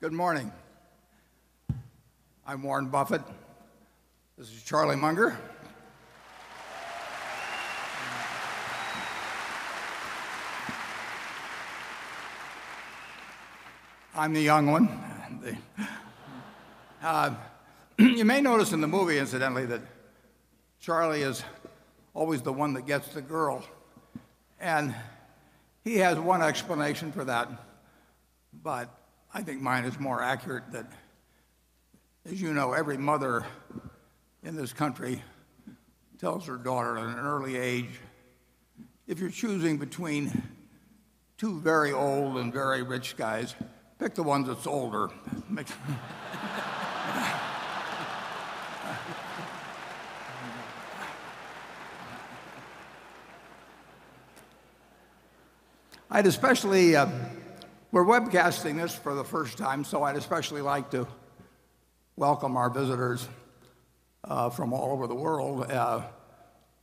Good morning. I'm Warren Buffett. This is Charlie Munger. I'm the young one. You may notice in the movie, incidentally, that Charlie is always the one that gets the girl, and he has one explanation for that, but I think mine is more accurate that as you know, every mother in this country tells her daughter at an early age, "If you're choosing between two very old and very rich guys, pick the one that's older." We're webcasting this for the first time. I'd especially like to welcome our visitors from all over the world.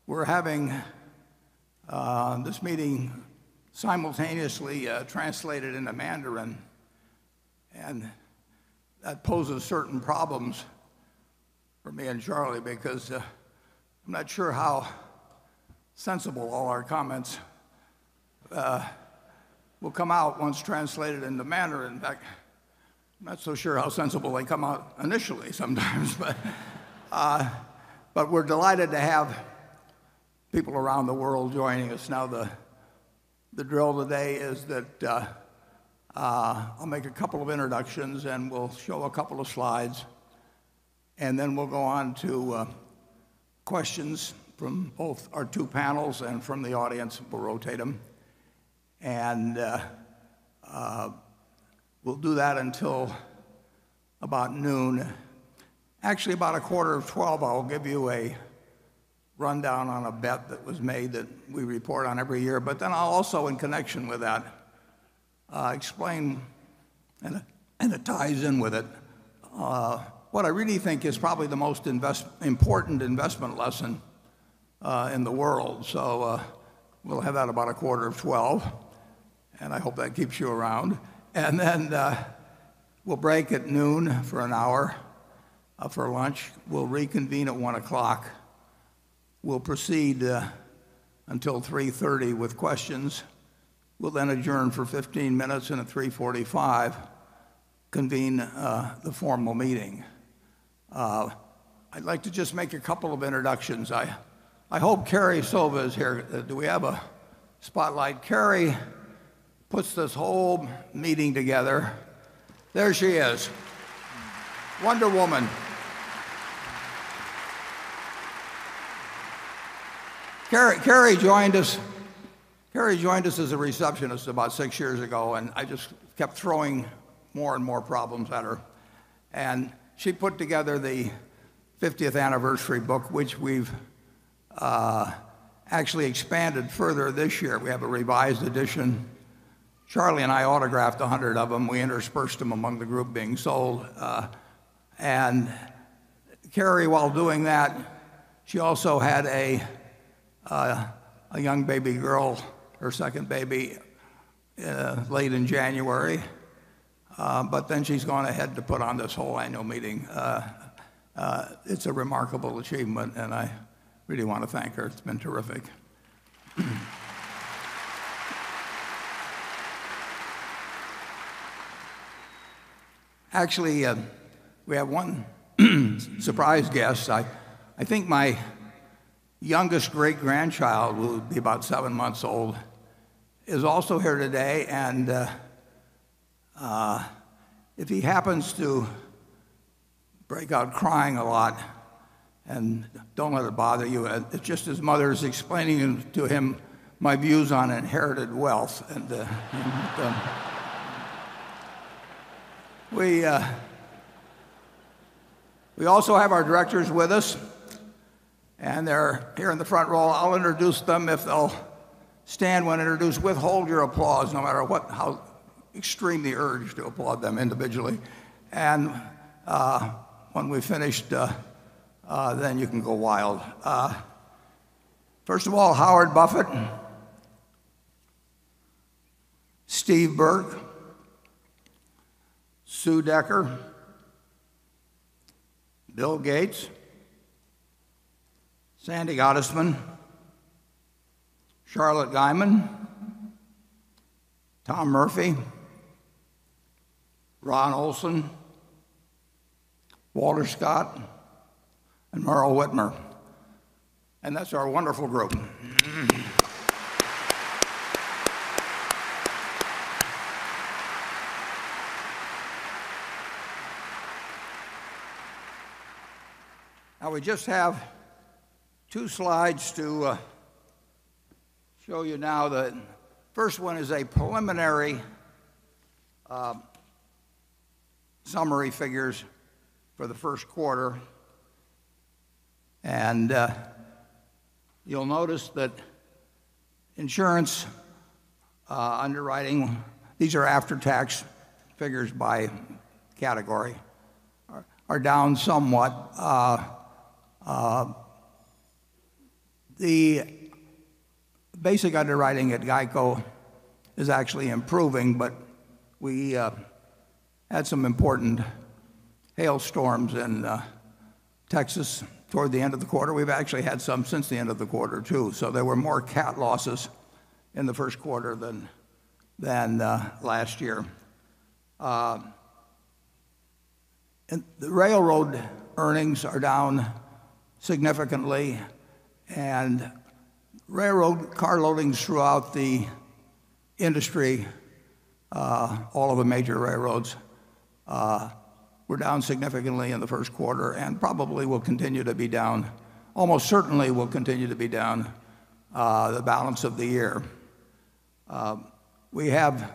We're having this meeting simultaneously translated into Mandarin. That poses certain problems for me and Charlie because I'm not sure how sensible all our comments will come out once translated into Mandarin. In fact, I'm not so sure how sensible they come out initially sometimes. We're delighted to have people around the world joining us. The drill today is that I'll make a couple of introductions. We'll show a couple of slides. We'll go on to questions from both our two panels and from the audience. We'll rotate them. We'll do that until about noon. Actually, about a quarter of 12:00, I'll give you a rundown on a bet that was made that we report on every year. I'll also, in connection with that, explain, and it ties in with it, what I really think is probably the most important investment lesson in the world. We'll have that about a quarter of 12:00. I hope that keeps you around. We'll break at noon for an hour for lunch. We'll reconvene at 1:00. We'll proceed until 3:30 with questions. We'll adjourn for 15 minutes. At 3:45, convene the formal meeting. I'd like to just make a couple of introductions. I hope Carrie Sova is here. Do we have a spotlight? Carrie puts this whole meeting together. There she is. Wonder Woman. Carrie joined us as a receptionist about six years ago. I just kept throwing more and more problems at her. She put together the 50th anniversary book, which we've actually expanded further this year. We have a revised edition. Charlie and I autographed 100 of them. We interspersed them among the group being sold. Carrie, while doing that, she also had a young baby girl, her second baby, late in January. She's gone ahead to put on this whole annual meeting. It's a remarkable achievement. I really want to thank her. It's been terrific. Actually, we have one surprise guest. I think my youngest great-grandchild, who will be about seven months old, is also here today. If he happens to break out crying a lot, don't let it bother you. It's just his mother is explaining to him my views on inherited wealth. We also have our directors with us. They're here in the front row. I'll introduce them. If they'll stand when introduced, withhold your applause no matter how extremely urged to applaud them individually. When we finish, you can go wild. First of all, Howard Buffett, Steve Burke, Sue Decker, Bill Gates, Sandy Gottesman, Charlotte Guyman, Tom Murphy, Ron Olson, Walter Scott, and Meryl Witmer. That's our wonderful group. We just have two slides to show you now. The first one is a preliminary summary figures for the first quarter. You'll notice that insurance underwriting, these are after-tax figures by category, are down somewhat. The basic underwriting at GEICO is actually improving. We had some important hailstorms in Texas toward the end of the quarter. We've actually had some since the end of the quarter, too. There were more cat losses in the first quarter than last year. The railroad earnings are down significantly, and railroad car loadings throughout the industry, all of the major railroads, were down significantly in the first quarter, and probably will continue to be down. Almost certainly will continue to be down the balance of the year. We have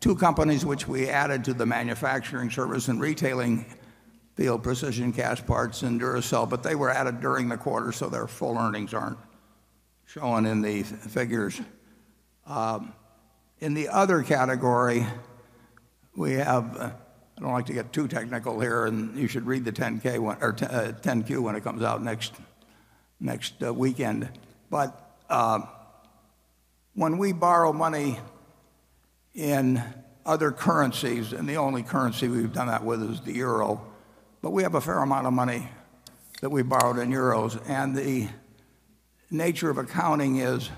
2 companies which we added to the manufacturing service and retailing field, Precision Castparts and Duracell. They were added during the quarter, their full earnings aren't shown in these figures. In the other category, I don't like to get too technical here. You should read the 10-Q when it comes out next weekend. When we borrow money in other currencies, the only currency we've done that with is the euro. We have a fair amount of money that we borrowed in euros. The nature of accounting is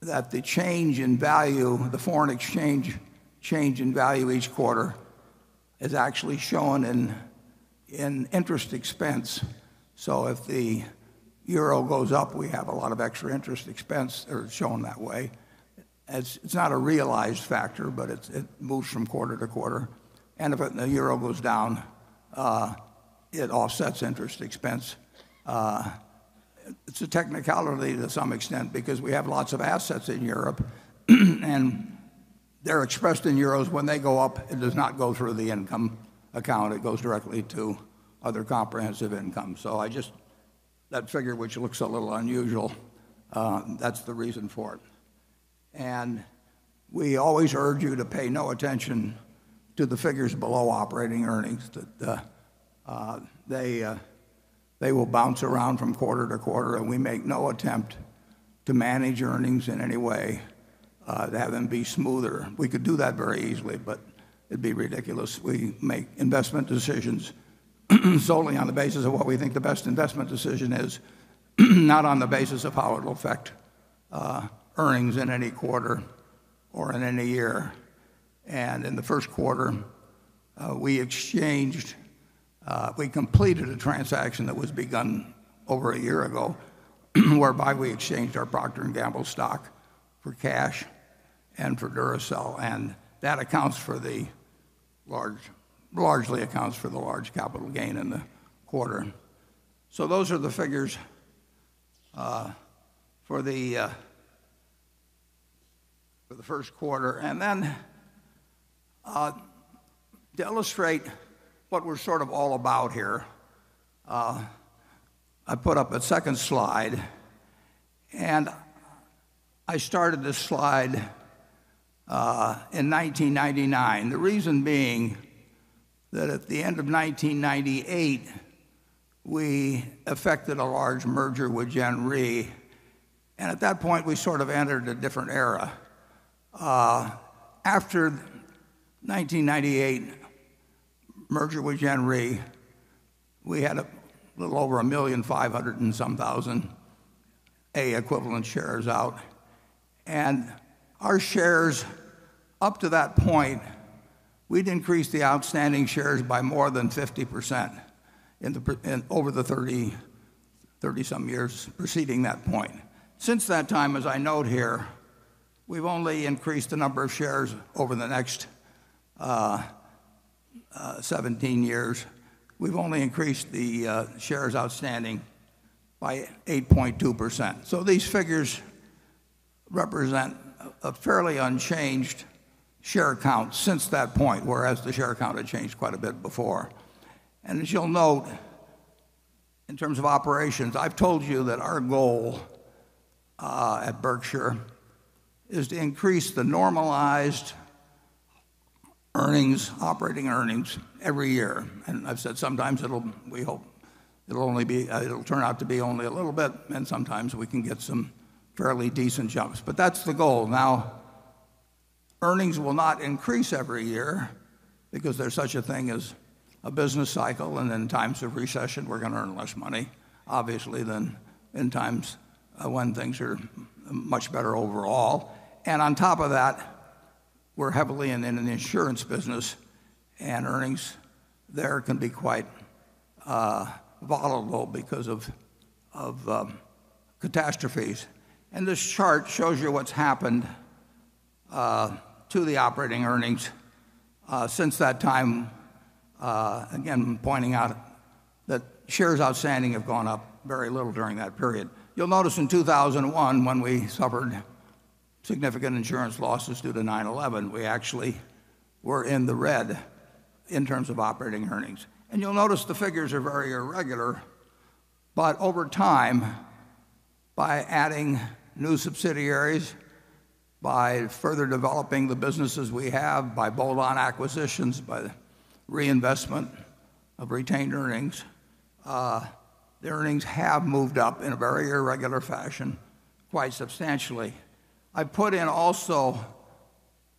that the change in value, the foreign exchange change in value each quarter, is actually shown in interest expense. If the euro goes up, we have a lot of extra interest expense that are shown that way. It's not a realized factor. It moves from quarter to quarter. If the euro goes down, it offsets interest expense. It's a technicality to some extent because we have lots of assets in Europe, and they're expressed in euros. When they go up, it does not go through the income account, it goes directly to other comprehensive income. That figure which looks a little unusual, that's the reason for it. We always urge you to pay no attention to the figures below operating earnings. They will bounce around from quarter to quarter, and we make no attempt to manage earnings in any way to have them be smoother. We could do that very easily. It'd be ridiculous. We make investment decisions solely on the basis of what we think the best investment decision is, not on the basis of how it'll affect earnings in any quarter or in any year. In the first quarter, we completed a transaction that was begun over a year ago, whereby we exchanged our Procter & Gamble stock for cash and for Duracell. That largely accounts for the large capital gain in the quarter. Those are the figures for the first quarter. To illustrate what we're sort of all about here, I put up a second slide, and I started this slide in 1999. The reason being that at the end of 1998, we effected a large merger with Gen Re, and at that point, we sort of entered a different era. After 1998 merger with Gen Re, we had a little over 1 million, 500 and some thousand A equivalent shares out. Our shares up to that point, we'd increased the outstanding shares by more than 50% over the 30-some years preceding that point. Since that time, as I note here, we've only increased the number of shares over the next 17 years. We've only increased the shares outstanding by 8.2%. These figures represent a fairly unchanged share count since that point, whereas the share count had changed quite a bit before. As you'll note in terms of operations, I've told you that our goal at Berkshire is to increase the normalized operating earnings every year. I've said sometimes it will turn out to be only a little bit, and sometimes we can get some fairly decent jumps. That's the goal. Earnings will not increase every year because there's such a thing as a business cycle, and in times of recession, we're going to earn less money, obviously, than in times when things are much better overall. On top of that, we're heavily in an insurance business, and earnings there can be quite volatile because of catastrophes. This chart shows you what's happened to the operating earnings since that time. Again, pointing out that shares outstanding have gone up very little during that period. You'll notice in 2001, when we suffered significant insurance losses due to 9/11, we actually were in the red in terms of operating earnings. You'll notice the figures are very irregular. Over time, by adding new subsidiaries, by further developing the businesses we have, by bolt-on acquisitions, by the reinvestment of retained earnings, the earnings have moved up in a very irregular fashion, quite substantially. I put in also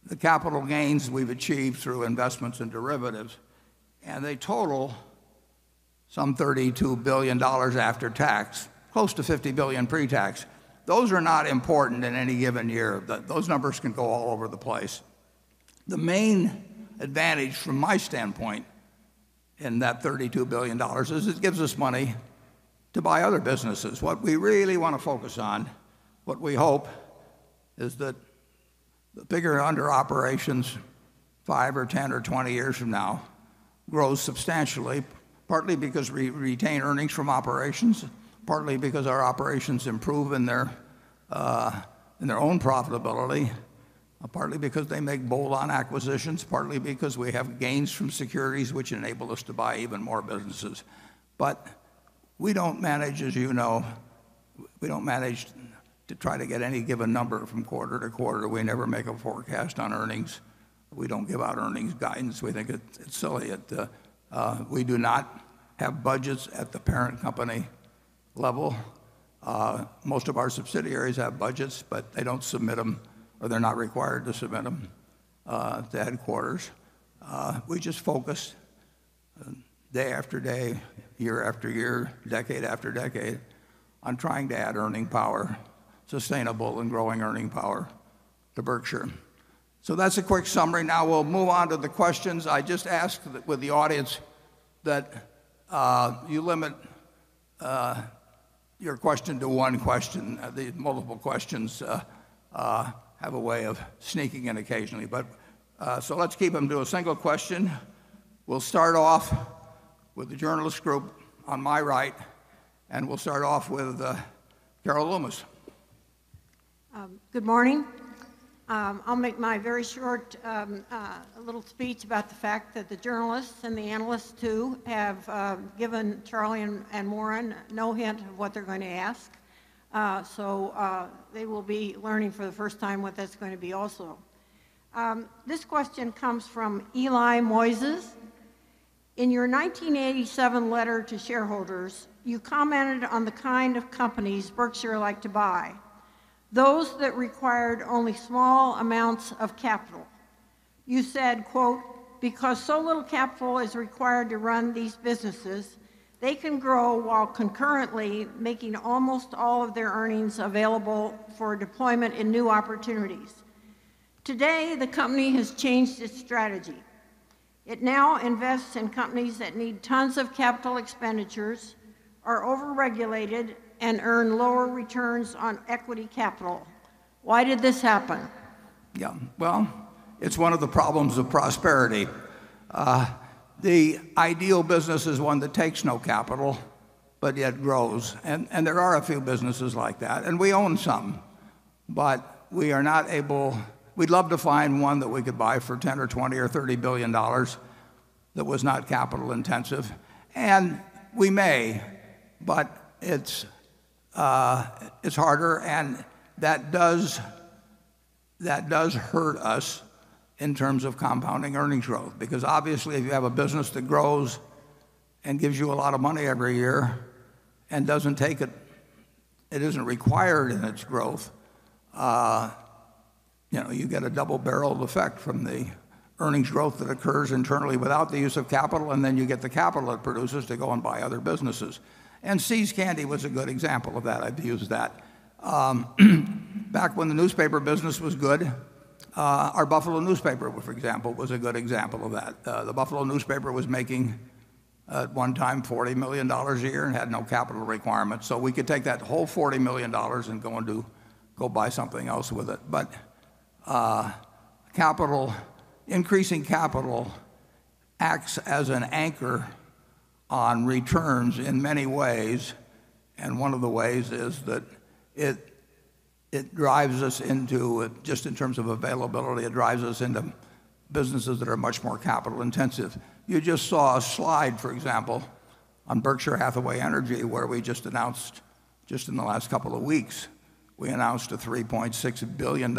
the capital gains we've achieved through investments in derivatives, and they total some $32 billion after tax, close to $50 billion pre-tax. Those are not important in any given year. Those numbers can go all over the place. The main advantage from my standpoint in that $32 billion is it gives us money to buy other businesses. What we really want to focus on, what we hope, is that the bigger under operations five or 10 or 20 years from now grows substantially, partly because we retain earnings from operations, partly because our operations improve in their own profitability, partly because they make bolt-on acquisitions, partly because we have gains from securities which enable us to buy even more businesses. We don't manage, as you know, to try to get any given number from quarter to quarter. We never make a forecast on earnings. We don't give out earnings guidance. We think it's silly. We do not have budgets at the parent company level. Most of our subsidiaries have budgets, but they don't submit them, or they're not required to submit them to headquarters. We just focus day after day, year after year, decade after decade on trying to add earning power, sustainable and growing earning power to Berkshire. That's a quick summary. We'll move on to the questions. I just ask with the audience that you limit your question to one question. The multiple questions have a way of sneaking in occasionally. Let's keep them to a single question. We'll start off with the journalist group on my right, and we'll start off with Carol Loomis. Good morning. I'll make my very short little speech about the fact that the journalists and the analysts, too, have given Charlie and Warren no hint of what they're going to ask. They will be learning for the first time what that's going to be also. This question comes from Eli Moises. In your 1987 letter to shareholders, you commented on the kind of companies Berkshire liked to buy, those that required only small amounts of capital. You said, quote, "Because so little capital is required to run these businesses, they can grow while concurrently making almost all of their earnings available for deployment in new opportunities." Today, the company has changed its strategy. It now invests in companies that need tons of capital expenditures, are over-regulated, and earn lower returns on equity capital. Why did this happen? Yeah. It's one of the problems of prosperity. The ideal business is one that takes no capital but yet grows, and there are a few businesses like that, and we own some. We'd love to find one that we could buy for $10 billion or $20 billion or $30 billion that was not capital intensive, and we may, but it's harder, and that does hurt us in terms of compounding earnings growth. Obviously, if you have a business that grows and gives you a lot of money every year and it isn't required in its growth, you get a double barrel effect from the earnings growth that occurs internally without the use of capital, and then you get the capital it produces to go and buy other businesses. See's Candies was a good example of that. I'd use that. Back when the newspaper business was good, our Buffalo newspaper, for example, was a good example of that. The Buffalo newspaper was making, at one time, $40 million a year and had no capital requirements. We could take that whole $40 million and go buy something else with it. Increasing capital acts as an anchor on returns in many ways, and one of the ways is that it drives us into, just in terms of availability, it drives us into businesses that are much more capital intensive. You just saw a slide, for example, on Berkshire Hathaway Energy, where just in the last couple of weeks, we announced a $3.6 billion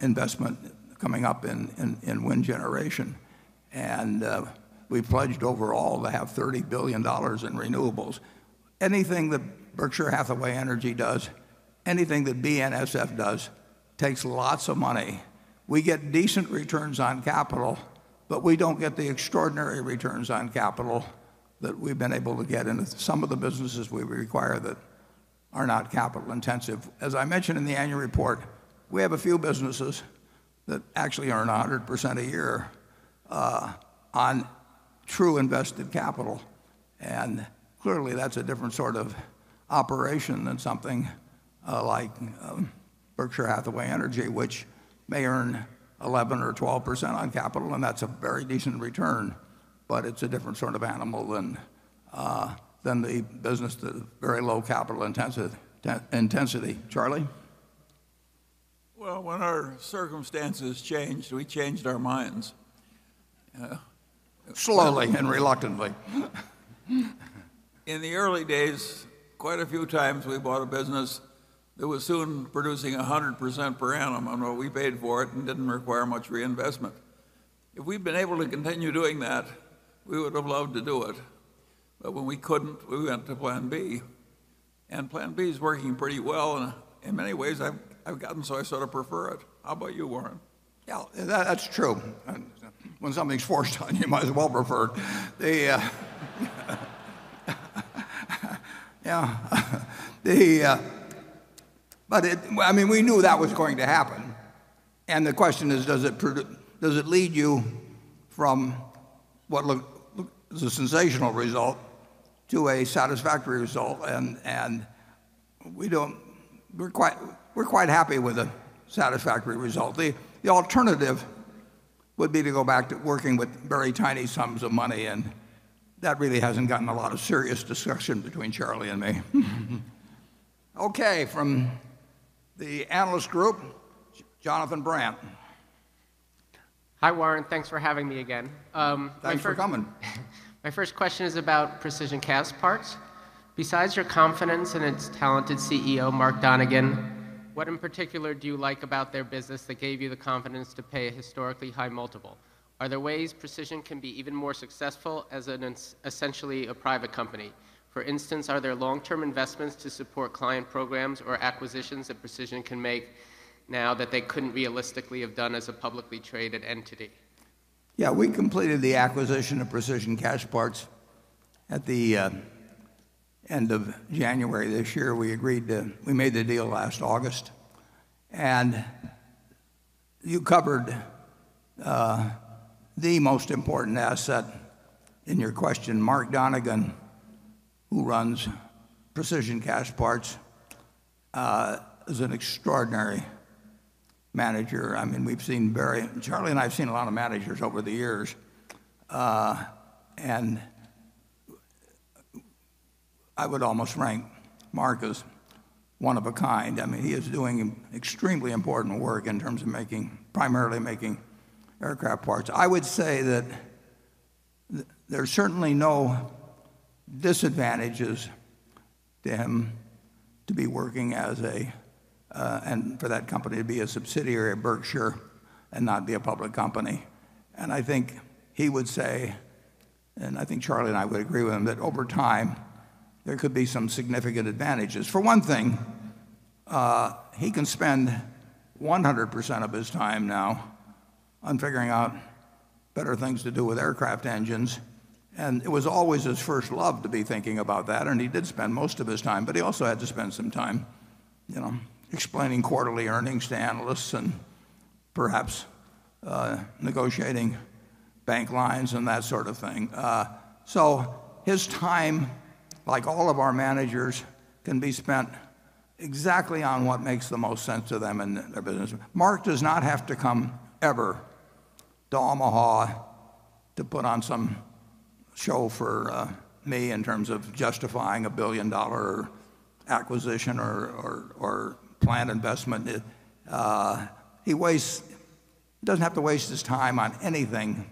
investment coming up in wind generation. We pledged overall to have $30 billion in renewables. Anything that Berkshire Hathaway Energy does, anything that BNSF does, takes lots of money. We get decent returns on capital, but we don't get the extraordinary returns on capital that we've been able to get in some of the businesses we require that are not capital intensive. As I mentioned in the annual report, we have a few businesses that actually earn 100% a year on true invested capital. Clearly, that's a different sort of operation than something like Berkshire Hathaway Energy, which may earn 11% or 12% on capital, and that's a very decent return, but it's a different sort of animal than the business that is very low capital intensity. Charlie? Well, when our circumstances changed, we changed our minds. Slowly and reluctantly. In the early days, quite a few times we bought a business that was soon producing 100% per annum on what we paid for it, and didn't require much reinvestment. If we'd been able to continue doing that, we would have loved to do it. When we couldn't, we went to plan B. Plan B is working pretty well, and in many ways I've gotten so I sort of prefer it. How about you, Warren? Yeah. That's true. When something's forced on you, might as well prefer. Yeah. We knew that was going to happen, the question is, does it lead you from what looked like a sensational result to a satisfactory result? We're quite happy with a satisfactory result. The alternative would be to go back to working with very tiny sums of money, that really hasn't gotten a lot of serious discussion between Charlie and me. Okay. From the analyst group, Jonathan Brandt. Hi, Warren. Thanks for having me again. Thanks for coming. My first question is about Precision Castparts. Besides your confidence in its talented CEO, Mark Donegan, what in particular do you like about their business that gave you the confidence to pay a historically high multiple? Are there ways Precision can be even more successful as essentially a private company? For instance, are there long-term investments to support client programs or acquisitions that Precision can make now that they couldn't realistically have done as a publicly traded entity? Yeah. We completed the acquisition of Precision Castparts at the end of January this year. We made the deal last August. You covered the most important asset in your question. Mark Donegan, who runs Precision Castparts, is an extraordinary manager. Charlie and I have seen a lot of managers over the years, and I would almost rank Mark as one of a kind. He is doing extremely important work in terms of primarily making aircraft parts. I would say that there are certainly no disadvantages to him to be working, and for that company to be a subsidiary of Berkshire and not be a public company. I think he would say, and I think Charlie and I would agree with him, that over time there could be some significant advantages. For one thing, he can spend 100% of his time now on figuring out better things to do with aircraft engines, it was always his first love to be thinking about that, and he did spend most of his time. He also had to spend some time explaining quarterly earnings to analysts and perhaps negotiating bank lines and that sort of thing. His time, like all of our managers, can be spent exactly on what makes the most sense to them in their business. Mark Donegan does not have to come, ever, to Omaha to put on some show for me in terms of justifying a billion-dollar acquisition or planned investment. He doesn't have to waste his time on anything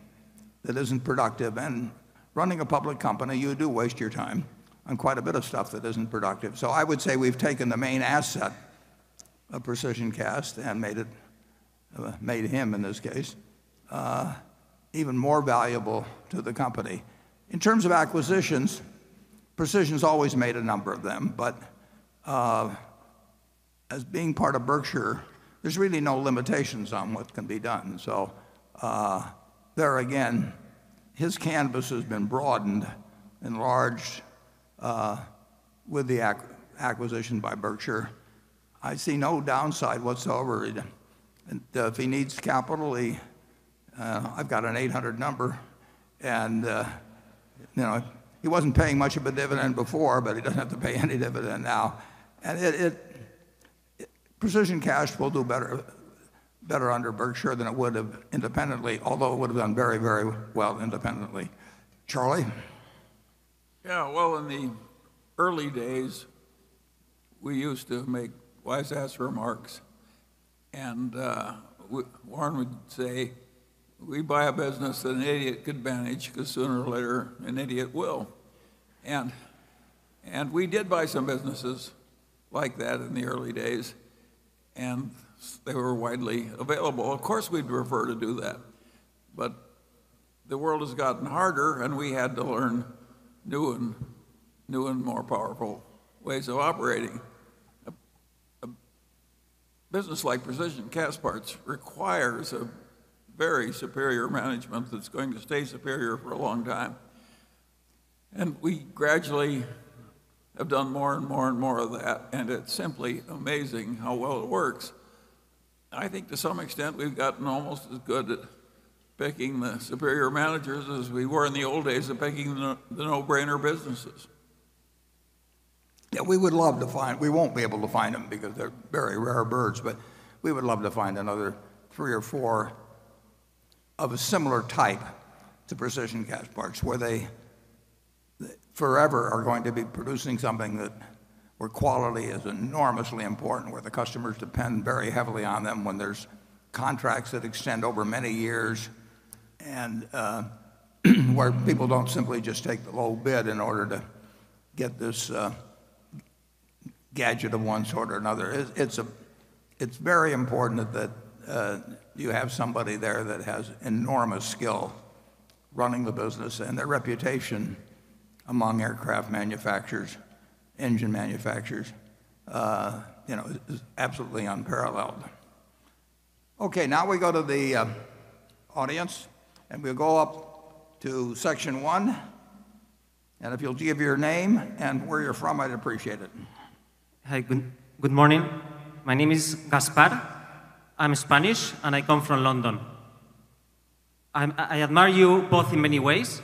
that isn't productive, and running a public company, you do waste your time on quite a bit of stuff that isn't productive. I would say we've taken the main asset of Precision Castparts and made him, in this case, even more valuable to the company. In terms of acquisitions, Precision Castparts always made a number of them. As being part of Berkshire, there's really no limitations on what can be done. There again, his canvas has been broadened, enlarged, with the acquisition by Berkshire. I see no downside whatsoever. If he needs capital, I've got an 800 number. He wasn't paying much of a dividend before, but he doesn't have to pay any dividend now. Precision Castparts will do better under Berkshire than it would have independently, although it would have done very well independently. Charlie? Yeah. Well, in the early days, we used to make wise-ass remarks, Warren would say, "We buy a business that an idiot could manage because sooner or later, an idiot will." We did buy some businesses like that in the early days, and they were widely available. Of course, we'd prefer to do that, the world has gotten harder, and we had to learn new and more powerful ways of operating. A business like Precision Castparts requires a very superior management that's going to stay superior for a long time, and we gradually have done more and more of that, it's simply amazing how well it works. I think to some extent, we've gotten almost as good at picking the superior managers as we were in the old days of picking the no-brainer businesses. Yeah. We won't be able to find them because they're very rare birds, we would love to find another three or four of a similar type to Precision Castparts, where they forever are going to be producing something where quality is enormously important, where the customers depend very heavily on them, when there's contracts that extend over many years, where people don't simply just take the low bid in order to get this gadget of one sort or another. It's very important that you have somebody there that has enormous skill running the business, their reputation among aircraft manufacturers, engine manufacturers, is absolutely unparalleled. Okay, now we go to the audience, we'll go up to section one. If you'll give your name and where you're from, I'd appreciate it. Hi, good morning. My name is Gaspar. I'm Spanish, and I come from London. I admire you both in many ways,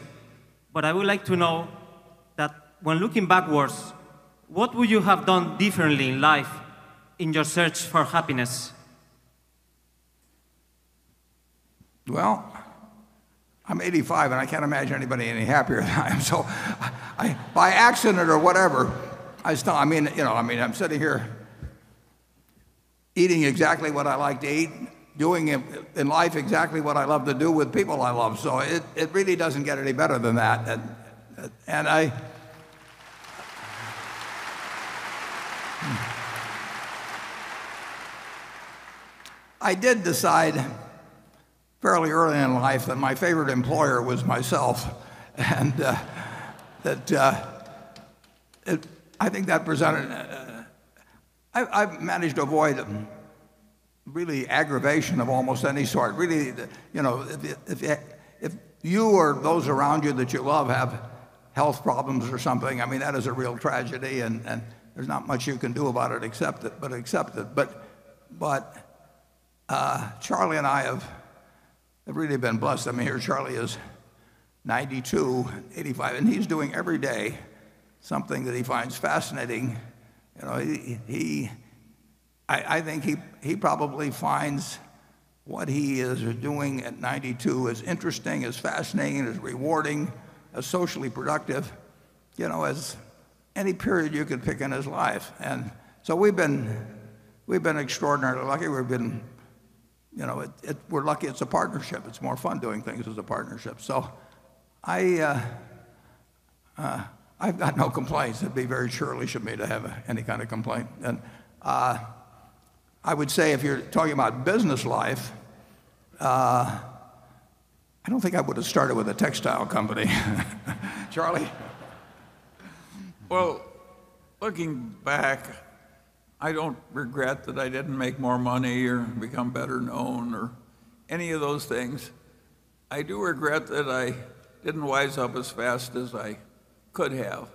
but I would like to know that when looking backwards, what would you have done differently in life in your search for happiness? Well, I'm 85, and I can't imagine anybody any happier than I am. By accident or whatever, I mean, I'm sitting here eating exactly what I like to eat, doing in life exactly what I love to do with people I love. It really doesn't get any better than that. I did decide fairly early in life that my favorite employer was myself, and I think that presented I've managed to avoid really aggravation of almost any sort. Really, if you or those around you that you love have health problems or something, that is a real tragedy, and there's not much you can do about it but accept it. Charlie and I have really been blessed. I mean, here Charlie is 92, 85, and he's doing every day something that he finds fascinating. I think he probably finds what he is doing at 92 as interesting, as fascinating, as rewarding, as socially productive as any period you could pick in his life. We've been extraordinarily lucky. We're lucky it's a partnership. It's more fun doing things as a partnership. I've got no complaints. It'd be very churlish of me to have any kind of complaint. I would say if you're talking about business life, I don't think I would've started with a textile company. Charlie? Well, looking back, I don't regret that I didn't make more money or become better known or any of those things. I do regret that I didn't wise up as fast as I could have,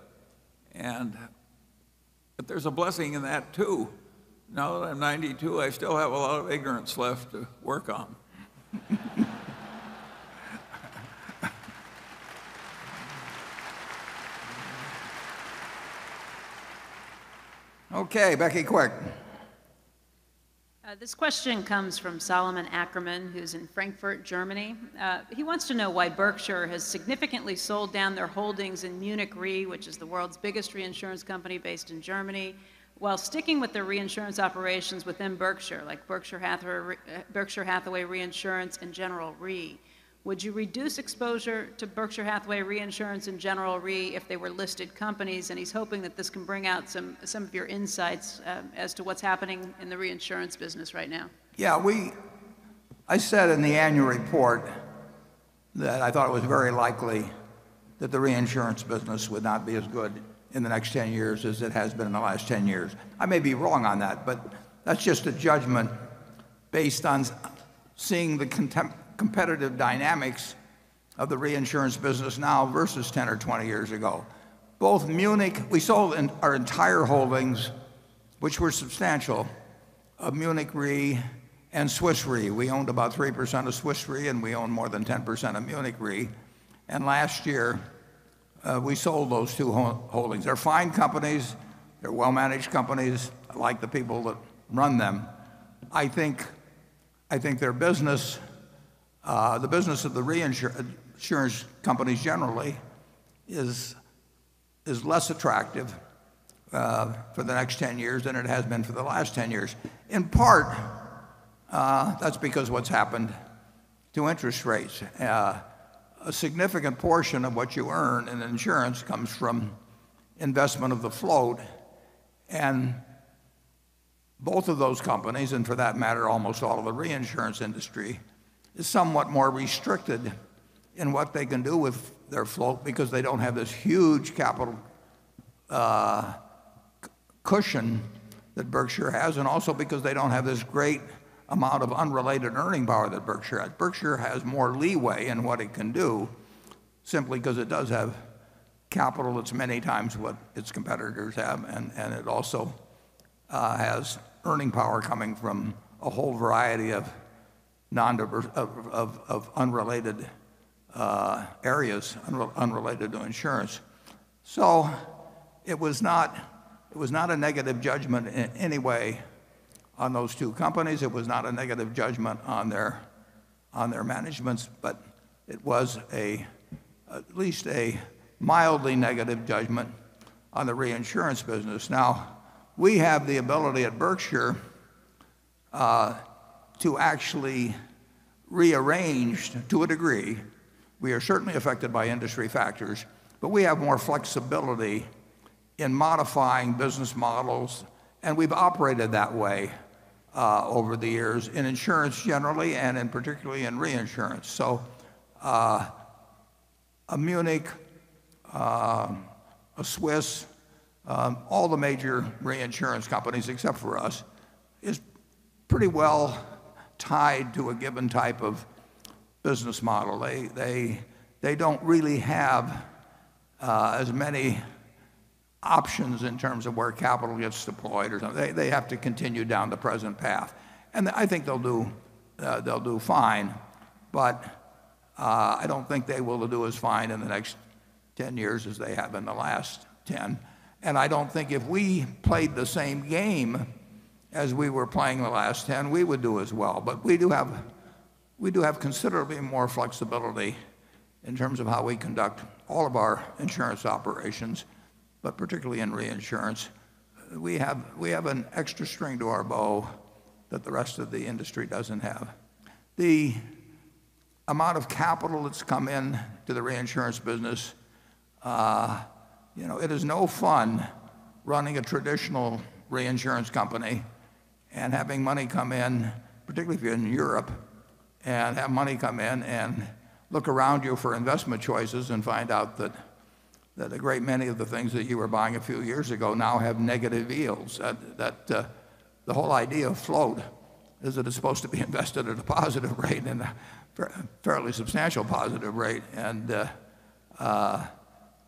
there's a blessing in that, too. Now that I'm 92, I still have a lot of ignorance left to work on. Okay. Becky Quick. This question comes from Solomon Ackerman, who's in Frankfurt, Germany. He wants to know why Berkshire has significantly sold down their holdings in Munich Re, which is the world's biggest reinsurance company based in Germany, while sticking with the reinsurance operations within Berkshire, like Berkshire Hathaway Reinsurance and General Re. Would you reduce exposure to Berkshire Hathaway Reinsurance and General Re if they were listed companies? He's hoping that this can bring out some of your insights as to what's happening in the reinsurance business right now. Yeah. I said in the annual report that I thought it was very likely that the reinsurance business would not be as good in the next 10 years as it has been in the last 10 years. I may be wrong on that, but that's just a judgment based on seeing the competitive dynamics of the reinsurance business now versus 10 or 20 years ago. We sold our entire holdings, which were substantial, of Munich Re and Swiss Re. We owned about 3% of Swiss Re, we owned more than 10% of Munich Re. Last year, we sold those two holdings. They're fine companies. They're well-managed companies. I like the people that run them. I think the business of the reinsurance companies generally is less attractive for the next 10 years than it has been for the last 10 years. In part, that's because what's happened to interest rates. A significant portion of what you earn in insurance comes from investment of the float. Both of those companies, and for that matter, almost all of the reinsurance industry, is somewhat more restricted in what they can do with their float because they don't have this huge capital cushion that Berkshire has. Also because they don't have this great amount of unrelated earning power that Berkshire has. Berkshire has more leeway in what it can do simply because it does have capital that's many times what its competitors have. It also has earning power coming from a whole variety of unrelated areas, unrelated to insurance. It was not a negative judgment in any way on those two companies. It was not a negative judgment on their managements, but it was at least a mildly negative judgment on the reinsurance business. Now, we have the ability at Berkshire to actually rearrange, to a degree. We are certainly affected by industry factors, but we have more flexibility in modifying business models, and we've operated that way over the years in insurance generally and particularly in reinsurance. A Munich, a Swiss, all the major reinsurance companies except for us, is pretty well tied to a given type of business model. They don't really have as many options in terms of where capital gets deployed or something. They have to continue down the present path, and I think they'll do fine, but I don't think they will do as fine in the next 10 years as they have in the last 10. I don't think if we played the same game as we were playing the last 10, we would do as well. We do have considerably more flexibility in terms of how we conduct all of our insurance operations, but particularly in reinsurance. We have an extra string to our bow that the rest of the industry doesn't have. The amount of capital that's come in to the reinsurance business, it is no fun running a traditional reinsurance company and having money come in, particularly if you're in Europe, and have money come in and look around you for investment choices and find out that a great many of the things that you were buying a few years ago now have negative yields. That the whole idea of float is that it's supposed to be invested at a positive rate and a fairly substantial positive rate.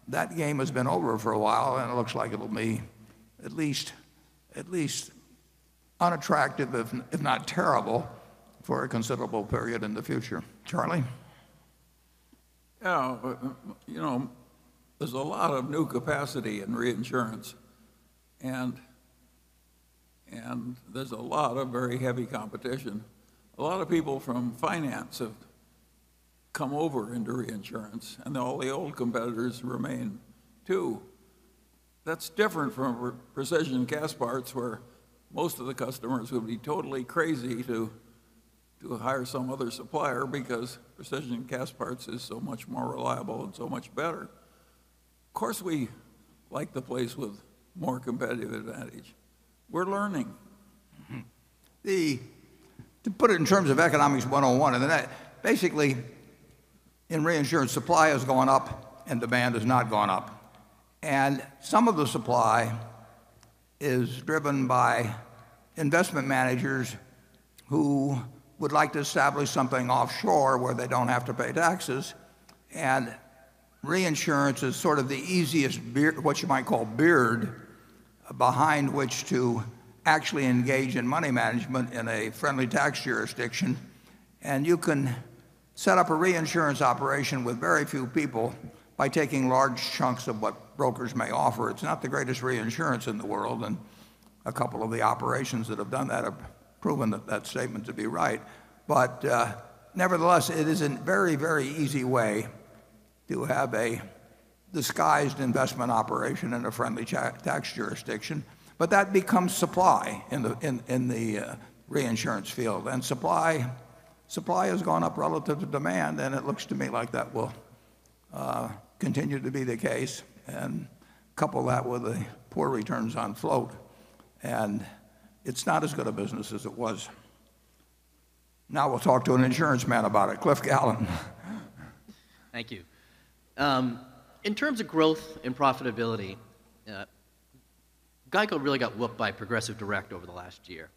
That game has been over for a while, and it looks like it'll be at least unattractive, if not terrible, for a considerable period in the future. Charlie? Yeah. There's a lot of new capacity in reinsurance, and there's a lot of very heavy competition. A lot of people from finance have come over into reinsurance, and all the old competitors remain, too. That's different from Precision Castparts, where most of the customers would be totally crazy to hire some other supplier because Precision Castparts is so much more reliable and so much better. Of course, we like the place with more competitive advantage. We're learning. To put it in terms of Economics 101, basically in reinsurance, supply has gone up and demand has not gone up. Some of the supply is driven by investment managers who would like to establish something offshore where they don't have to pay taxes, and reinsurance is sort of the easiest, what you might call beard, behind which to actually engage in money management in a friendly tax jurisdiction. You can set up a reinsurance operation with very few people by taking large chunks of what brokers may offer. It's not the greatest reinsurance in the world, and a couple of the operations that have done that have proven that statement to be right. Nevertheless, it is a very easy way to have a disguised investment operation in a friendly tax jurisdiction. That becomes supply in the reinsurance field. Supply has gone up relative to demand, and it looks to me like that will continue to be the case. Couple that with the poor returns on float, and it's not as good a business as it was. Now we'll talk to an insurance man about it, Cliff Gallant. Thank you. In terms of growth and profitability, GEICO really got whooped by Progressive Direct over the last year.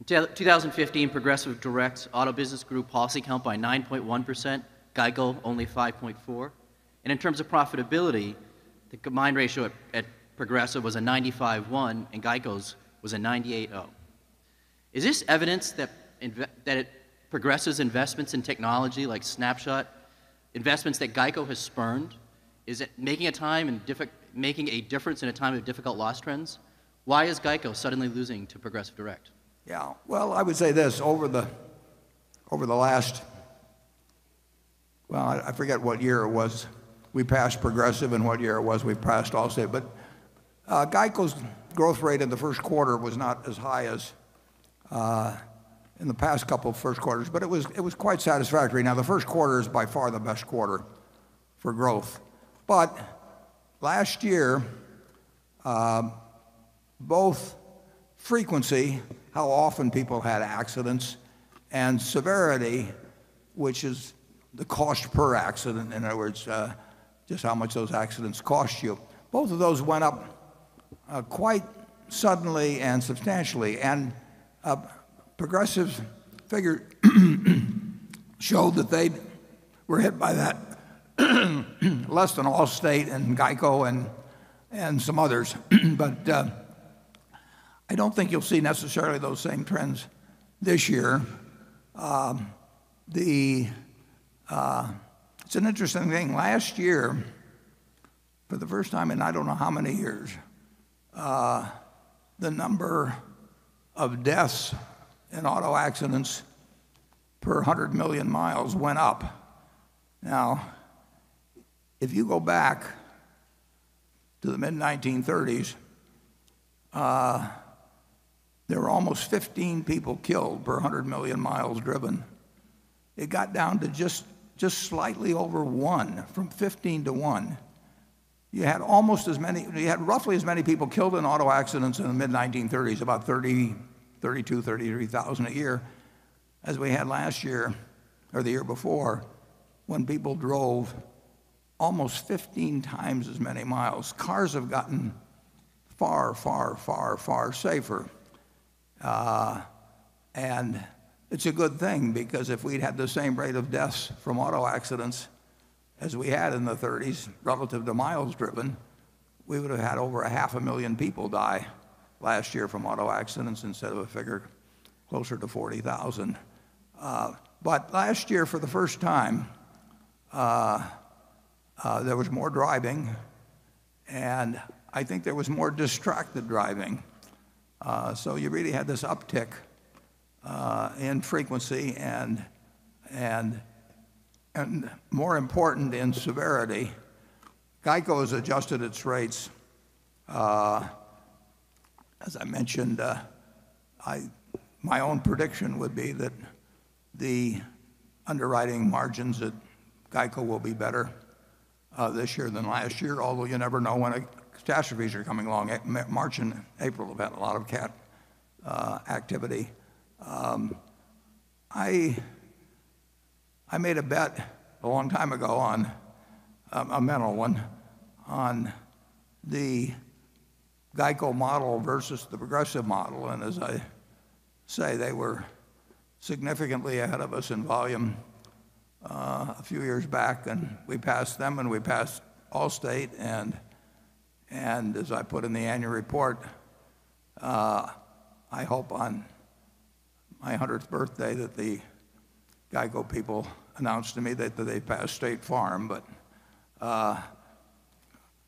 In 2015, Progressive Direct's auto business group policy count by 9.1%, GEICO only 5.4%. In terms of profitability, the combined ratio at Progressive was a 95.1% and GEICO's was a 98.0%. Is this evidence that Progressive's investments in technology like Snapshot, investments that GEICO has spurned, is it making a difference in a time of difficult loss trends? Why is GEICO suddenly losing to Progressive Direct? Well, I would say this, over the last I forget what year it was we passed Progressive and what year it was we passed Allstate, but GEICO's growth rate in the first quarter was not as high as in the past couple of first quarters, but it was quite satisfactory. Now, the first quarter is by far the best quarter for growth. Last year, both frequency, how often people had accidents, and severity, which is the cost per accident, in other words, just how much those accidents cost you, both of those went up quite suddenly and substantially. Progressive's figure showed that they were hit by that less than Allstate and GEICO and some others. I don't think you'll see necessarily those same trends this year. It's an interesting thing. Last year, for the first time in I don't know how many years, the number of deaths in auto accidents per 100 million miles went up. If you go back to the mid-1930s, there were almost 15 people killed per 100 million miles driven. It got down to just slightly over one, from 15 to one. You had roughly as many people killed in auto accidents in the mid-1930s, about 30,000 to 33,000 a year, as we had last year or the year before, when people drove almost 15 times as many miles. Cars have gotten far, far, far, far safer. It's a good thing because if we'd had the same rate of deaths from auto accidents as we had in the '30s relative to miles driven, we would have had over a half a million people die last year from auto accidents instead of a figure closer to 40,000. Last year, for the first time, there was more driving, and I think there was more distracted driving. You really had this uptick in frequency and, more important, in severity. GEICO has adjusted its rates. As I mentioned, my own prediction would be that the underwriting margins at GEICO will be better this year than last year, although you never know when catastrophes are coming along. March and April have had a lot of cat activity. I made a bet a long time ago, a mental one, on the GEICO model versus the Progressive model. As I say, they were significantly ahead of us in volume a few years back, and we passed them, and we passed Allstate. As I put in the annual report, I hope on my 100th birthday that the GEICO people announce to me that they passed State Farm.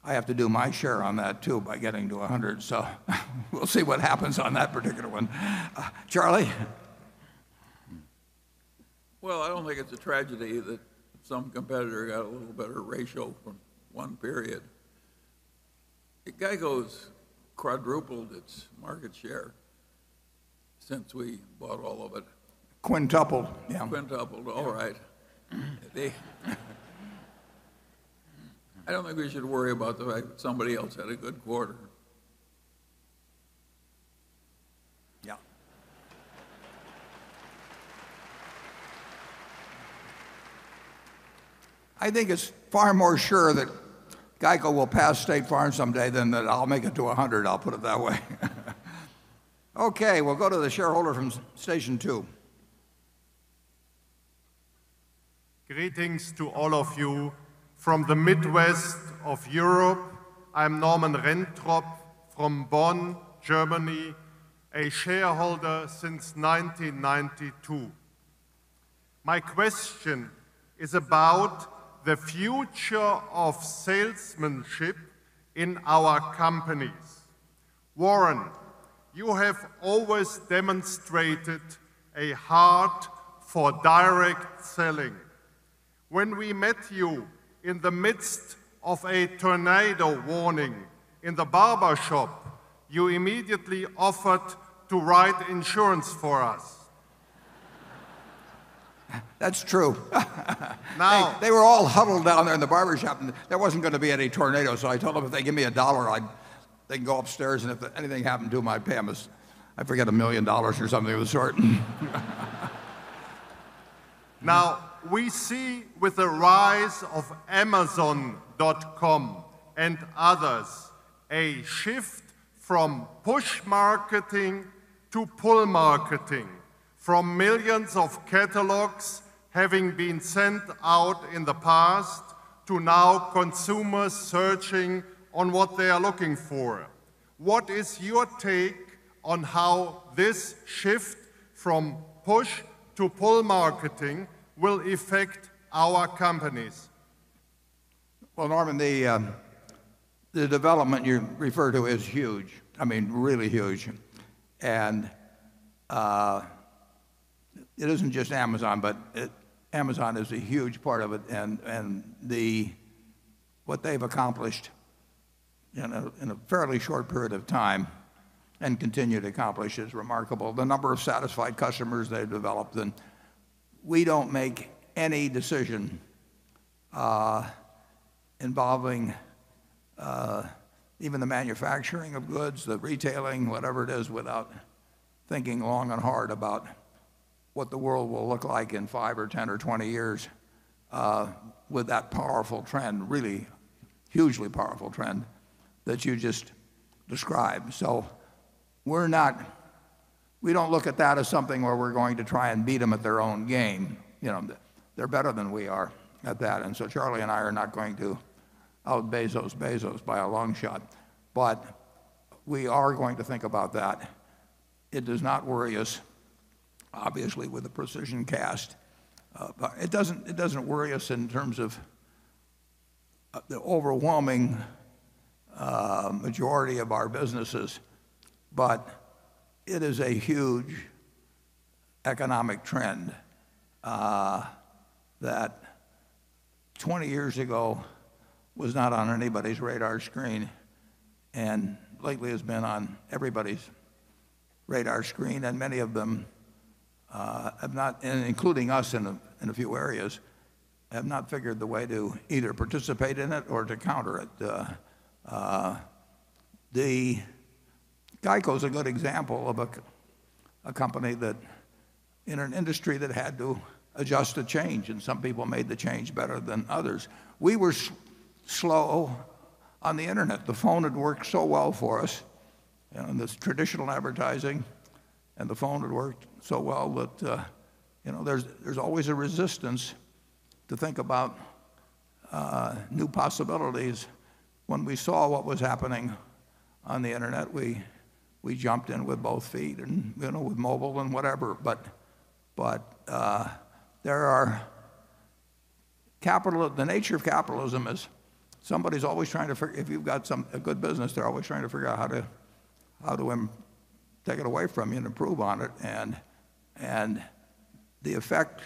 I have to do my share on that too by getting to 100. We'll see what happens on that particular one. Charlie? Well, I don't think it's a tragedy that some competitor got a little better ratio from one period. GEICO's quadrupled its market share since we bought all of it. Quintuple. Yeah. Quintupled. All right. I don't think we should worry about the fact that somebody else had a good quarter. Yeah. I think it's far more sure that GEICO will pass State Farm someday than that I'll make it to 100. I'll put it that way. Okay, we'll go to the shareholder from station 2. Greetings to all of you from the Midwest of Europe. I'm Norman Rentrop from Bonn, Germany, a shareholder since 1992. My question is about the future of salesmanship in our companies. Warren, you have always demonstrated a heart for direct selling. When we met you in the midst of a tornado warning in the barbershop, you immediately offered to write insurance for us. That's true. Now- They were all huddled down there in the barbershop, and there wasn't going to be any tornado. I told them if they give me $1, they can go upstairs, and if anything happened to them, I'd pay them, I forget, $1 million or something of the sort. Now, we see with the rise of Amazon.com and others, a shift from push marketing to pull marketing, from millions of catalogs having been sent out in the past to now consumers searching on what they are looking for. What is your take on how this shift from push to pull marketing will affect our companies? Well, Norman, the development you refer to is huge. Really huge. It isn't just Amazon, but Amazon is a huge part of it. What they've accomplished in a fairly short period of time and continue to accomplish is remarkable. The number of satisfied customers they've developed. We don't make any decision involving even the manufacturing of goods, the retailing, whatever it is, without thinking long and hard about what the world will look like in 5 or 10 or 20 years with that powerful trend, really hugely powerful trend that you just described. We don't look at that as something where we're going to try and beat them at their own game. They're better than we are at that. Charlie and I are not going to out-Bezos Bezos by a long shot. We are going to think about that. It does not worry us, obviously, with the Precision Cast. It doesn't worry us in terms of the overwhelming majority of our businesses. It is a huge economic trend, that 20 years ago was not on anybody's radar screen, and lately has been on everybody's radar screen, and many of them, including us in a few areas, have not figured the way to either participate in it or to counter it. GEICO is a good example of a company that in an industry that had to adjust to change, and some people made the change better than others. We were slow on the internet. The phone had worked so well for us, and this traditional advertising, and the phone had worked so well that there's always a resistance to think about new possibilities. When we saw what was happening on the internet, we jumped in with both feet and with mobile and whatever. The nature of capitalism is if you've got a good business, they're always trying to figure out how to take it away from you and improve on it. The effect,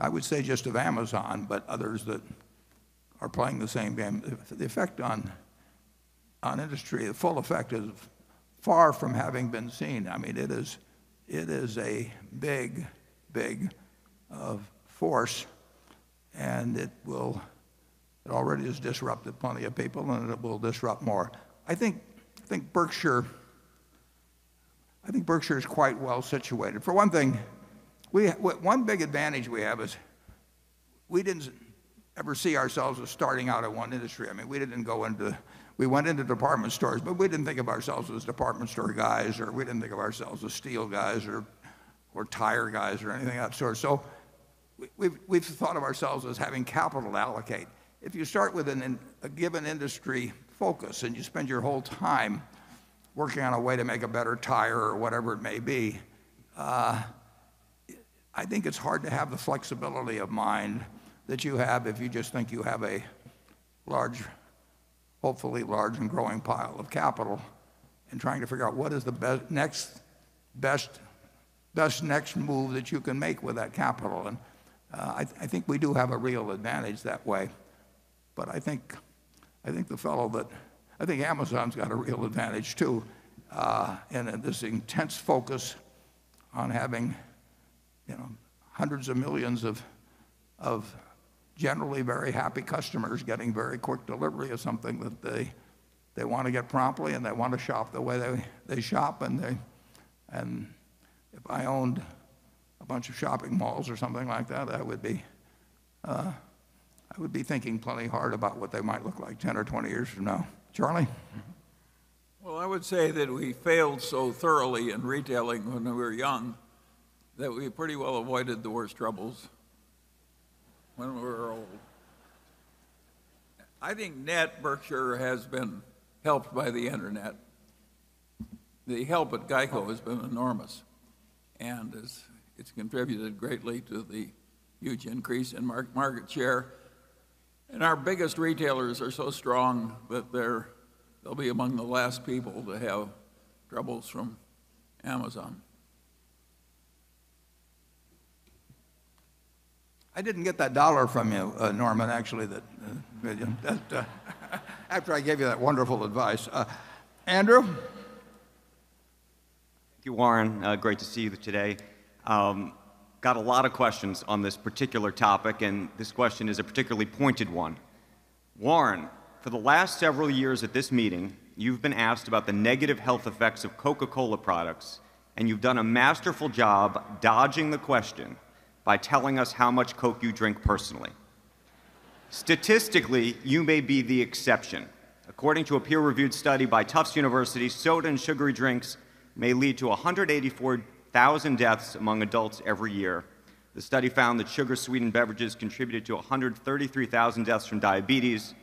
I would say just of Amazon, but others that are playing the same game, the effect on industry, the full effect is far from having been seen. It is a big, big force, and it already has disrupted plenty of people, and it will disrupt more. I think Berkshire is quite well-situated. For one thing, one big advantage we have is we didn't ever see ourselves as starting out in one industry. We went into department stores, but we didn't think of ourselves as department store guys, or we didn't think of ourselves as steel guys or tire guys or anything of that sort. We've thought of ourselves as having capital to allocate. If you start with a given industry focus and you spend your whole time working on a way to make a better tire or whatever it may be, I think it's hard to have the flexibility of mind that you have if you just think you have a hopefully large and growing pile of capital and trying to figure out what is the best next move that you can make with that capital. I think we do have a real advantage that way. I think Amazon's got a real advantage, too, in this intense focus on having hundreds of millions of generally very happy customers getting very quick delivery of something that they want to get promptly, and they want to shop the way they shop. If I owned a bunch of shopping malls or something like that, I would be thinking plenty hard about what they might look like 10 or 20 years from now. Charlie? Well, I would say that we failed so thoroughly in retailing when we were young that we pretty well avoided the worst troubles when we were old. I think net Berkshire has been helped by the internet. The help at GEICO has been enormous, and it's contributed greatly to the huge increase in market share. Our biggest retailers are so strong that they'll be among the last people to have troubles from Amazon. I didn't get that dollar from you, Norman, actually after I gave you that wonderful advice. Andrew? Thank you, Warren. Great to see you today. Got a lot of questions on this particular topic. This question is a particularly pointed one. Warren, for the last several years at this meeting, you've been asked about the negative health effects of Coca-Cola products, and you've done a masterful job dodging the question by telling us how much Coke you drink personally. Statistically, you may be the exception. According to a peer-reviewed study by Tufts University, soda and sugary drinks may lead to 184,000 deaths among adults every year. The study found that sugar-sweetened beverages contributed to 133,000 deaths from diabetes,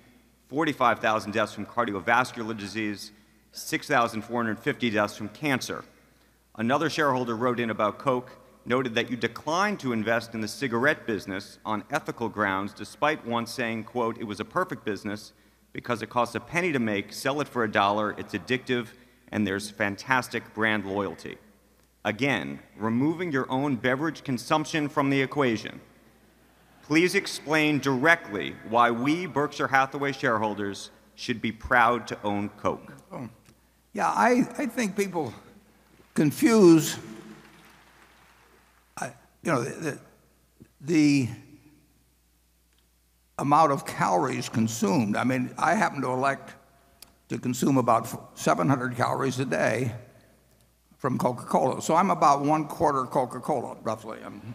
45,000 deaths from cardiovascular disease, 6,450 deaths from cancer. Another shareholder wrote in about Coke, noted that you declined to invest in the cigarette business on ethical grounds, despite once saying, quote, "It was a perfect business because it costs a penny to make, sell it for a dollar, it's addictive, and there's fantastic brand loyalty." Again, removing your own beverage consumption from the equation, please explain directly why we, Berkshire Hathaway shareholders, should be proud to own Coke. I think people confuse the amount of calories consumed. I happen to elect to consume about 700 calories a day from Coca-Cola. I'm about one quarter Coca-Cola, roughly. I'm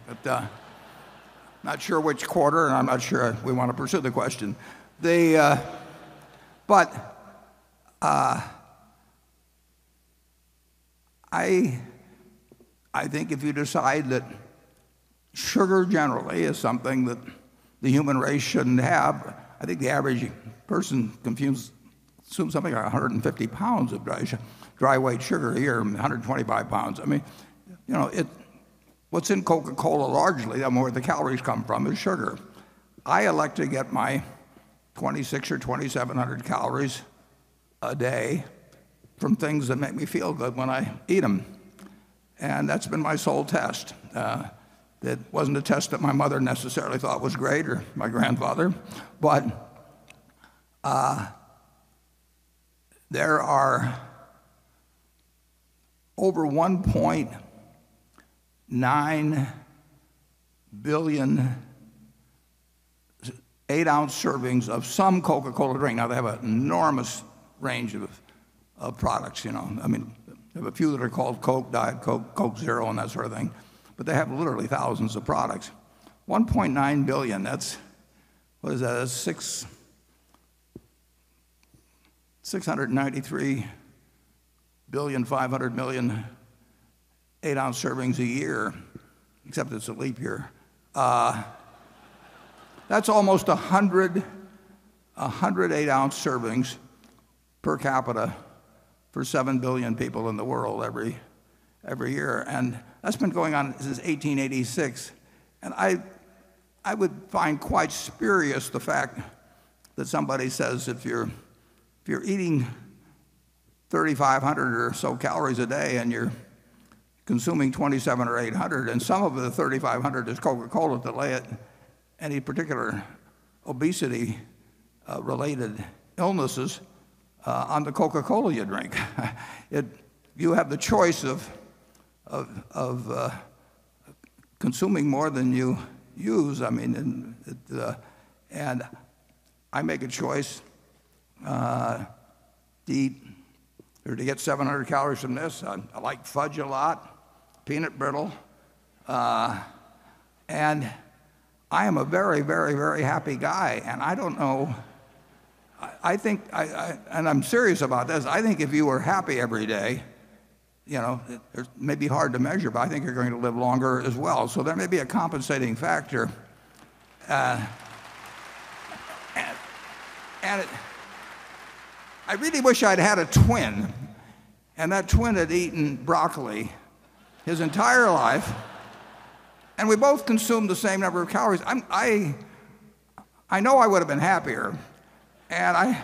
not sure which quarter, and I'm not sure we want to pursue the question. I think if you decide that sugar generally is something that the human race shouldn't have, I think the average person consumes something like 150 pounds of dry weight sugar a year, 125 pounds. What's in Coca-Cola largely, where the calories come from, is sugar. I elect to get my 2,600 or 2,700 calories a day from things that make me feel good when I eat them, and that's been my sole test. It wasn't a test that my mother necessarily thought was great, or my grandfather. There are over 1.9 billion eight-ounce servings of some Coca-Cola drink. They have an enormous range of products. They have a few that are called Coke, Diet Coke, Coca-Cola Zero, and that sort of thing, but they have literally thousands of products. 1.9 billion, that's 693.5 billion eight-ounce servings a year, except it's a leap year. That's almost 100 eight-ounce servings per capita for 7 billion people in the world every year, and that's been going on since 1886. I would find quite spurious the fact that somebody says if you're eating 3,500 or so calories a day and you're consuming 2,700 or 8,000, and some of the 3,500 is Coca-Cola, to lay any particular obesity-related illnesses on the Coca-Cola you drink. You have the choice of consuming more than you use. I make a choice to eat or to get 700 calories from this. I like fudge a lot, peanut brittle, and I am a very happy guy. I'm serious about this, I think if you are happy every day, it may be hard to measure, but I think you're going to live longer as well. There may be a compensating factor. I really wish I'd had a twin and that twin had eaten broccoli his entire life and we both consumed the same number of calories. I know I would've been happier, and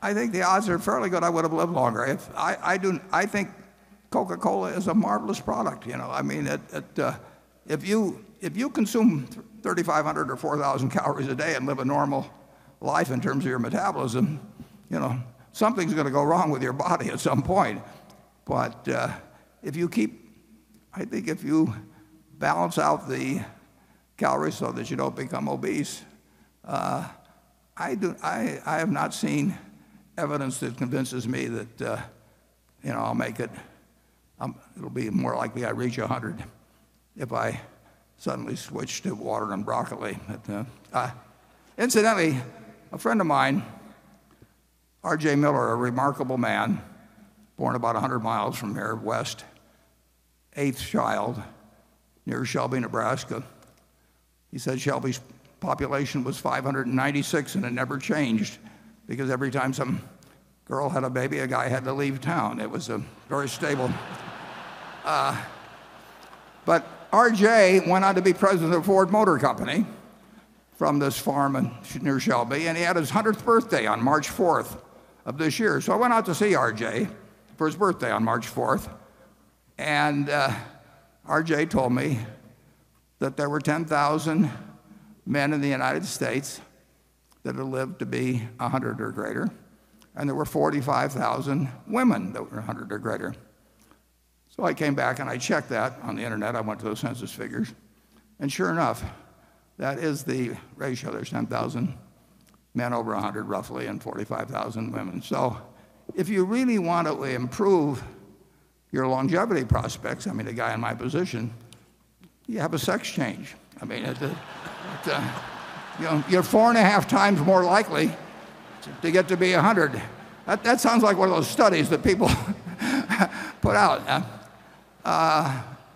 I think the odds are fairly good I would've lived longer. I think Coca-Cola is a marvelous product. If you consume 3,500 or 4,000 calories a day and live a normal life in terms of your metabolism, something's going to go wrong with your body at some point. I think if you balance out the calories so that you don't become obese, I have not seen evidence that convinces me that it'll be more likely I reach 100 if I suddenly switch to water and broccoli. Incidentally, a friend of mine, R.J. Miller, a remarkable man, born about 100 miles from here, west, eighth child, near Shelby, Nebraska. He said Shelby's population was 596, and it never changed because every time some girl had a baby, a guy had to leave town. It was very stable. R.J. went on to be president of Ford Motor Company from this farm near Shelby, and he had his 100th birthday on March 4th of this year. I went out to see R.J. for his birthday on March 4th. told me that there were 10,000 men in the U.S. that had lived to be 100 or greater, and there were 45,000 women that were 100 or greater. I came back and I checked that on the internet. I went to those census figures, and sure enough, that is the ratio. There's 10,000 men over 100 roughly, and 45,000 women. If you really want to improve your longevity prospects, a guy in my position, you have a sex change. You're four and a half times more likely to get to be 100. That sounds like one of those studies that people put out.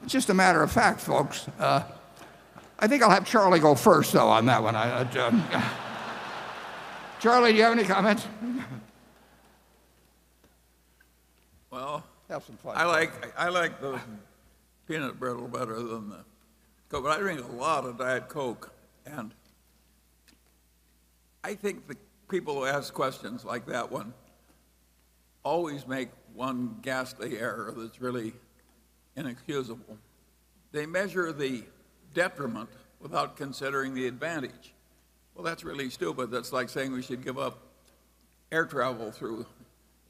It's just a matter of fact, folks. I think I'll have Charlie go first, though, on that one. Charlie, do you have any comments? Well- Have some fudge I like the peanut brittle better than the Coca-Cola, but I drink a lot of Diet Coca-Cola. I think the people who ask questions like that one always make one ghastly error that's really inexcusable. They measure the detriment without considering the advantage. Well, that's really stupid. That's like saying we should give up air travel through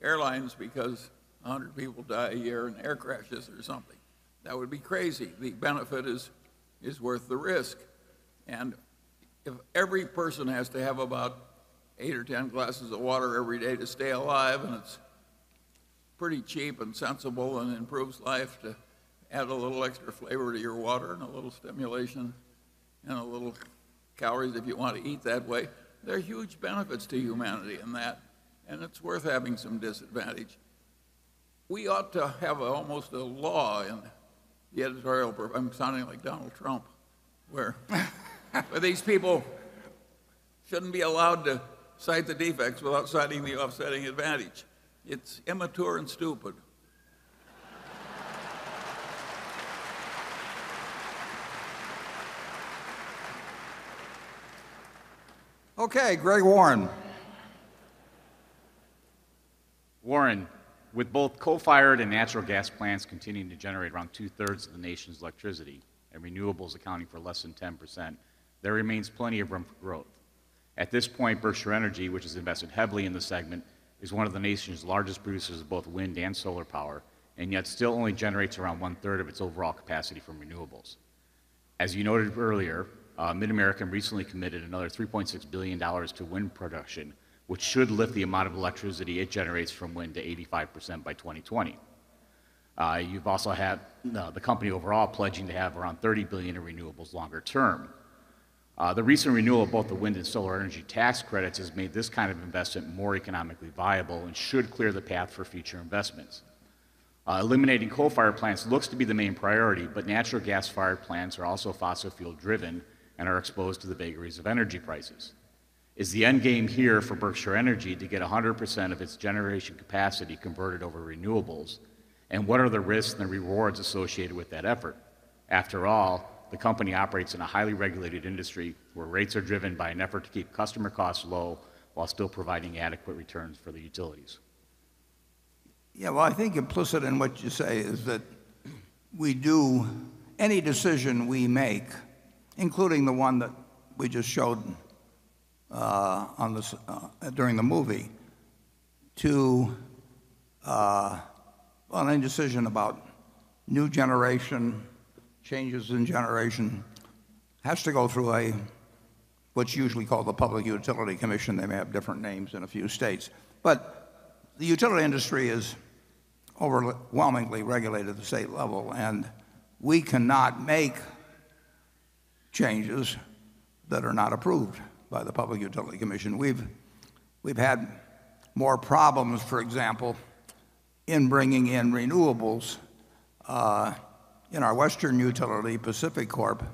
airlines because 100 people die a year in air crashes or something. That would be crazy. The benefit is worth the risk. If every person has to have about eight or 10 glasses of water every day to stay alive. It's pretty cheap and sensible, and improves life to add a little extra flavor to your water and a little stimulation, and a little calories if you want to eat that way. There are huge benefits to humanity in that, and it's worth having some disadvantage. We ought to have almost a law in the editorial. I'm sounding like Donald Trump. Where these people shouldn't be allowed to cite the defects without citing the offsetting advantage. It's immature and stupid. Okay, Greggory Warren. Warren, with both coal-fired and natural gas plants continuing to generate around two-thirds of the nation's electricity and renewables accounting for less than 10%, there remains plenty of room for growth. At this point, Berkshire Energy, which has invested heavily in the segment, is one of the nation's largest producers of both wind and solar power, and yet still only generates around one-third of its overall capacity from renewables. As you noted earlier, MidAmerican recently committed another $3.6 billion to wind production, which should lift the amount of electricity it generates from wind to 85% by 2020. You also have the company overall pledging to have around $30 billion in renewables longer term. The recent renewal of both the wind and solar energy tax credits has made this kind of investment more economically viable and should clear the path for future investments. Eliminating coal-fired plants looks to be the main priority, but natural gas-fired plants are also fossil fuel driven and are exposed to the vagaries of energy prices. Is the end game here for Berkshire Energy to get 100% of its generation capacity converted over renewables? What are the risks and the rewards associated with that effort? After all, the company operates in a highly regulated industry where rates are driven by an effort to keep customer costs low while still providing adequate returns for the utilities. Well, I think implicit in what you say is that any decision we make, including the one that we just showed during the movie, any decision about new generation, changes in generation, has to go through what's usually called the Public Utility Commission. They may have different names in a few states. But the utility industry is overwhelmingly regulated at the state level, and we cannot make changes that are not approved by the Public Utility Commission. We've had more problems, for example, in bringing in renewables in our western utility, PacifiCorp,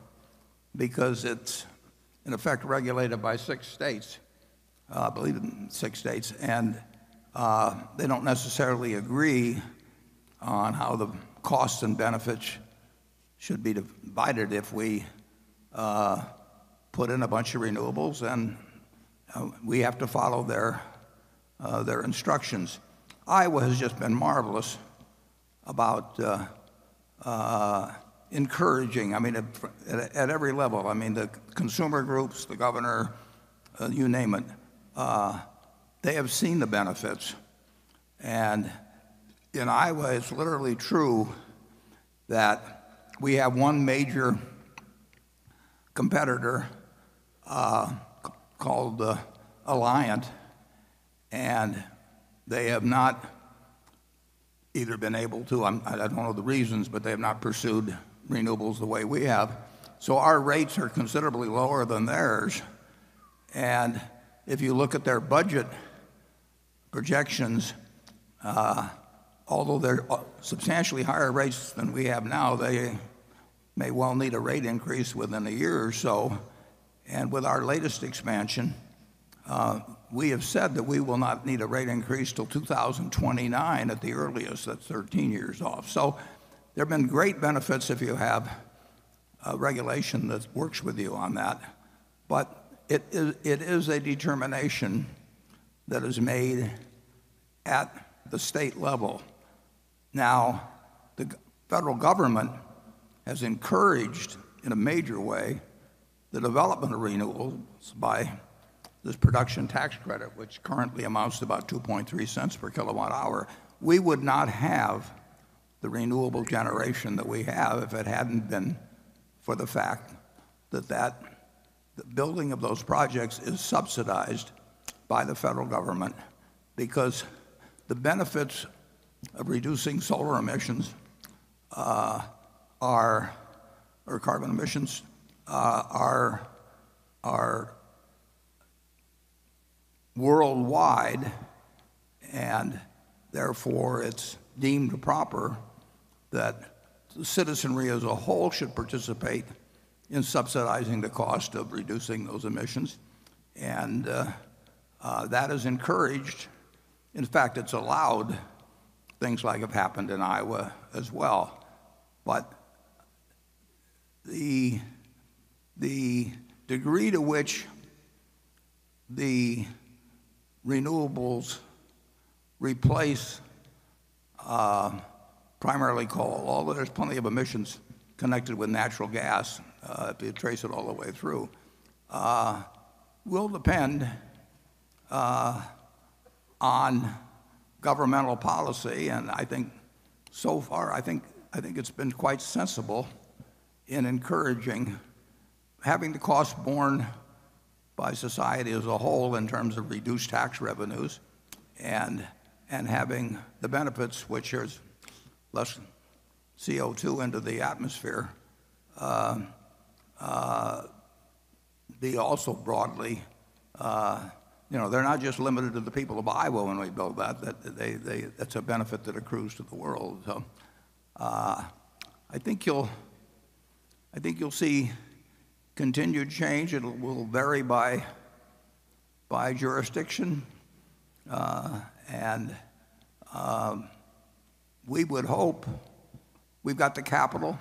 because it's in effect regulated by six states. I believe six states. They don't necessarily agree on how the costs and benefits should be divided if we put in a bunch of renewables, and we have to follow their instructions. Iowa has just been marvelous about encouraging at every level. The consumer groups, the governor, you name it. They have seen the benefits. In Iowa, it's literally true that we have one major competitor called Alliant. They have not either been able to, I don't know the reasons, but they have not pursued renewables the way we have. Our rates are considerably lower than theirs. If you look at their budget projections, although they're substantially higher rates than we have now, they may well need a rate increase within a year or so. With our latest expansion, we have said that we will not need a rate increase till 2029 at the earliest. That's 13 years off. There have been great benefits if you have a regulation that works with you on that. It is a determination that is made at the state level. The federal government has encouraged, in a major way, the development of renewables by this production tax credit, which currently amounts to about $0.023 per kilowatt hour. We would not have the renewable generation that we have if it hadn't been for the fact that the building of those projects is subsidized by the federal government. Because the benefits of reducing solar emissions or carbon emissions are worldwide, and therefore it's deemed proper that the citizenry as a whole should participate in subsidizing the cost of reducing those emissions. That has encouraged, in fact, it's allowed things like have happened in Iowa as well. The degree to which the renewables replace primarily coal, although there's plenty of emissions connected with natural gas, if you trace it all the way through, will depend on governmental policy. So far, I think it's been quite sensible in encouraging having the cost borne by society as a whole in terms of reduced tax revenues and having the benefits, which is less CO2 into the atmosphere, be also broadly. They're not just limited to the people of Iowa when we build that. That's a benefit that accrues to the world. I think you'll see continued change. It will vary by jurisdiction. We would hope we've got the capital,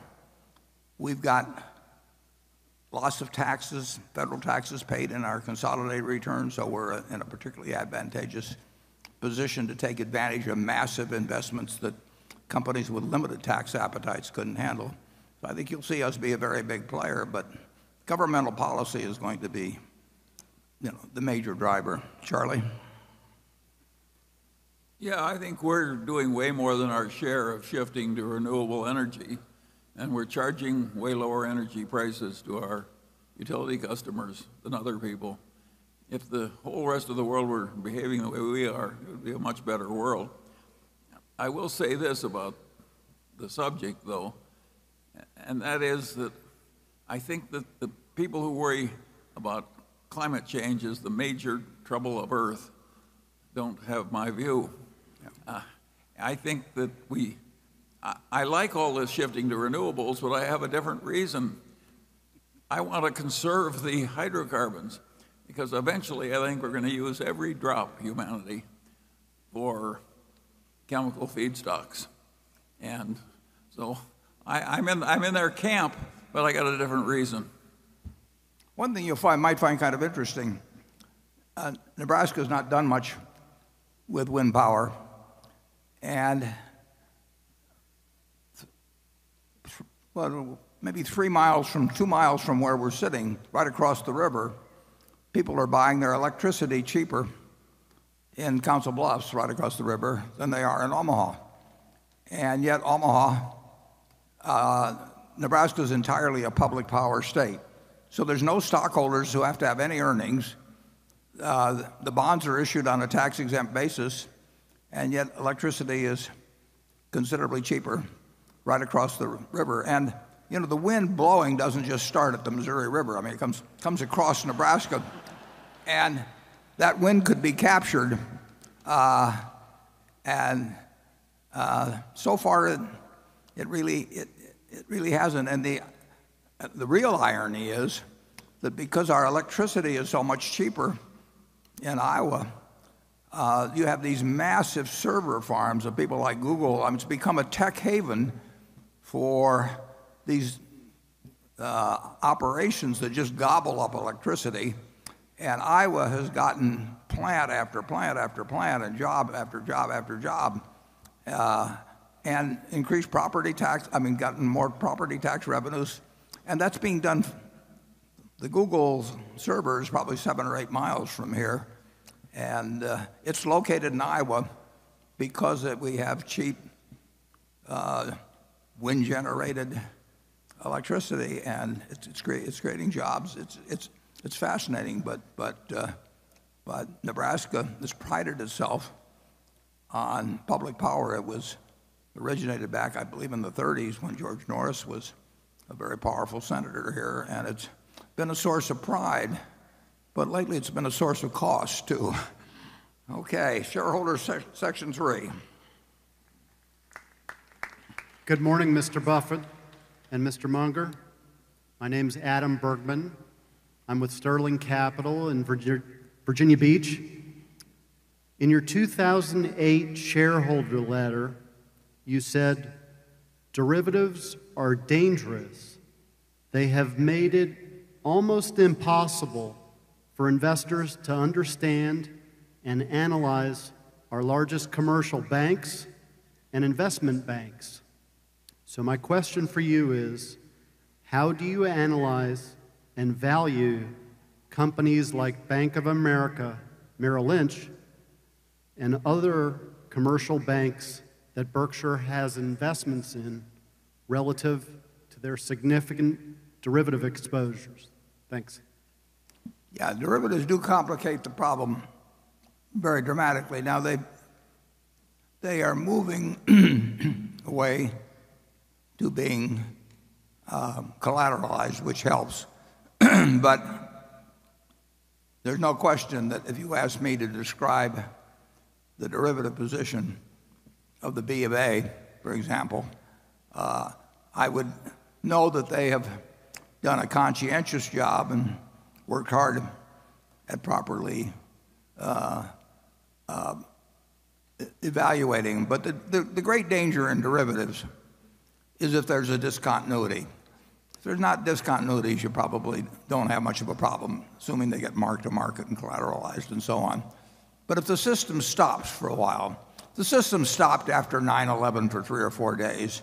we've got lots of federal taxes paid in our consolidated return, so we're in a particularly advantageous position to take advantage of massive investments that companies with limited tax appetites couldn't handle. I think you'll see us be a very big player. Governmental policy is going to be the major driver. Charlie? Yeah, I think we're doing way more than our share of shifting to renewable energy, and we're charging way lower energy prices to our utility customers than other people. If the whole rest of the world were behaving the way we are, it would be a much better world. I will say this about the subject, though, and that is that I think that the people who worry about climate change as the major trouble of Earth don't have my view. Yeah. I like all this shifting to renewables, but I have a different reason. I want to conserve the hydrocarbons, because eventually I think we're going to use every drop, humanity, for chemical feedstocks. I'm in their camp, but I got a different reason. One thing you might find kind of interesting. Nebraska's not done much with wind power, and maybe two miles from where we're sitting, right across the river, people are buying their electricity cheaper in Council Bluffs, right across the river, than they are in Omaha. Yet Omaha, Nebraska's entirely a public power state. There's no stockholders who have to have any earnings. The bonds are issued on a tax-exempt basis, yet electricity is considerably cheaper right across the river. The wind blowing doesn't just start at the Missouri River. It comes across Nebraska and that wind could be captured. So far, it really hasn't. The real irony is that because our electricity is so much cheaper in Iowa, you have these massive server farms of people like Google. It's become a tech haven for these operations that just gobble up electricity. Iowa has gotten plant after plant after plant, and job after job after job, and increased property tax. Getting more property tax revenues. That's being done. The Google server is probably seven or eight miles from here, and it's located in Iowa because we have cheap wind-generated electricity. It's creating jobs. It's fascinating. Nebraska has prided itself on public power. It was originated back, I believe, in the 1930s, when George Norris was a very powerful senator here, and it's been a source of pride. Lately, it's been a source of cost, too. Okay, shareholder section three. Good morning, Mr. Buffett and Mr. Munger. My name's Adam Bergman. I'm with Sterling Capital in Virginia Beach. In your 2008 shareholder letter, you said, "Derivatives are dangerous. They have made it almost impossible for investors to understand and analyze our largest commercial banks and investment banks." My question for you is, how do you analyze and value companies like Bank of America, Merrill Lynch, and other commercial banks that Berkshire has investments in relative to their significant derivative exposures? Thanks. Yeah. Derivatives do complicate the problem very dramatically. They are moving away to being collateralized, which helps. There's no question that if you ask me to describe the derivative position of the BofA, for example, I would know that they have done a conscientious job and worked hard at properly evaluating. The great danger in derivatives is if there's a discontinuity. There's not discontinuities, you probably don't have much of a problem, assuming they get marked to market and collateralized and so on. If the system stops for a while, the system stopped after 9/11 for three or four days.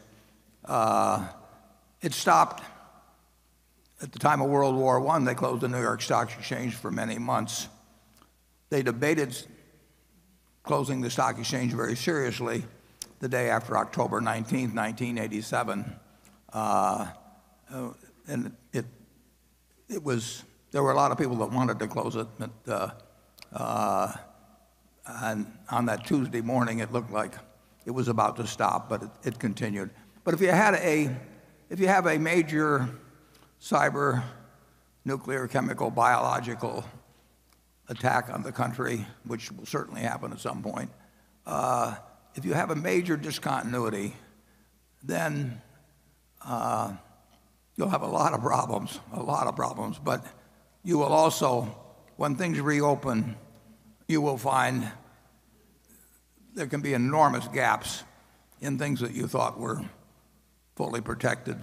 It stopped at the time of World War I. They closed the New York Stock Exchange for many months. They debated closing the stock exchange very seriously the day after October 19th, 1987. There were a lot of people that wanted to close it. On that Tuesday morning, it looked like it was about to stop, it continued. If you have a major cyber, nuclear, chemical, biological attack on the country, which will certainly happen at some point, if you have a major discontinuity, you'll have a lot of problems. You will also, when things reopen, you will find there can be enormous gaps in things that you thought were fully protected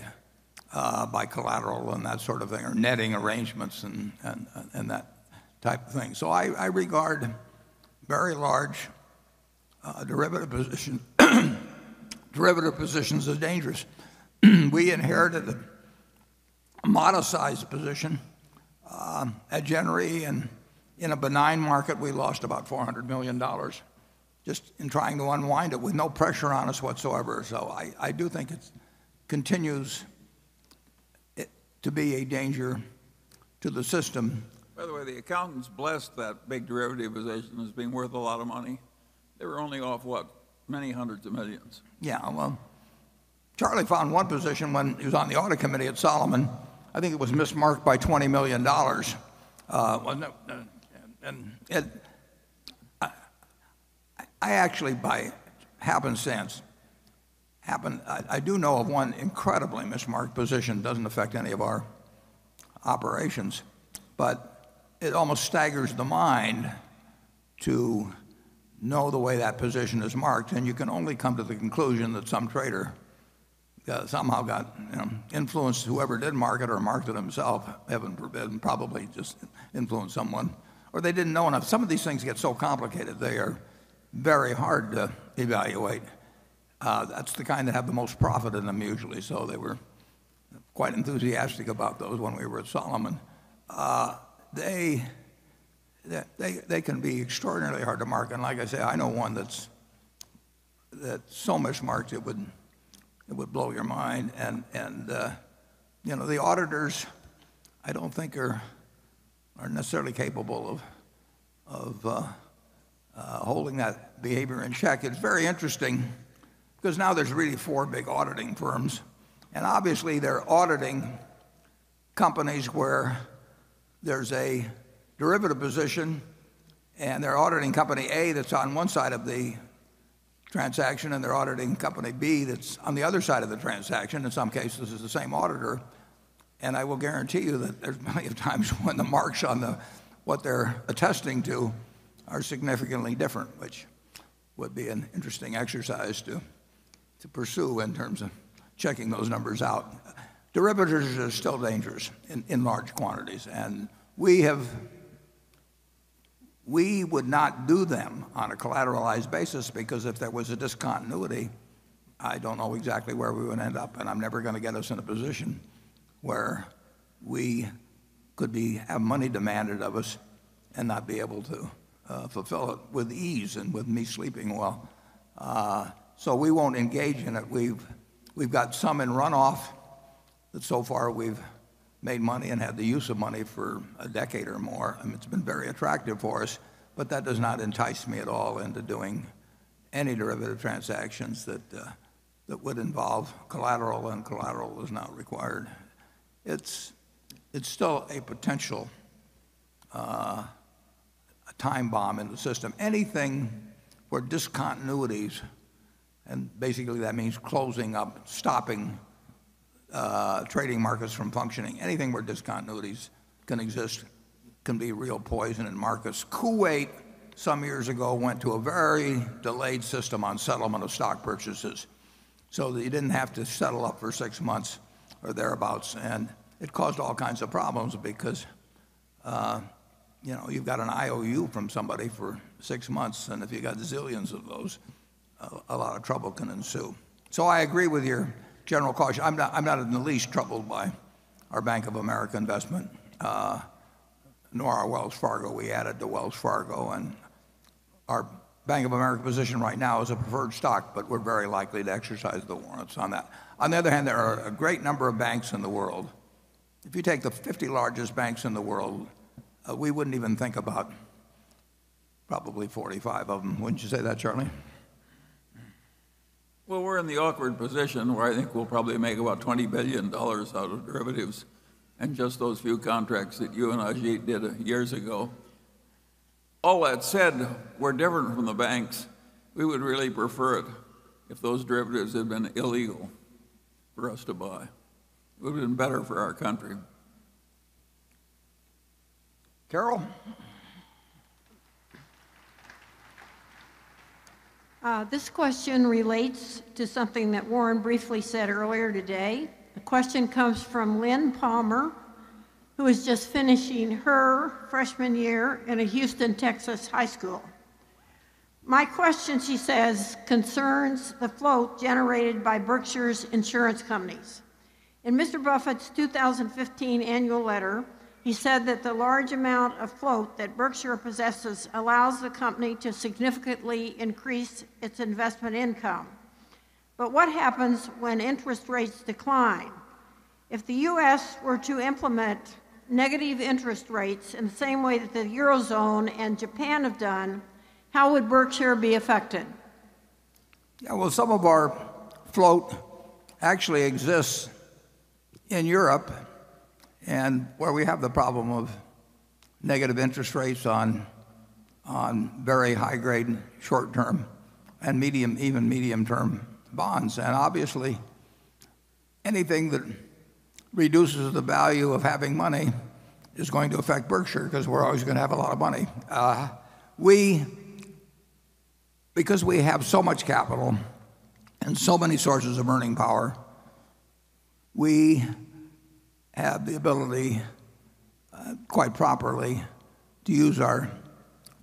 by collateral and that sort of thing, or netting arrangements and that type of thing. I regard very large derivative positions as dangerous. We inherited a modest-sized position at Gen Re. In a benign market, we lost about $400 million just in trying to unwind it with no pressure on us whatsoever. I do think it continues to be a danger to the system. By the way, the accountants blessed that big derivative position as being worth a lot of money. They were only off what? Many hundreds of millions. Yeah. Charlie found one position when he was on the audit committee at Salomon. I think it was mismarked by $20 million. I actually, by happenstance, I do know of one incredibly mismarked position. It doesn't affect any of our operations, it almost staggers the mind to know the way that position is marked. You can only come to the conclusion that some trader somehow got influenced, whoever did mark it or marked it himself, heaven forbid, probably just influenced someone, or they didn't know enough. Some of these things get so complicated, they are very hard to evaluate. That's the kind that have the most profit in them usually, they were quite enthusiastic about those when we were at Salomon. They can be extraordinarily hard to mark. Like I say, I know one that's so mismarked it would blow your mind. The auditors, I don't think are necessarily capable of holding that behavior in check. It's very interesting because now there's really four big auditing firms, obviously they're auditing companies where there's a derivative position, they're auditing company A that's on one side of the transaction, they're auditing company B that's on the other side of the transaction. In some cases, it's the same auditor. I will guarantee you that there's plenty of times when the marks on what they're attesting to are significantly different, which would be an interesting exercise to pursue in terms of checking those numbers out. Derivatives are still dangerous in large quantities. We would not do them on a collateralized basis because if there was a discontinuity, I don't know exactly where we would end up, and I'm never going to get us in a position where we could have money demanded of us and not be able to fulfill it with ease and with me sleeping well. We won't engage in it. We've got some in runoff that so far we've made money and had the use of money for a decade or more, and it's been very attractive for us, but that does not entice me at all into doing any derivative transactions that would involve collateral when collateral is not required. It's still a potential time bomb in the system. Anything where discontinuities, and basically that means closing up, stopping trading markets from functioning. Anything where discontinuities can exist can be real poison in markets. Kuwait, some years ago, went to a very delayed system on settlement of stock purchases so that you didn't have to settle up for six months or thereabouts. It caused all kinds of problems because you've got an IOU from somebody for six months, and if you've got zillions of those, a lot of trouble can ensue. I agree with your general caution. I'm not in the least troubled by our Bank of America investment, nor our Wells Fargo. We added to Wells Fargo, and our Bank of America position right now is a preferred stock, but we're very likely to exercise the warrants on that. On the other hand, there are a great number of banks in the world. If you take the 50 largest banks in the world, we wouldn't even think about probably 45 of them. Wouldn't you say that, Charlie? We're in the awkward position where I think we'll probably make about $20 billion out of derivatives and just those few contracts that you and Ajit did years ago. All that said, we're different from the banks. We would really prefer it if those derivatives had been illegal for us to buy. It would have been better for our country. Carol? This question relates to something that Warren briefly said earlier today. The question comes from Lynn Palmer, who is just finishing her freshman year in a Houston, Texas high school. "My question," she says, "concerns the float generated by Berkshire's insurance companies." In Mr. Buffett's 2015 annual letter, he said that the large amount of float that Berkshire possesses allows the company to significantly increase its investment income. What happens when interest rates decline? If the U.S. were to implement negative interest rates in the same way that the Eurozone and Japan have done, how would Berkshire be affected? Yeah. Well, some of our float actually exists in Europe, where we have the problem of negative interest rates on very high grade, short-term and even medium-term bonds. Obviously, anything that reduces the value of having money is going to affect Berkshire because we're always going to have a lot of money. We have so much capital and so many sources of earning power, we have the ability, quite properly, to use our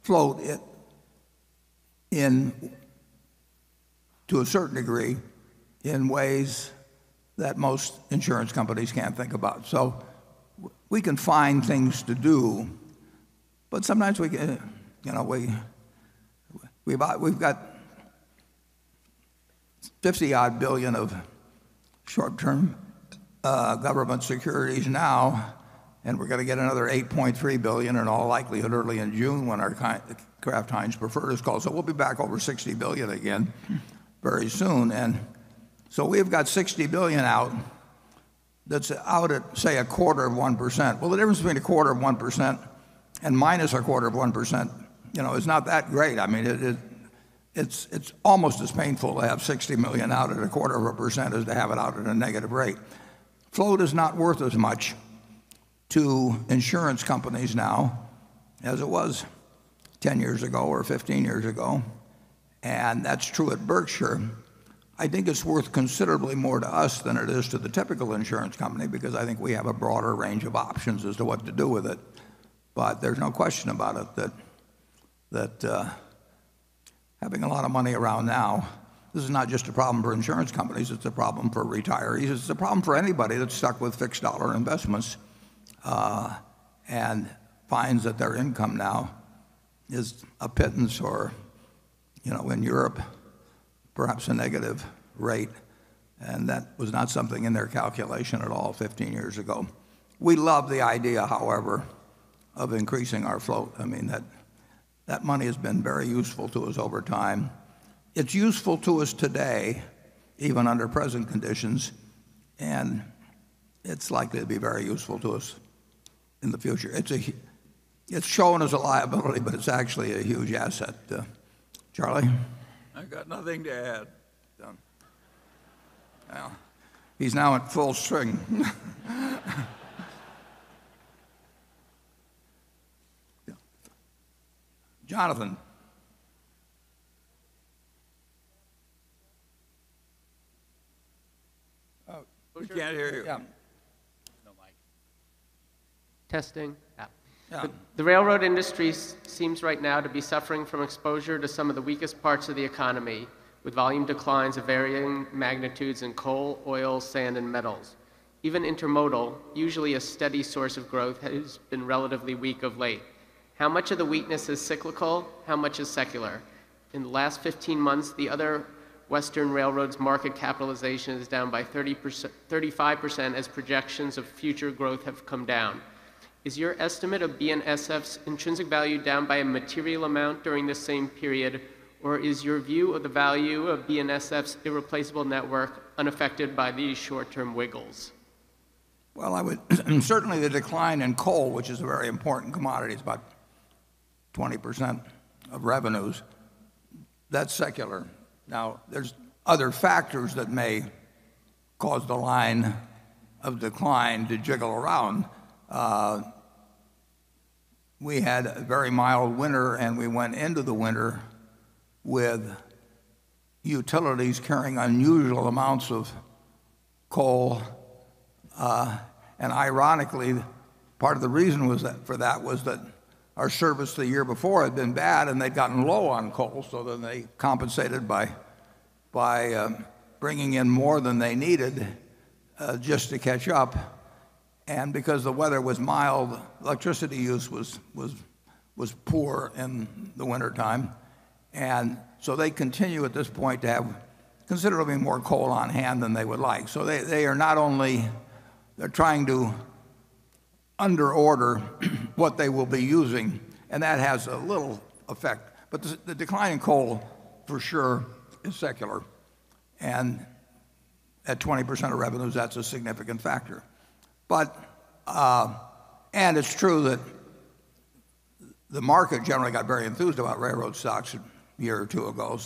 float, to a certain degree, in ways that most insurance companies can't think about. We can find things to do, but sometimes we get it. We've got $50-odd billion of short-term government securities now, and we're going to get another $8.3 billion in all likelihood early in June when our Kraft Heinz preferred is called. We'll be back over $60 billion again very soon. We've got $60 billion out, that's out at, say, a quarter of 1%. The difference between a quarter of 1% and minus a quarter of 1% is not that great. It's almost as painful to have $60 million out at a quarter of a percent as to have it out at a negative rate. Float is not worth as much to insurance companies now as it was 10 years ago or 15 years ago, that's true at Berkshire. I think it's worth considerably more to us than it is to the typical insurance company because I think we have a broader range of options as to what to do with it. There's no question about it that having a lot of money around now, this is not just a problem for insurance companies, it's a problem for retirees. It's a problem for anybody that's stuck with fixed dollar investments, and finds that their income now is a pittance or, in Europe, perhaps a negative rate, and that was not something in their calculation at all 15 years ago. We love the idea, however, of increasing our float. That money has been very useful to us over time. It's useful to us today, even under present conditions, and it's likely to be very useful to us in the future. It's shown as a liability, but it's actually a huge asset. Charlie? I got nothing to add. Done. Well, he's now at full string. Yeah. Jonathan. Oh. We can't hear you. Yeah. The mic. Testing. Yeah. The railroad industry seems right now to be suffering from exposure to some of the weakest parts of the economy with volume declines of varying magnitudes in coal, oil, sand, and metals. Even intermodal, usually a steady source of growth, has been relatively weak of late. How much of the weakness is cyclical? How much is secular? In the last 15 months, the other Western railroads market capitalization is down by 35% as projections of future growth have come down. Is your estimate of BNSF's intrinsic value down by a material amount during the same period, or is your view of the value of BNSF's irreplaceable network unaffected by these short-term wiggles? Certainly the decline in coal, which is a very important commodity, it's about 20% of revenues, that's secular. There's other factors that may cause the line of decline to jiggle around. We had a very mild winter, we went into the winter with utilities carrying unusual amounts of coal. Ironically, part of the reason for that was that our service the year before had been bad, they'd gotten low on coal, they compensated by bringing in more than they needed just to catch up. Because the weather was mild, electricity use was poor in the wintertime. They continue at this point to have considerably more coal on hand than they would like. They are not only trying to under order what they will be using, that has a little effect, but the decline in coal for sure is secular. At 20% of revenues, that's a significant factor. It's true that the market generally got very enthused about railroad stocks a year or two ago,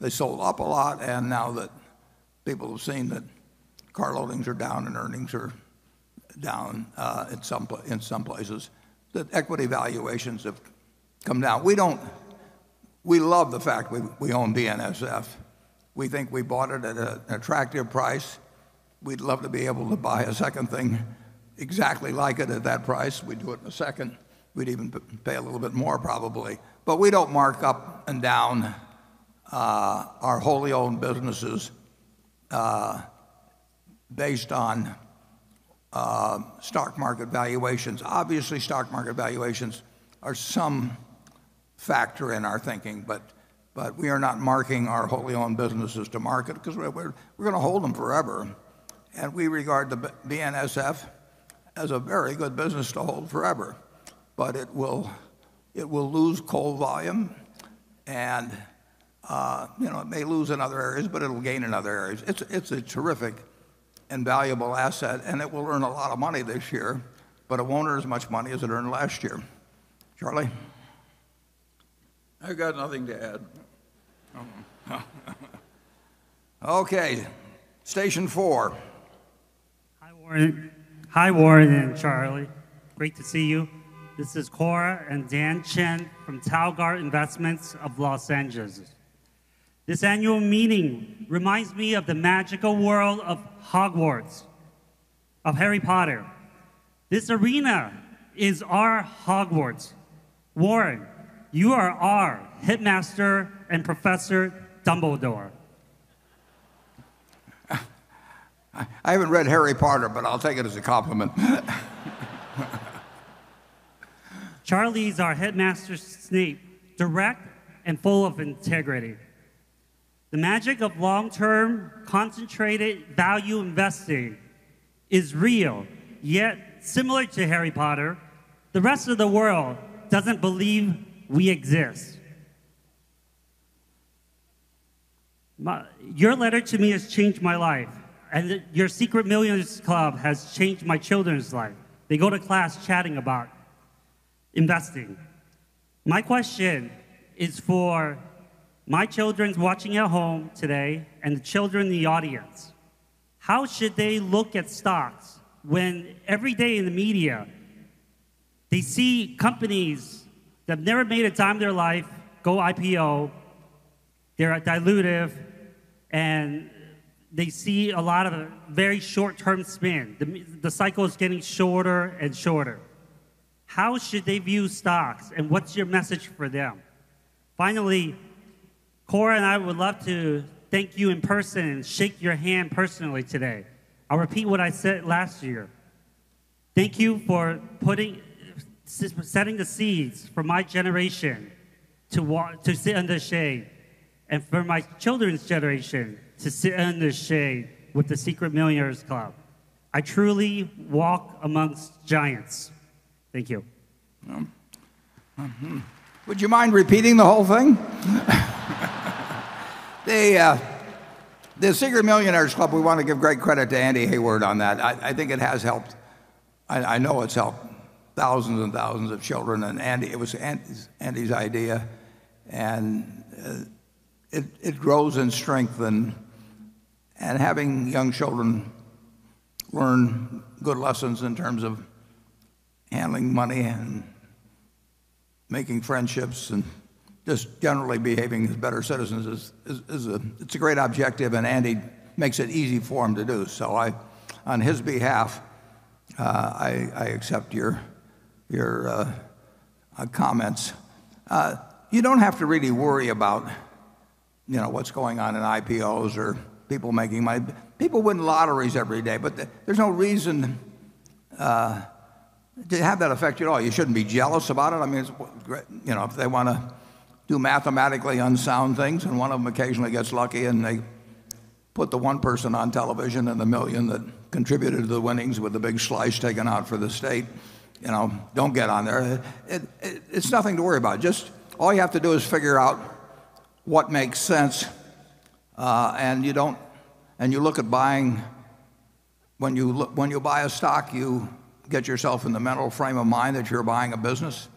they sold up a lot. Now that people have seen that car loadings are down and earnings are down in some places, the equity valuations have come down. We love the fact we own BNSF. We think we bought it at an attractive price. We'd love to be able to buy a second thing exactly like it at that price. We'd do it in a second. We'd even pay a little bit more probably. We don't mark up and down our wholly owned businesses based on stock market valuations. Obviously, stock market valuations are some factor in our thinking, but we are not marking our wholly owned businesses to market because we're going to hold them forever. We regard the BNSF as a very good business to hold forever. It will lose coal volume, it may lose in other areas, it'll gain in other areas. It's a terrific and valuable asset, it will earn a lot of money this year, it won't earn as much money as it earned last year. Charlie? I've got nothing to add. Okay. Station 4. Hi, Warren and Charlie. Great to see you. This is Cora and Dan Chen from Talguard Investments of Los Angeles. This annual meeting reminds me of the magical world of Hogwarts, of Harry Potter. This arena is our Hogwarts. Warren, you are our headmaster and Professor Dumbledore. I haven't read "Harry Potter," but I'll take it as a compliment. Charlie is our Headmaster Snape, direct and full of integrity. The magic of long-term, concentrated value investing is real, yet similar to Harry Potter, the rest of the world doesn't believe we exist. Your letter to me has changed my life, your Secret Millionaires Club has changed my children's life. They go to class chatting about investing. My question is for my children watching at home today and the children in the audience. How should they look at stocks when every day in the media, they see companies that have never made a dime in their life go IPO, they are dilutive, and they see a lot of very short-term spin? The cycle is getting shorter and shorter. How should they view stocks, and what's your message for them? Finally, Cora and I would love to thank you in person and shake your hand personally today. I'll repeat what I said last year. Thank you for setting the seeds for my generation to sit in the shade, and for my children's generation to sit in the shade with the Secret Millionaires Club. I truly walk amongst giants. Thank you. Mm-hmm. Would you mind repeating the whole thing? The Secret Millionaires Club, we want to give great credit to Andy Heyward on that. I think it has helped. I know it's helped thousands and thousands of children, it was Andy's idea, and it grows and strengthened. Having young children learn good lessons in terms of handling money and making friendships, and just generally behaving as better citizens, it's a great objective, and Andy makes it easy for them to do so. On his behalf, I accept your comments. You don't have to really worry about what's going on in IPOs or people making money. People win lotteries every day, but there's no reason to have that affect you at all. You shouldn't be jealous about it. If they want to do mathematically unsound things and one of them occasionally gets lucky, and they put the one person on television in a million that contributed to the winnings with the big slice taken out for the state, don't get on there. It's nothing to worry about. Just all you have to do is figure out what makes sense, and you look at buying. When you buy a stock, you get yourself in the mental frame of mind that you're buying a business,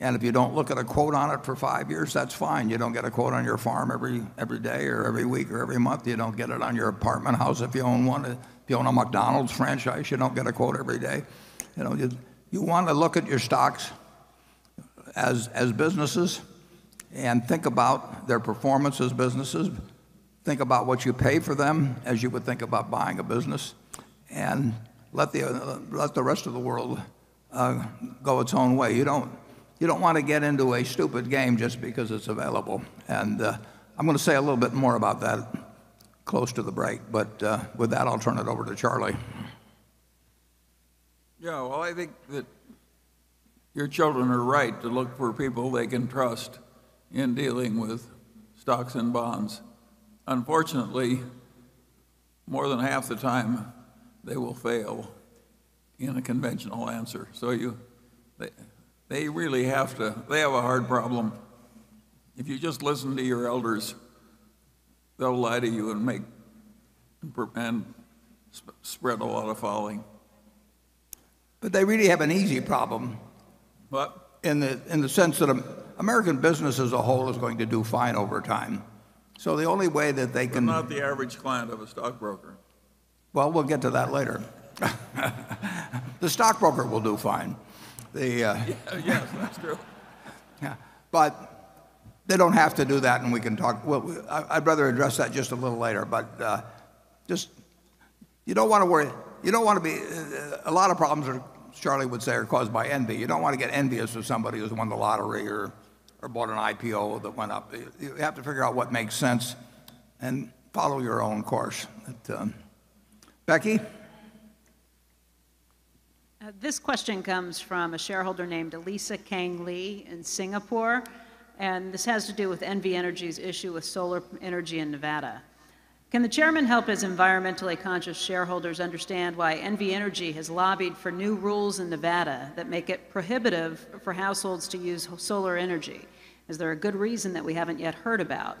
and if you don't look at a quote on it for five years, that's fine. You don't get a quote on your farm every day or every week or every month. You don't get it on your apartment house if you own one. If you own a McDonald's franchise, you don't get a quote every day. You want to look at your stocks as businesses and think about their performance as businesses. Think about what you pay for them as you would think about buying a business, let the rest of the world go its own way. You don't want to get into a stupid game just because it's available. I'm going to say a little bit more about that close to the break, but with that, I'll turn it over to Charlie. Well, I think that your children are right to look for people they can trust in dealing with stocks and bonds. Unfortunately, more than half the time, they will fail in a conventional answer. They have a hard problem. If you just listen to your elders, they'll lie to you and spread a lot of folly. They really have an easy problem. What? In the sense that American business as a whole is going to do fine over time. The only way that they can. Not the average client of a stockbroker. Well, we'll get to that later. The stockbroker will do fine. Yes, that's true. Yeah. They don't have to do that, and we can talk Well, I'd rather address that just a little later. Just You don't want to worry. A lot of problems, Charlie would say, are caused by envy. You don't want to get envious of somebody who's won the lottery or bought an IPO that went up. You have to figure out what makes sense and follow your own course. Becky? This question comes from a shareholder named Elisa Kang Lee in Singapore, and this has to do with NV Energy's issue with solar energy in Nevada. Can the Chairman help his environmentally conscious shareholders understand why NV Energy has lobbied for new rules in Nevada that make it prohibitive for households to use solar energy? Is there a good reason that we haven't yet heard about?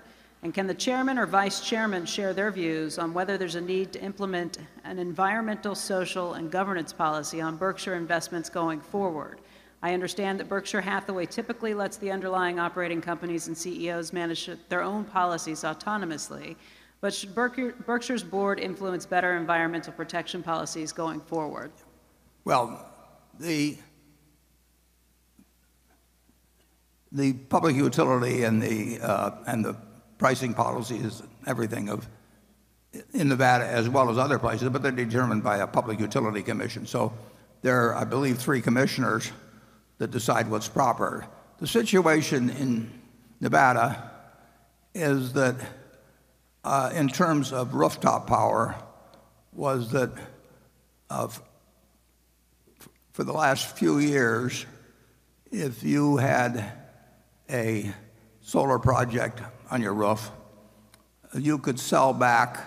Can the Chairman or Vice Chairman share their views on whether there's a need to implement an environmental, social, and governance policy on Berkshire investments going forward? I understand that Berkshire Hathaway typically lets the underlying operating companies and CEOs manage their own policies autonomously, but should Berkshire's board influence better environmental protection policies going forward? The public utility and the pricing policy is everything in Nevada as well as other places, but they're determined by a Public Utility Commission. There are, I believe, three commissioners that decide what's proper. The situation in Nevada is that, in terms of rooftop power, was that for the last few years, if you had a solar project on your roof, you could sell back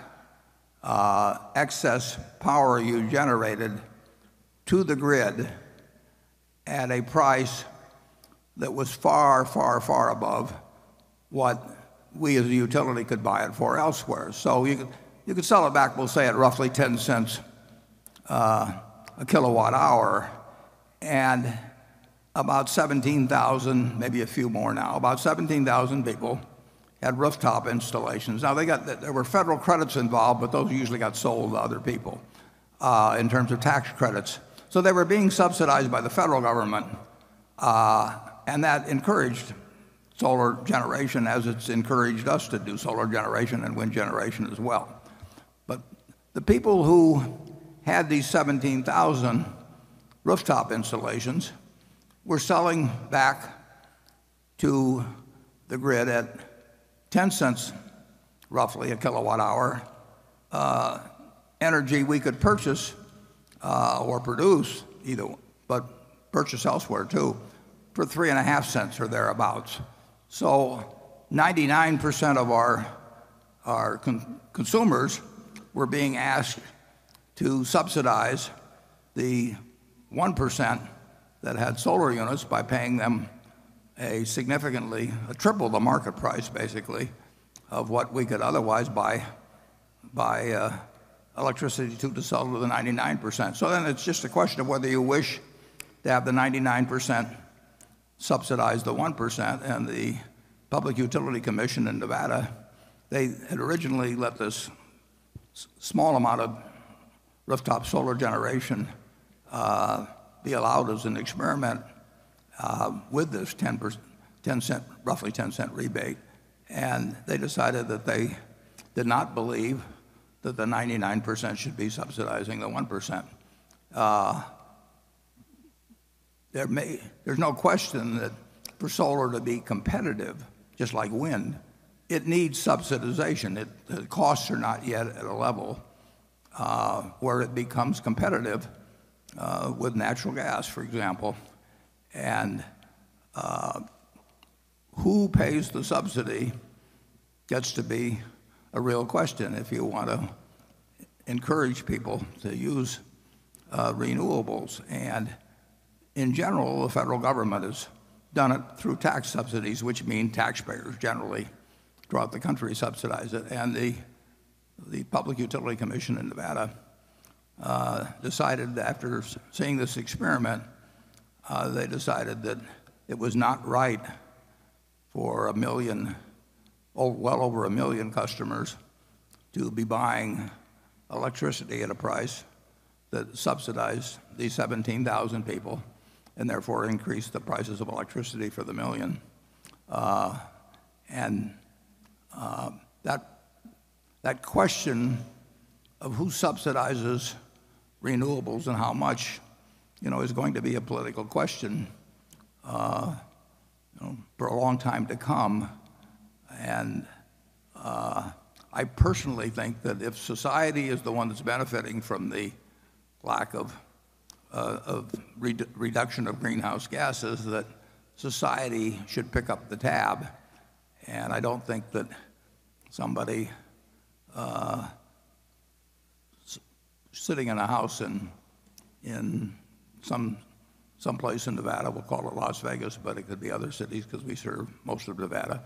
excess power you generated to the grid at a price that was far, far, far above what we as a utility could buy it for elsewhere. You could sell it back, we'll say, at roughly $0.10 a kilowatt hour and about 17,000, maybe a few more now, about 17,000 people had rooftop installations. There were federal credits involved, but those usually got sold to other people, in terms of tax credits. They were being subsidized by the federal government, and that encouraged solar generation as it's encouraged us to do solar generation and wind generation as well. The people who had these 17,000 rooftop installations were selling back to the grid at $0.10, roughly, a kilowatt hour. Energy we could purchase or produce, but purchase elsewhere too, for $0.035 or thereabouts. 99% of our consumers were being asked to subsidize the 1% that had solar units by paying them a triple the market price, basically, of what we could otherwise buy electricity to sell to the 99%. It's just a question of whether you wish to have the 99% subsidize the 1%, and the Public Utility Commission in Nevada, they had originally let this small amount of rooftop solar generation be allowed as an experiment with this roughly $0.10 rebate. They decided that they did not believe that the 99% should be subsidizing the 1%. There's no question that for solar to be competitive, just like wind, it needs subsidization. The costs are not yet at a level where it becomes competitive with natural gas, for example, and who pays the subsidy gets to be a real question if you want to encourage people to use renewables. In general, the federal government has done it through tax subsidies, which mean taxpayers generally throughout the country subsidize it. The Public Utility Commission in Nevada, after seeing this experiment, they decided that it was not right for well over a million customers to be buying electricity at a price that subsidized these 17,000 people, and therefore increased the prices of electricity for the million. That question of who subsidizes renewables and how much is going to be a political question for a long time to come. I personally think that if society is the one that's benefiting from the lack of reduction of greenhouse gases, that society should pick up the tab. I don't think that somebody sitting in a house in someplace in Nevada, we'll call it Las Vegas, but it could be other cities because we serve most of Nevada,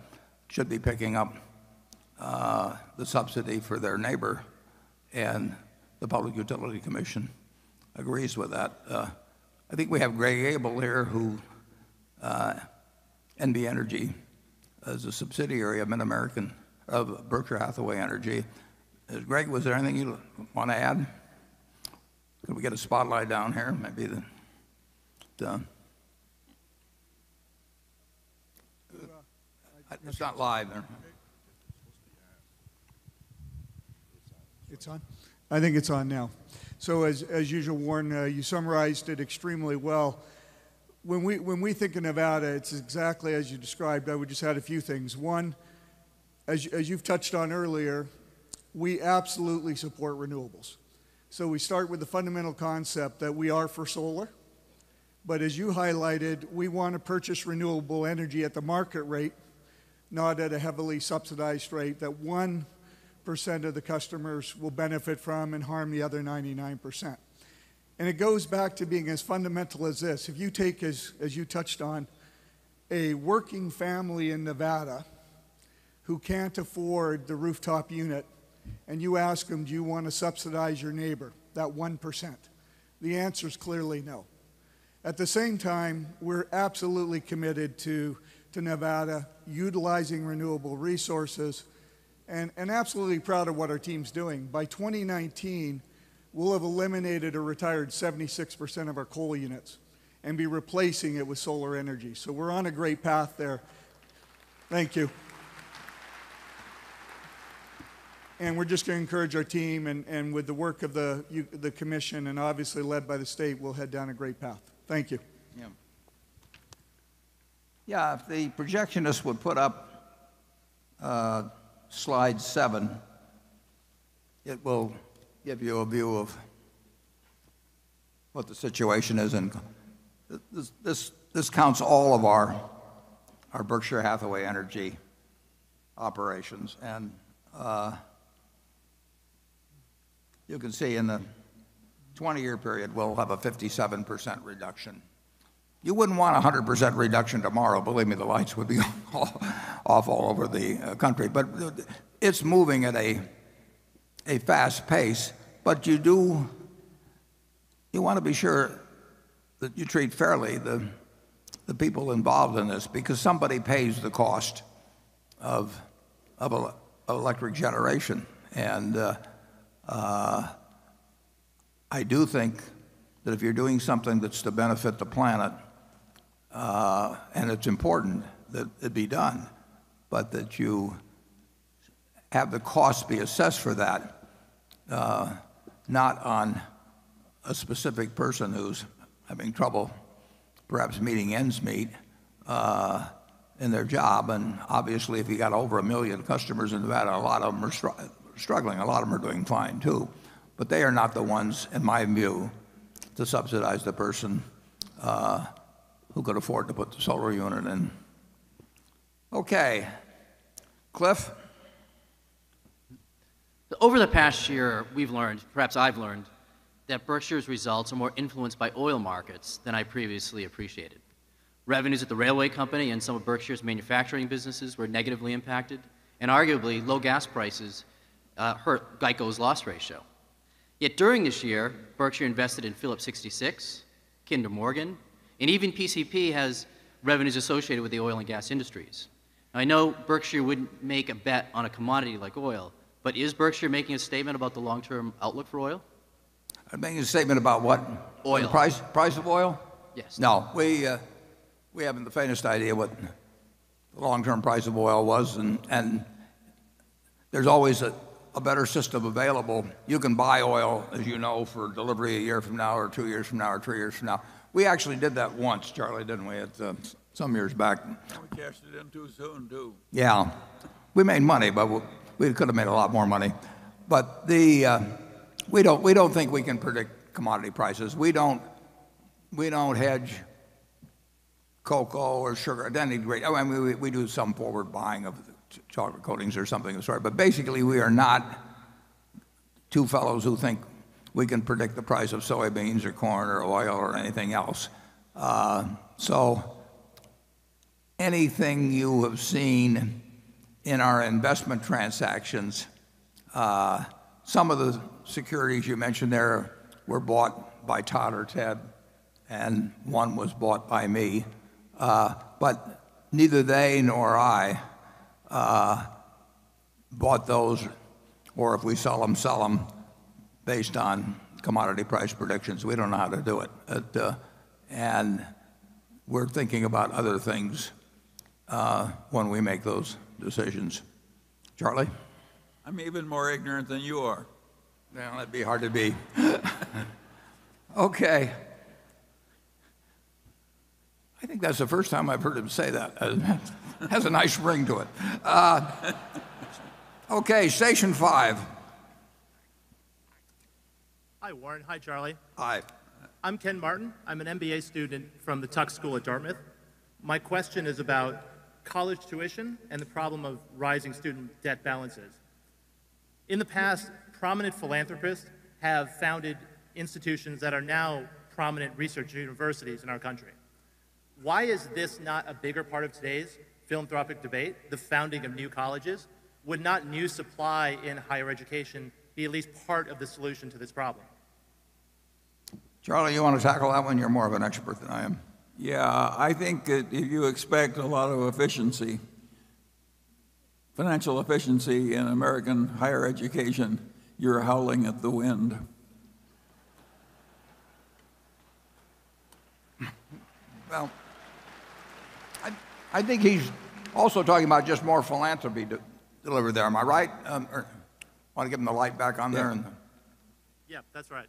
should be picking up the subsidy for their neighbor, and the Public Utility Commission agrees with that. I think we have Greg Abel here, who NV Energy is a subsidiary of MidAmerican Energy of Berkshire Hathaway Energy. Greg, was there anything you want to add? Can we get a spotlight down here maybe? Done. It's not live there. It's on? I think it's on now. As usual, Warren, you summarized it extremely well. When we think of Nevada, it's exactly as you described, I would just add a few things. One, as you've touched on earlier, we absolutely support renewables. We start with the fundamental concept that we are for solar, but as you highlighted, we want to purchase renewable energy at the market rate, not at a heavily subsidized rate that 1% of the customers will benefit from and harm the other 99%. It goes back to being as fundamental as this. If you take, as you touched on, a working family in Nevada who can't afford the rooftop unit, and you ask them, "Do you want to subsidize your neighbor, that 1%?" The answer's clearly no. At the same time, we're absolutely committed to Nevada utilizing renewable resources, and absolutely proud of what our team's doing. By 2019, we'll have eliminated or retired 76% of our coal units and be replacing it with solar energy. We're on a great path there. Thank you. We're just going to encourage our team, with the work of the commission, and obviously led by the state, we'll head down a great path. Thank you. Yeah. Yeah. If the projectionist would put up slide seven, it will give you a view of what the situation is in This counts all of our Berkshire Hathaway Energy operations. You can see in the 20-year period, we'll have a 57% reduction. You wouldn't want 100% reduction tomorrow. Believe me, the lights would be off all over the country. It's moving at a fast pace. You want to be sure that you treat fairly the people involved in this because somebody pays the cost of electric generation. I do think that if you're doing something that's to benefit the planet, and it's important that it be done, but that you have the cost be assessed for that, not on a specific person who's having trouble perhaps meeting ends meet in their job. Obviously, if you got over a million customers in Nevada, a lot of them are struggling. A lot of them are doing fine, too. They are not the ones, in my view, to subsidize the person who could afford to put the solar unit in. Okay. Cliff? Over the past year, we've learned, perhaps I've learned, that Berkshire's results are more influenced by oil markets than I previously appreciated. Revenues at the railway company and some of Berkshire's manufacturing businesses were negatively impacted, and arguably, low gas prices hurt GEICO's loss ratio. Yet during this year, Berkshire invested in Phillips 66, Kinder Morgan, and even PCP has revenues associated with the oil and gas industries. I know Berkshire wouldn't make a bet on a commodity like oil, but is Berkshire making a statement about the long-term outlook for oil? Making a statement about what? Oil. Price of oil? Yes. No. We haven't the faintest idea what the long-term price of oil was, and there's always a better system available. You can buy oil, as you know, for delivery a year from now or two years from now, or three years from now. We actually did that once, Charlie, didn't we? It's some years back. We cashed it in too soon, too. Yeah. We made money, we could have made a lot more money. We don't think we can predict commodity prices. We don't hedge cocoa or sugar at any rate. We do some forward buying of chocolate coatings or something of the sort, basically, we are not two fellows who think we can predict the price of soybeans, or corn, or oil, or anything else. Anything you have seen in our investment transactions, some of the securities you mentioned there were bought by Todd or Ted, and one was bought by me. Neither they nor I bought those, or if we sell them, sell them based on commodity price predictions. We don't know how to do it. We're thinking about other things when we make those decisions. Charlie? I'm even more ignorant than you are. Well, it'd be hard to be. Okay. I think that's the first time I've heard him say that. Has a nice ring to it. Okay, station five. Hi, Warren. Hi, Charlie. Hi. I'm Ken Martin. I'm an MBA student from the Tuck School of Business at Dartmouth. My question is about college tuition and the problem of rising student debt balances. In the past, prominent philanthropists have founded institutions that are now prominent research universities in our country. Why is this not a bigger part of today's philanthropic debate, the founding of new colleges? Would not new supply in higher education be at least part of the solution to this problem? Charlie, you want to tackle that one? You're more of an expert than I am. Yeah. I think if you expect a lot of financial efficiency in American higher education, you're howling at the wind. Well, I think he's also talking about just more philanthropy delivery there. Am I right? Or want to get him the light back on there. Yeah, that's right.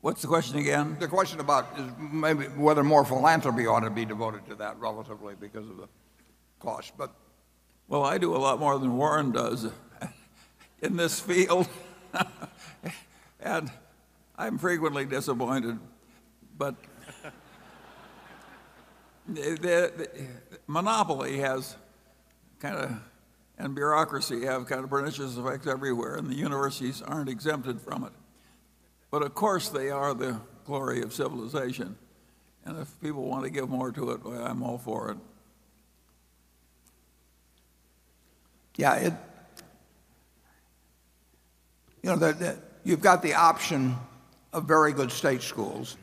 What's the question again? The question about is maybe whether more philanthropy ought to be devoted to that relatively because of the cost. I do a lot more than Warren does in this field. I'm frequently disappointed. Monopoly has kind of, and bureaucracy have kind of pernicious effects everywhere, and the universities aren't exempted from it. Of course, they are the glory of civilization, and if people want to give more to it, well, I'm all for it. You've got the option of very good state schools.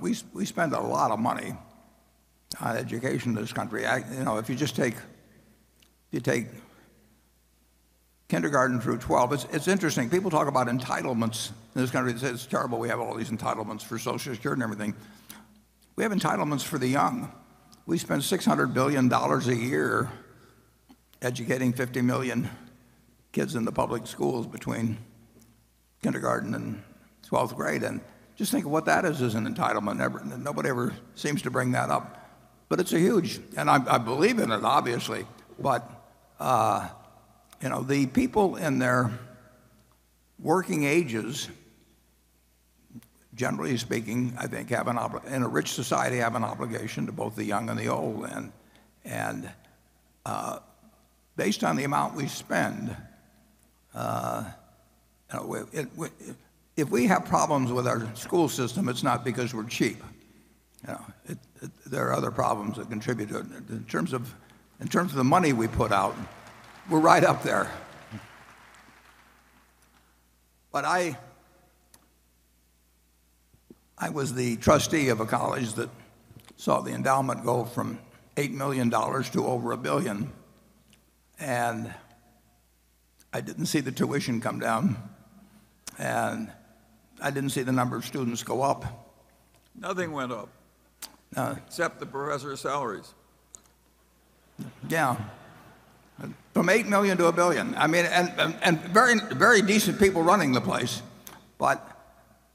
We spend a lot of money on education in this country. If you take kindergarten through 12, it's interesting. People talk about entitlements in this country, they say it's terrible we have all these entitlements for Social Security and everything. We have entitlements for the young. We spend $600 billion a year educating 50 million kids in the public schools between kindergarten and 12th grade, and just think of what that is as an entitlement. Nobody ever seems to bring that up, but it's huge, and I believe in it, obviously. The people in their working ages, generally speaking, I think, in a rich society, have an obligation to both the young and the old, and based on the amount we spend, if we have problems with our school system, it's not because we're cheap. There are other problems that contribute to it. In terms of the money we put out, we're right up there. I was the trustee of a college that saw the endowment go from $8 million to over $1 billion, and I didn't see the tuition come down, and I didn't see the number of students go up. Nothing went up except the professors' salaries. Yeah. From $8 million to $1 billion, and very decent people running the place.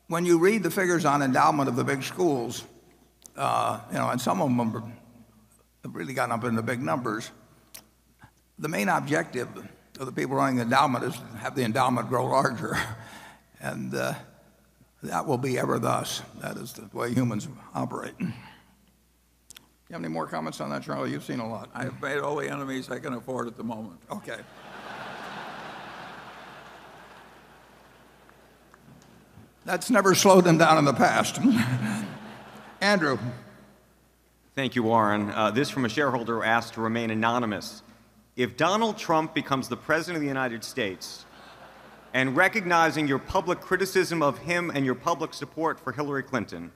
When you read the figures on endowment of the big schools, and some of them have really gotten up into big numbers, the main objective of the people running the endowment is to have the endowment grow larger, and that will be ever thus. That is the way humans operate. Do you have any more comments on that, Charlie? You've seen a lot. I have made all the enemies I can afford at the moment. Okay. That's never slowed them down in the past. Andrew. Thank you, Warren. This from a shareholder who asked to remain anonymous. If Donald Trump becomes the President of the United States, recognizing your public criticism of him and your public support for Hillary Clinton,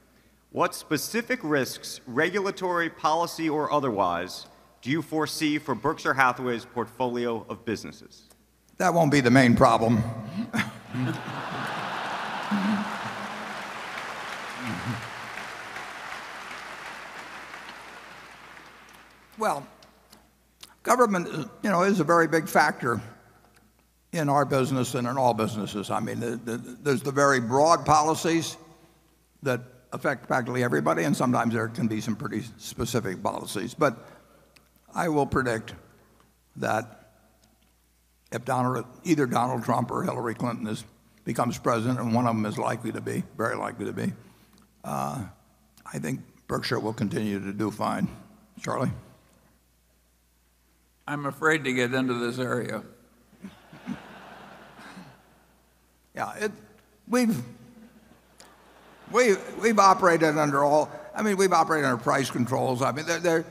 what specific risks, regulatory, policy, or otherwise, do you foresee for Berkshire Hathaway's portfolio of businesses? That won't be the main problem. Well, government is a very big factor in our business and in all businesses. There's the very broad policies that affect practically everybody, and sometimes there can be some pretty specific policies. I will predict that if either Donald Trump or Hillary Clinton becomes president, and one of them is very likely to be, I think Berkshire will continue to do fine. Charlie? I'm afraid to get into this area. Yeah. We've operated under price controls. We've had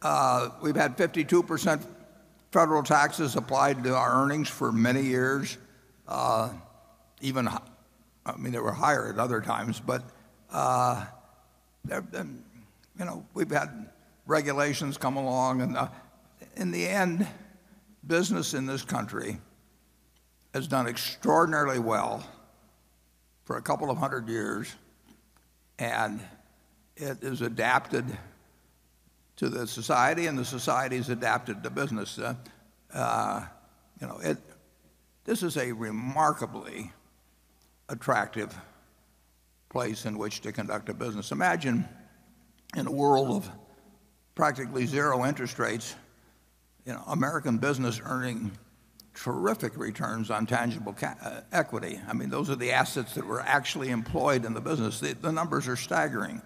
52% federal taxes applied to our earnings for many years. They were higher at other times. We've had regulations come along, in the end, business in this country has done extraordinarily well for a couple of hundred years, and it has adapted to the society, and the society's adapted to business. This is a remarkably attractive place in which to conduct a business. Imagine in a world of practically zero interest rates, American business earning terrific return on tangible equity. Those are the assets that were actually employed in the business. The numbers are staggering.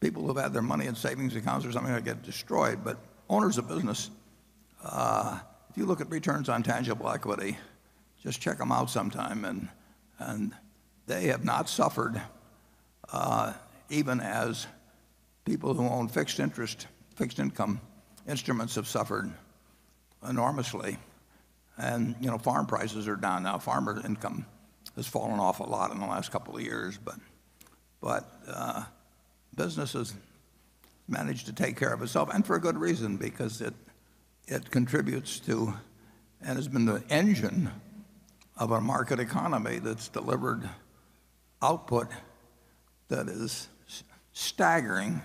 People who have had their money in savings accounts or something like that get destroyed. Owners of business, if you look at return on tangible equity, just check them out sometime, and they have not suffered, even as people who own fixed income instruments have suffered enormously. Farm prices are down now. Farmer income has fallen off a lot in the last couple of years. Business is managed to take care of itself, and for a good reason, because it contributes to and has been the engine of a market economy that's delivered output that is staggering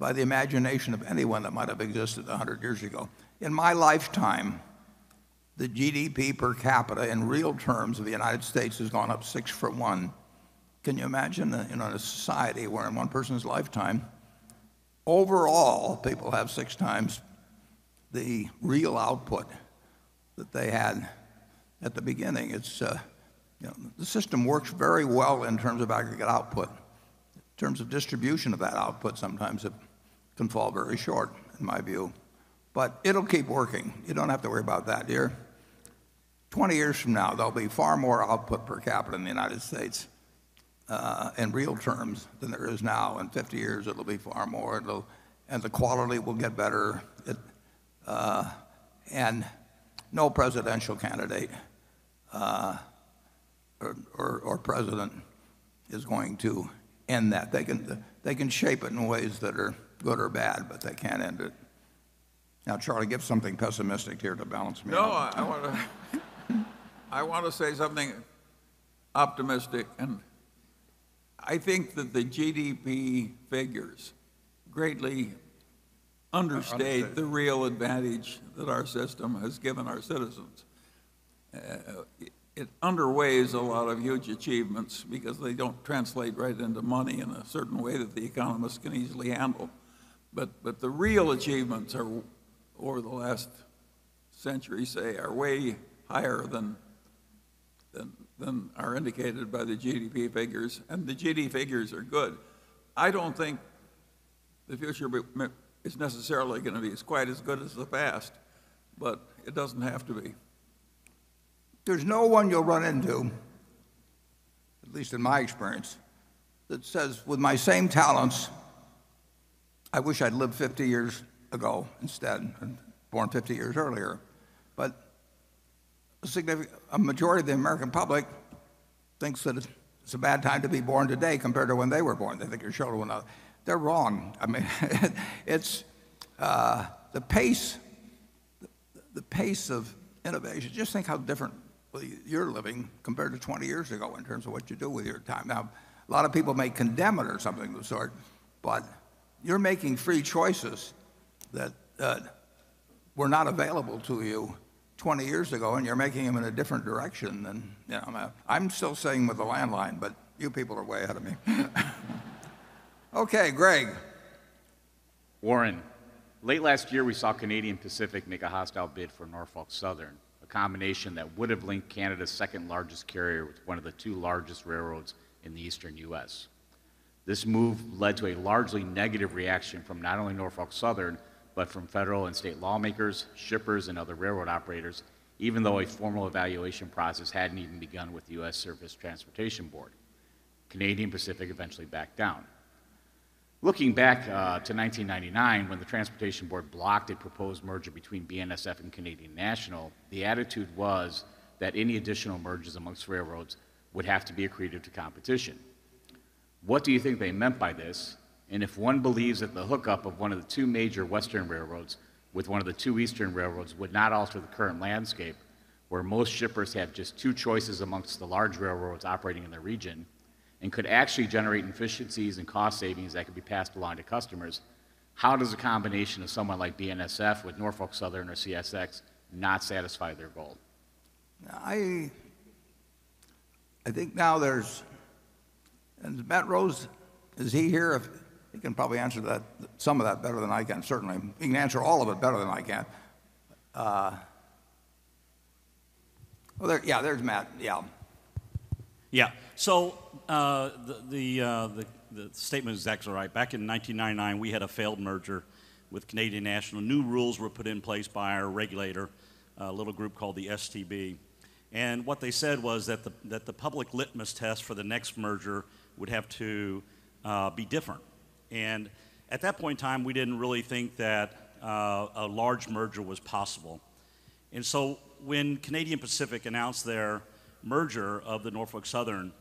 by the imagination of anyone that might have existed 100 years ago. In my lifetime, the GDP per capita in real terms of the United States has gone up six for one. Can you imagine in a society where in one person's lifetime, overall, people have six times the real output that they had at the beginning? The system works very well in terms of aggregate output. In terms of distribution of that output, sometimes it can fall very short in my view, but it'll keep working. You don't have to worry about that here. 20 years from now, there'll be far more output per capita in the United States, in real terms than there is now. In 50 years, it'll be far more, and the quality will get better. No presidential candidate, or president is going to end that. They can shape it in ways that are good or bad, but they can't end it. Now, Charlie, give something pessimistic here to balance me out. No. I think that the GDP figures greatly understate- Understate the real advantage that our system has given our citizens. It underweighs a lot of huge achievements because they don't translate right into money in a certain way that the economists can easily handle. The real achievements over the last century, say, are way higher than are indicated by the GDP figures. The GDP figures are good. I don't think the future is necessarily going to be as quite as good as the past, but it doesn't have to be. There's no one you'll run into, at least in my experience, that says, "With my same talents, I wish I'd lived 50 years ago instead, been born 50 years earlier." A majority of the American public thinks that it's a bad time to be born today compared to when they were born. They're wrong. The pace of innovation, just think how differently you're living compared to 20 years ago in terms of what you do with your time. Now, a lot of people may condemn it or something of the sort, but you're making free choices that were not available to you 20 years ago, and you're making them in a different direction than I'm still staying with a landline, but you people are way ahead of me. Okay, Greg. Warren, late last year, we saw Canadian Pacific make a hostile bid for Norfolk Southern, a combination that would've linked Canada's second largest carrier with one of the two largest railroads in the Eastern U.S. This move led to a largely negative reaction from not only Norfolk Southern, but from federal and state lawmakers, shippers, and other railroad operators, even though a formal evaluation process hadn't even begun with the U.S. Surface Transportation Board. Canadian Pacific eventually backed down. Looking back to 1999, when the Transportation Board blocked a proposed merger between BNSF and Canadian National, the attitude was that any additional mergers amongst railroads would have to be accretive to competition. What do you think they meant by this? If one believes that the hookup of one of the two major western railroads with one of the two eastern railroads would not alter the current landscape, where most shippers have just two choices amongst the large railroads operating in the region and could actually generate efficiencies and cost savings that could be passed along to customers, how does a combination of someone like BNSF with Norfolk Southern or CSX not satisfy their goal? Matt Rose, is he here? He can probably answer some of that better than I can, certainly. He can answer all of it better than I can. Yeah, there's Matt. Yeah. Yeah. The statement is actually right. Back in 1999, we had a failed merger with Canadian National. New rules were put in place by our regulator, a little group called the STB. What they said was that the public litmus test for the next merger would have to be different. At that point in time, we didn't really think that a large merger was possible. When Canadian Pacific announced their merger of the Norfolk Southern,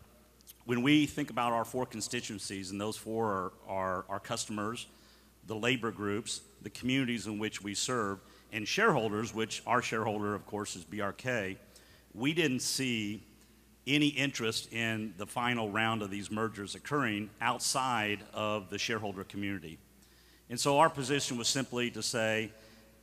when we think about our four constituencies, and those four are our customers, the labor groups, the communities in which we serve, and shareholders, which our shareholder, of course, is BRK. We didn't see any interest in the final round of these mergers occurring outside of the shareholder community. Our position was simply to say,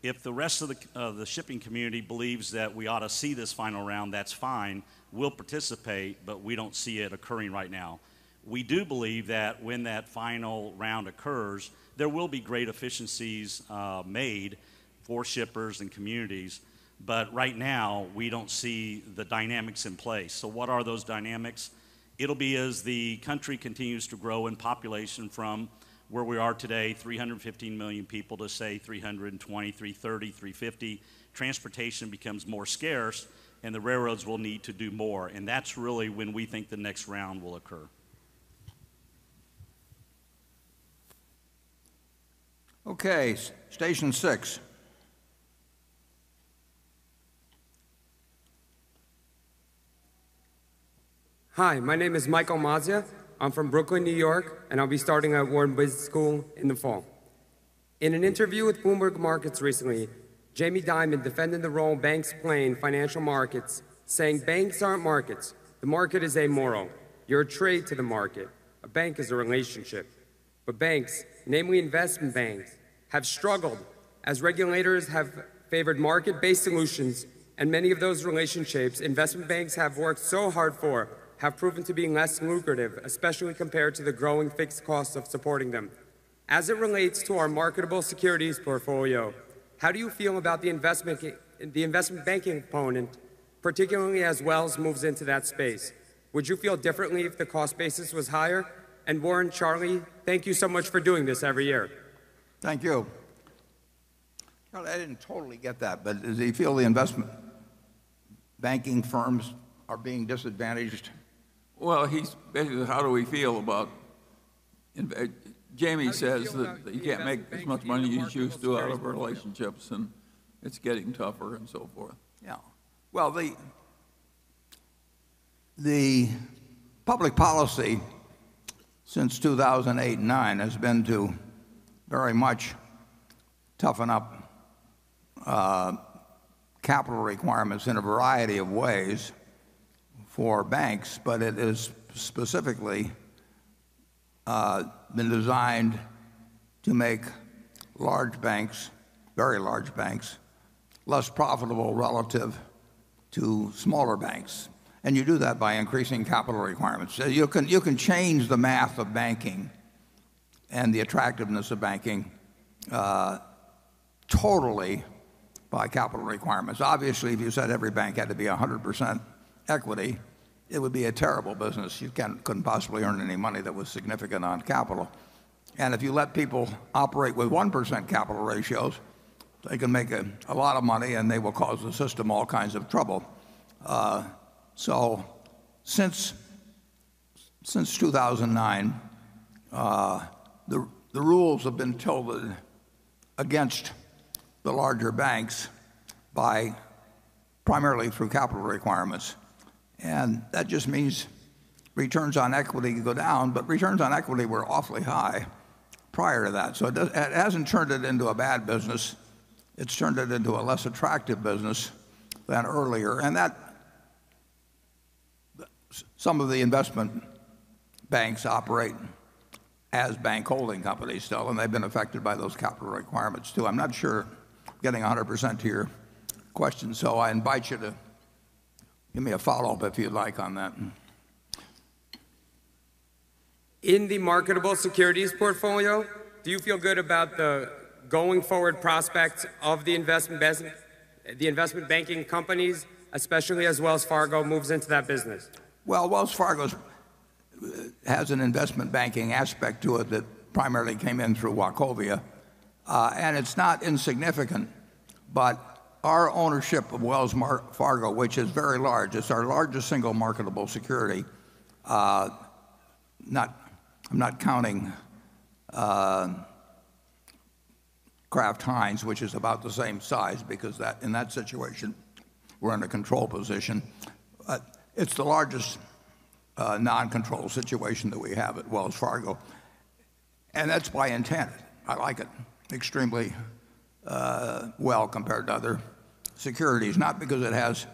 if the rest of the shipping community believes that we ought to see this final round, that's fine. We'll participate, but we don't see it occurring right now. We do believe that when that final round occurs, there will be great efficiencies made for shippers and communities, but right now we don't see the dynamics in place. What are those dynamics? It'll be as the country continues to grow in population from where we are today, 315 million people to, say, 320, 330, 350. Transportation becomes more scarce, and the railroads will need to do more, and that's really when we think the next round will occur. Okay. Station six. Hi, my name is Michael Mazias. I'm from Brooklyn, N.Y., and I'll be starting at Wharton Business School in the fall. In an interview with Bloomberg Markets recently, Jamie Dimon defended the role banks play in financial markets, saying, "Banks aren't markets. The market is amoral. You're a trade to the market. A bank is a relationship." Banks, namely investment banks, have struggled as regulators have favored market-based solutions, and many of those relationships investment banks have worked so hard for have proven to be less lucrative, especially compared to the growing fixed costs of supporting them. As it relates to our marketable securities portfolio, how do you feel about the investment banking component, particularly as Wells moves into that space? Would you feel differently if the cost basis was higher? Warren, Charlie, thank you so much for doing this every year. Thank you. Charlie, I didn't totally get that, does he feel the investment banking firms are being disadvantaged? Well, how do we feel about Jamie says that you can't make as much money as you used to out of relationships, and it's getting tougher and so forth. Yeah. Well, the public policy since 2008 and 2009 has been to very much toughen up capital requirements in a variety of ways for banks. It has specifically been designed to make large banks, very large banks, less profitable relative to smaller banks, and you do that by increasing capital requirements. You can change the math of banking and the attractiveness of banking totally by capital requirements. Obviously, if you said every bank had to be 100% equity, it would be a terrible business. You couldn't possibly earn any money that was significant on capital. If you let people operate with 1% capital ratios, they can make a lot of money, and they will cause the system all kinds of trouble. Since 2009, the rules have been tilted against the larger banks primarily through capital requirements. That just means returns on equity go down, but returns on equity were awfully high prior to that. It hasn't turned it into a bad business. It's turned it into a less attractive business than earlier. Some of the investment banks operate as bank holding companies still, and they've been affected by those capital requirements, too. I'm not sure getting 100% to your question, so I invite you to give me a follow-up, if you'd like, on that. In the marketable securities portfolio, do you feel good about the going forward prospects of the investment banking companies, especially as Wells Fargo moves into that business? Wells Fargo has an investment banking aspect to it that primarily came in through Wachovia. It's not insignificant, our ownership of Wells Fargo, which is very large, it's our largest single marketable security. I'm not counting Kraft Heinz, which is about the same size, because in that situation, we're in a control position. It's the largest non-control situation that we have at Wells Fargo, that's by intent. I like it extremely well compared to other securities. Not because it has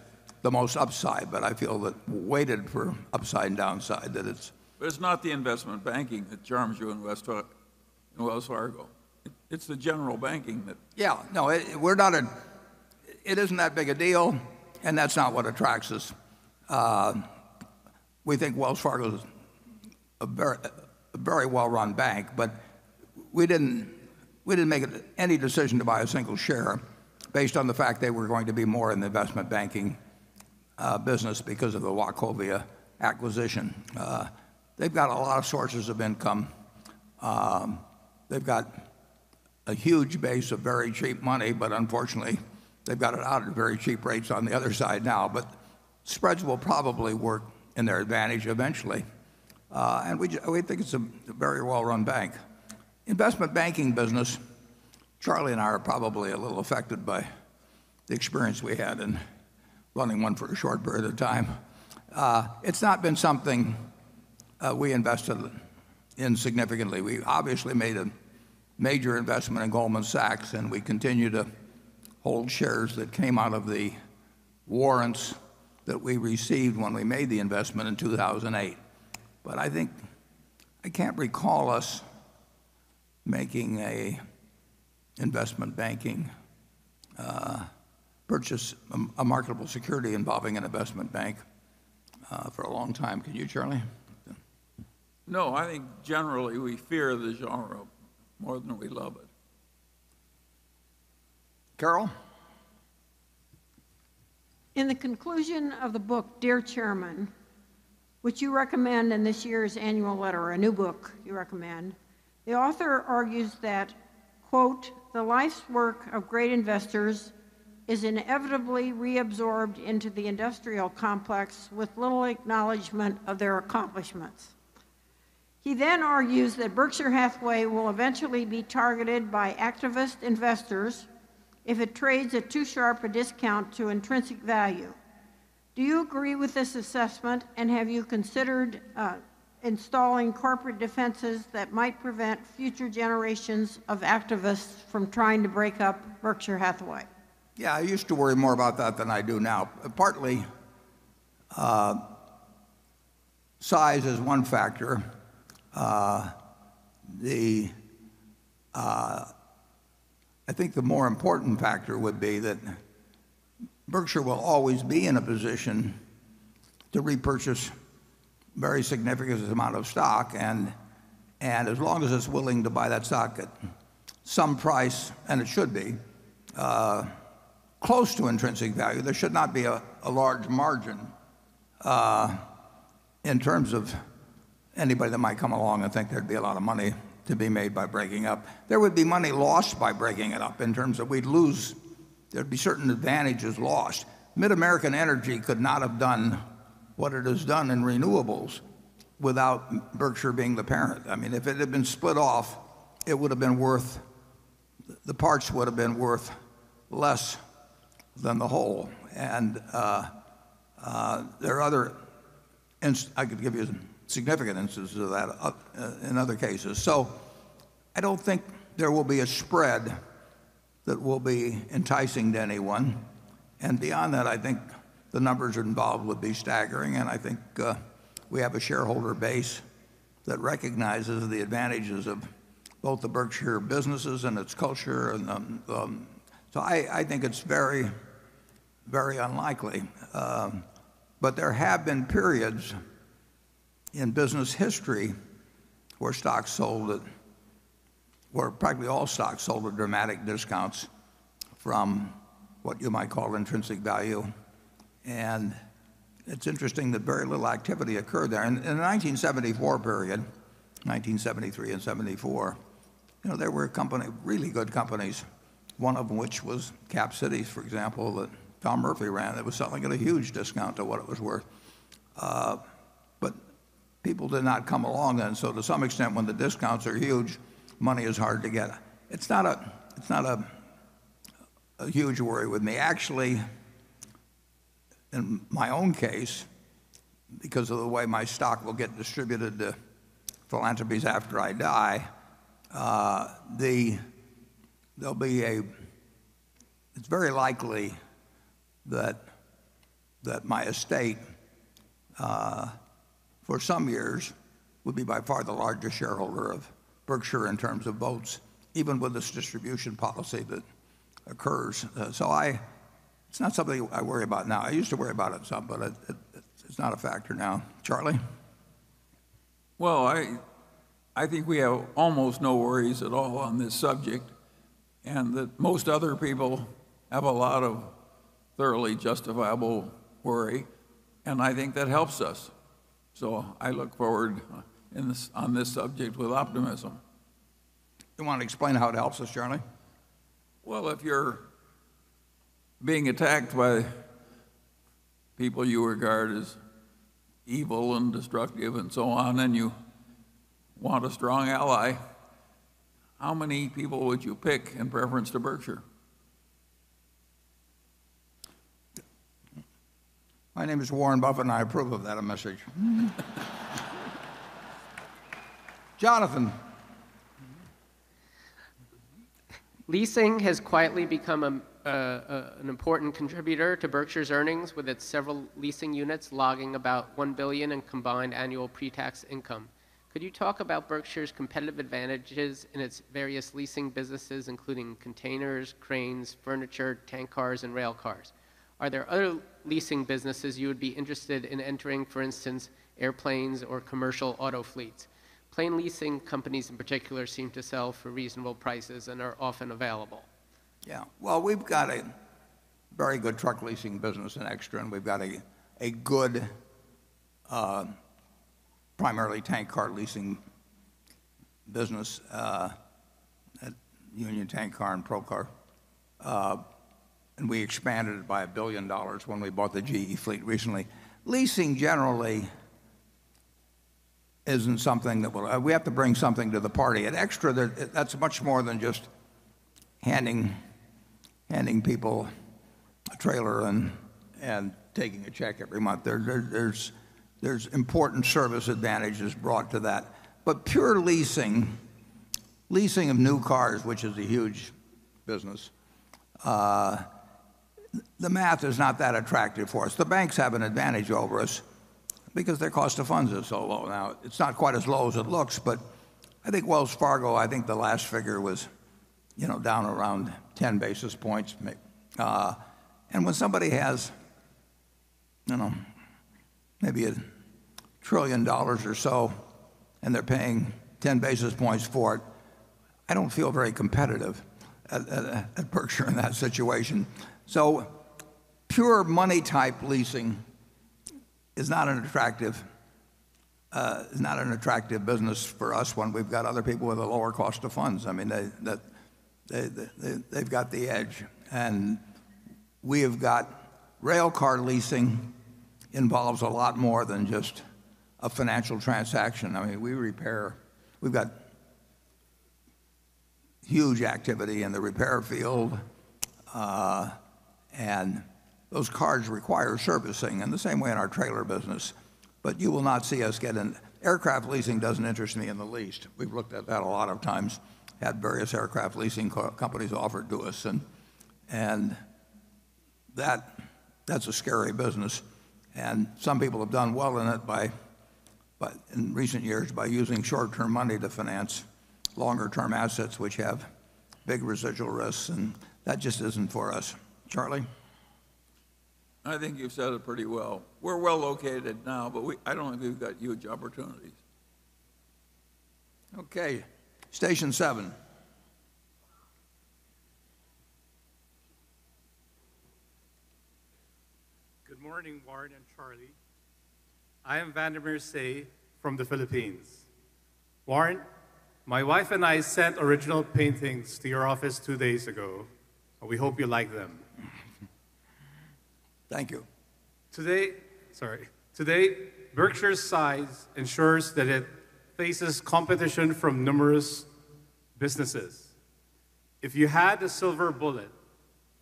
the most upside, I feel that weighted for upside and downside, that it's- It's not the investment banking that charms you in Wells Fargo. It's the general banking that- No, it isn't that big a deal, that's not what attracts us. We think Wells Fargo is a very well-run bank, we didn't make any decision to buy a single share based on the fact they were going to be more in the investment banking business because of the Wachovia acquisition. They've got a lot of sources of income. They've got a huge base of very cheap money, unfortunately, they've got it out at very cheap rates on the other side now. Spreads will probably work in their advantage eventually. We think it's a very well-run bank. Investment banking business, Charlie and I are probably a little affected by the experience we had in running one for a short period of time. It's not been something we invested in significantly. We obviously made a major investment in Goldman Sachs, we continue to hold shares that came out of the warrants that we received when we made the investment in 2008. I think I can't recall us making an investment banking purchase, a marketable security involving an investment bank for a long time. Can you, Charlie? No. I think generally we fear the genre more than we love it. Carol? In the conclusion of the book, "Dear Chairman," which you recommend in this year's annual letter, a new book you recommend, the author argues that, quote, "The life's work of great investors is inevitably reabsorbed into the industrial complex with little acknowledgment of their accomplishments." He argues that Berkshire Hathaway will eventually be targeted by activist investors if it trades at too sharp a discount to intrinsic value. Do you agree with this assessment, have you considered installing corporate defenses that might prevent future generations of activists from trying to break up Berkshire Hathaway? Yeah, I used to worry more about that than I do now. Partly, size is one factor. I think the more important factor would be that Berkshire will always be in a position to repurchase a very significant amount of stock. As long as it's willing to buy that stock at some price, it should be, close to intrinsic value, there should not be a large margin in terms of anybody that might come along and think there'd be a lot of money to be made by breaking up. There would be money lost by breaking it up, in terms of there'd be certain advantages lost. MidAmerican Energy could not have done what it has done in renewables without Berkshire being the parent. If it had been split off, the parts would have been worth less than the whole. I could give you significant instances of that in other cases. I don't think there will be a spread that will be enticing to anyone. Beyond that, I think the numbers involved would be staggering, I think we have a shareholder base that recognizes the advantages of both the Berkshire businesses and its culture. I think it's very unlikely. There have been periods in business history where probably all stocks sold at dramatic discounts from what you might call intrinsic value. It's interesting that very little activity occurred there. In the 1974 period, 1973 and '74, there were really good companies, one of which was Cap Cities, for example, that Tom Murphy ran, that was selling at a huge discount to what it was worth. People did not come along then. To some extent, when the discounts are huge, money is hard to get. It's not a huge worry with me. Actually, in my own case, because of the way my stock will get distributed to philanthropies after I die, it's very likely that my estate for some years will be by far the largest shareholder of Berkshire in terms of votes, even with this distribution policy that occurs. It's not something I worry about now. I used to worry about it some, but it's not a factor now. Charlie? Well, I think we have almost no worries at all on this subject, and that most other people have a lot of thoroughly justifiable worry, and I think that helps us. I look forward on this subject with optimism. You want to explain how it helps us, Charlie? Well, if you're being attacked by people you regard as evil and destructive and so on, and you want a strong ally, how many people would you pick in preference to Berkshire? My name is Warren Buffett. I approve of that message, Jonathan. Leasing has quietly become an important contributor to Berkshire's earnings, with its several leasing units logging about $1 billion in combined annual pre-tax income. Could you talk about Berkshire's competitive advantages in its various leasing businesses, including containers, cranes, furniture, tank cars, and rail cars? Are there other leasing businesses you would be interested in entering, for instance, airplanes or commercial auto fleets? Plane leasing companies in particular seem to sell for reasonable prices and are often available. Well, we've got a very good truck leasing business in XTRA, and we've got a good primarily tank car leasing business at Union Tank Car and Procor. We expanded it by $1 billion when we bought the GE fleet recently. Leasing generally isn't something that we have to bring something to the party. At XTRA, that's much more than just handing people a trailer and taking a check every month. There's important service advantages brought to that. Pure leasing of new cars, which is a huge business, the math is not that attractive for us. The banks have an advantage over us because their cost of funds is so low now. It's not quite as low as it looks, but I think Wells Fargo, I think the last figure was down around 10 basis points. When somebody has maybe $1 trillion or so and they're paying 10 basis points for it, I don't feel very competitive at Berkshire in that situation. Pure money type leasing is not an attractive business for us when we've got other people with a lower cost of funds. They've got the edge. We have got railcar leasing involves a lot more than just a financial transaction. We've got huge activity in the repair field, and those cars require servicing. In the same way in our trailer business. You will not see us get in. Aircraft leasing doesn't interest me in the least. We've looked at that a lot of times, had various aircraft leasing companies offer to us, and that's a scary business. Some people have done well in it in recent years, by using short-term money to finance longer term assets which have big residual risks, that just isn't for us. Charlie? I think you've said it pretty well. We're well located now, but I don't think we've got huge opportunities. Okay. Station 7. Good morning, Warren and Charlie. I am Vladimir Sy from the Philippines. Warren, my wife and I sent original paintings to your office two days ago, and we hope you like them. Thank you. Sorry. Today, Berkshire's size ensures that it faces competition from numerous businesses. If you had a silver bullet,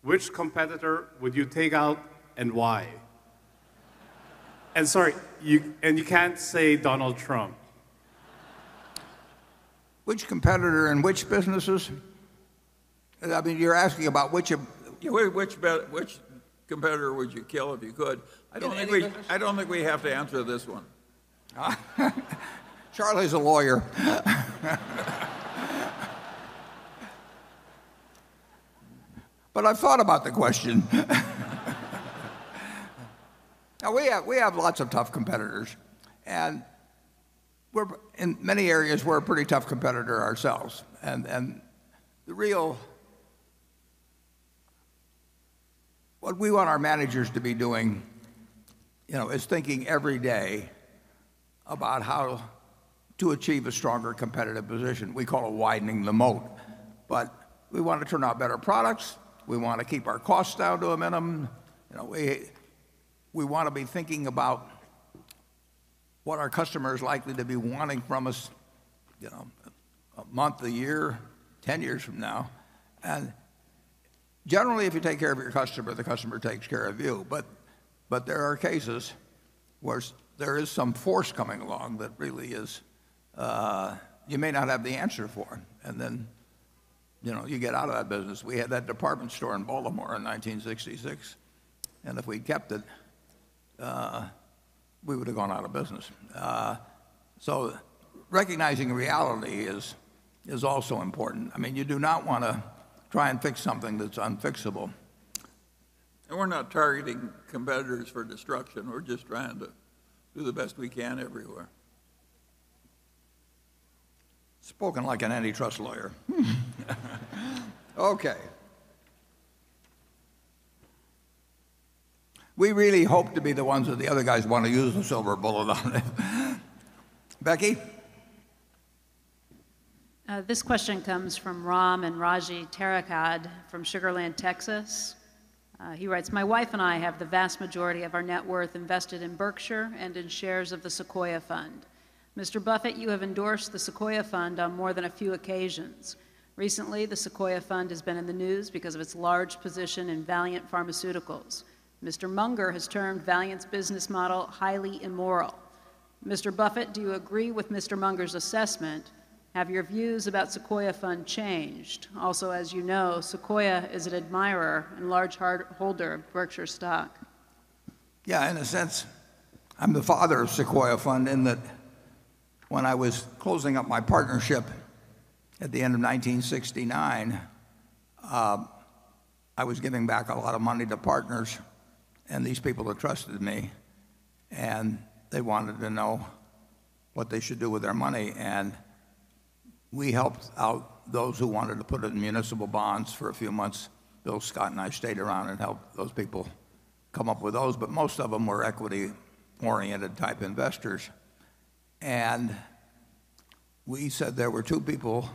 which competitor would you take out and why? Sorry, you can't say Donald Trump. Which competitor in which businesses? Which competitor would you kill if you could? In any business. I don't think we have to answer this one. Charlie's a lawyer. I've thought about the question. Now, we have lots of tough competitors, in many areas, we're a pretty tough competitor ourselves. What we want our managers to be doing is thinking every day about how to achieve a stronger competitive position. We call it widening the moat. We want to turn out better products. We want to keep our costs down to a minimum. We want to be thinking about what our customer is likely to be wanting from us a month, a year, 10 years from now. Generally, if you take care of your customer, the customer takes care of you. There are cases where there is some force coming along that really you may not have the answer for, and then you get out of that business. We had that department store in Baltimore in 1966, and if we'd kept it, we would've gone out of business. Recognizing reality is also important. I mean, you do not want to try and fix something that's unfixable. We're not targeting competitors for destruction. We're just trying to do the best we can everywhere. Spoken like an antitrust lawyer. Okay. We really hope to be the ones that the other guys want to use the silver bullet on. Becky? This question comes from Rom and Raji Tarakad from Sugar Land, Texas. He writes, "My wife and I have the vast majority of our net worth invested in Berkshire and in shares of the Sequoia Fund. Mr. Buffett, you have endorsed the Sequoia Fund on more than a few occasions. Recently, the Sequoia Fund has been in the news because of its large position in Valeant Pharmaceuticals. Mr. Munger has termed Valeant's business model highly immoral. Mr. Buffett, do you agree with Mr. Munger's assessment? Have your views about Sequoia Fund changed? Also, as you know, Sequoia is an admirer and large holder of Berkshire stock. Yeah, in a sense, I'm the father of Sequoia Fund in that when I was closing up my partnership at the end of 1969, I was giving back a lot of money to partners and these people who trusted me, and they wanted to know what they should do with their money. We helped out those who wanted to put it in municipal bonds for a few months. Bill Scott and I stayed around and helped those people come up with those, but most of them were equity-oriented type investors. We said there were two people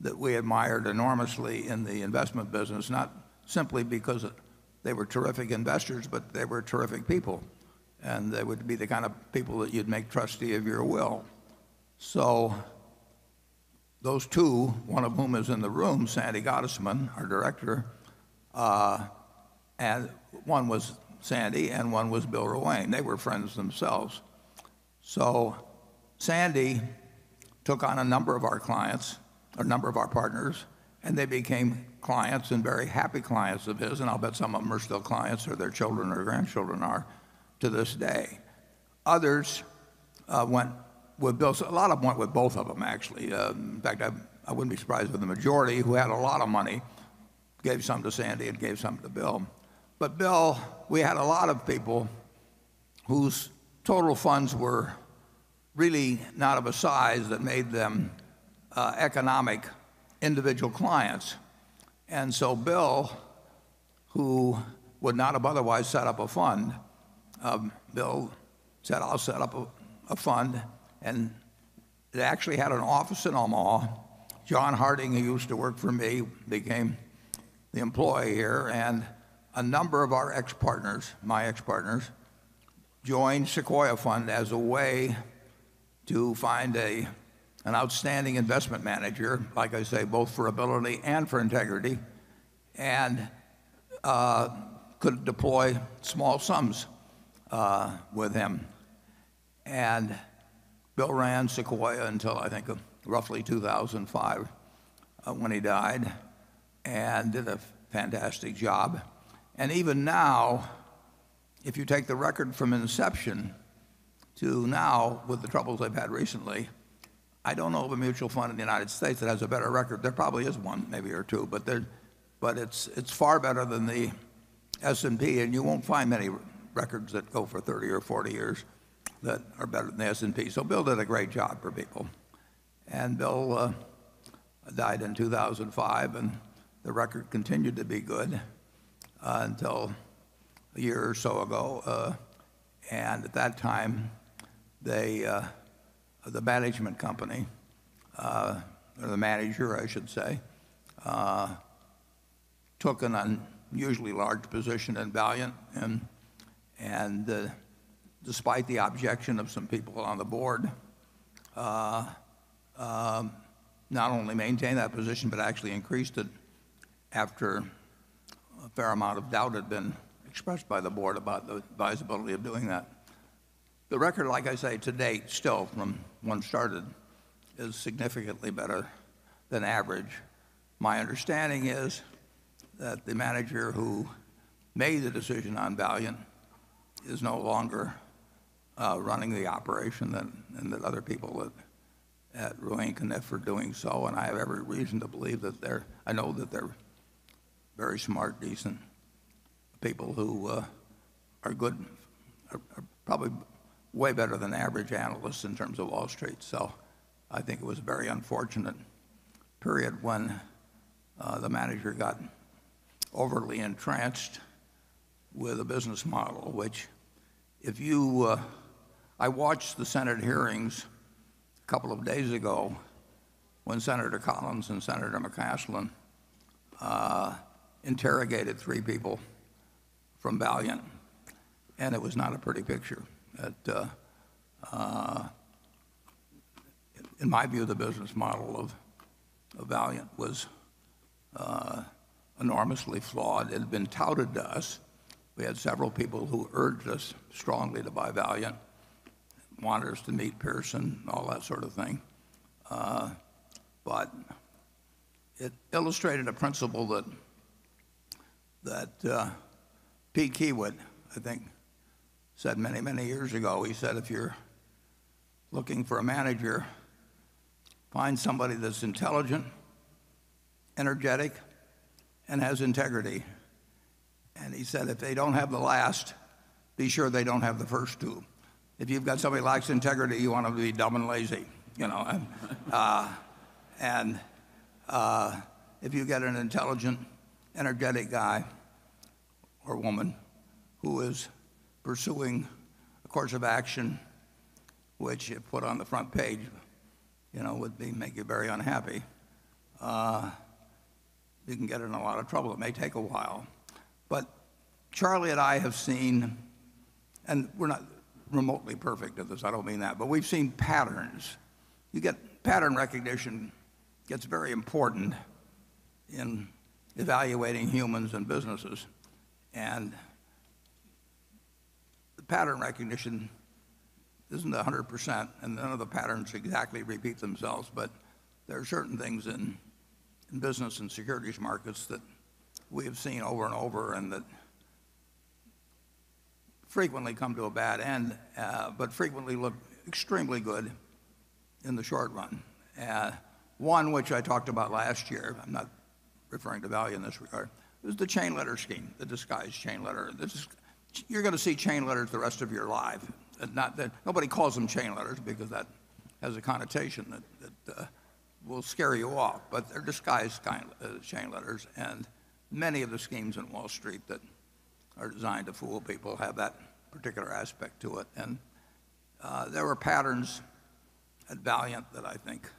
that we admired enormously in the investment business, not simply because they were terrific investors, but they were terrific people. They would be the kind of people that you'd make trustee of your will. Those two, one of whom is in the room, Sandy Gottesman, our director. One was Sandy, and one was Bill Ruane. They were friends themselves. Sandy took on a number of our clients, a number of our partners, and they became clients and very happy clients of his. I'll bet some of them are still clients, or their children or grandchildren are to this day. Others went with Bill. A lot of them went with both of them, actually. In fact, I wouldn't be surprised if the majority who had a lot of money gave some to Sandy and gave some to Bill. Bill, we had a lot of people whose total funds were really not of a size that made them economic individual clients. Bill, who would not have otherwise set up a fund, Bill said, "I'll set up a fund." It actually had an office in Omaha. John Harding, who used to work for me, became the employee here, a number of our ex-partners, my ex-partners, joined Sequoia Fund as a way to find an outstanding investment manager, like I say, both for ability and for integrity, and could deploy small sums with him. Bill ran Sequoia until, I think, roughly 2005 when he died, and did a fantastic job. Even now, if you take the record from inception to now with the troubles they've had recently, I don't know of a mutual fund in the U.S. that has a better record. There probably is one maybe or two, but it's far better than the S&P, and you won't find many records that go for 30 or 40 years that are better than the S&P. Bill did a great job for people. Bill died in 2005, and the record continued to be good until a year or so ago. At that time, the management company, or the manager, I should say, took an unusually large position in Valeant, and despite the objection of some people on the board, not only maintained that position but actually increased it after a fair amount of doubt had been expressed by the board about the advisability of doing that. The record, like I say, to date still from when it started, is significantly better than average. My understanding is that the manager who made the decision on Valeant is no longer running the operation and that other people at Ruane, Cunniff are doing so, I know that they're very smart, decent people who are good, are probably way better than average analysts in terms of Wall Street. I think it was a very unfortunate period when the manager got overly entranced with a business model, which if you I watched the Senate hearings a couple of days ago when Senator Collins and Senator McCaskill interrogated three people from Valeant, and it was not a pretty picture. That in my view, the business model of Valeant was enormously flawed. It had been touted to us. We had several people who urged us strongly to buy Valeant, wanted us to meet Pearson, all that sort of thing. It illustrated a principle that Pete Kiewit, I think, said many years ago. He said, "If you're looking for a manager, find somebody that's intelligent, energetic, and has integrity." He said, "If they don't have the last, be sure they don't have the first two." If you've got somebody who lacks integrity, you want them to be dumb and lazy. If you get an intelligent, energetic guy or woman who is pursuing a course of action which you put on the front page, would make you very unhappy, you can get in a lot of trouble. It may take a while. Charlie and I have seen, and we're not remotely perfect at this, I don't mean that, but we've seen patterns. Pattern recognition gets very important in evaluating humans and businesses. The pattern recognition isn't 100%, none of the patterns exactly repeat themselves, there are certain things in business and securities markets that we have seen over and over, that frequently come to a bad end, frequently look extremely good in the short run. One which I talked about last year, I'm not referring to Valeant in this regard, is the chain letter scheme, the disguised chain letter. You're going to see chain letters the rest of your life. Nobody calls them chain letters because that has a connotation that will scare you off, they're disguised chain letters, and many of the schemes on Wall Street that are designed to fool people have that particular aspect to it. There were patterns at Valeant that I think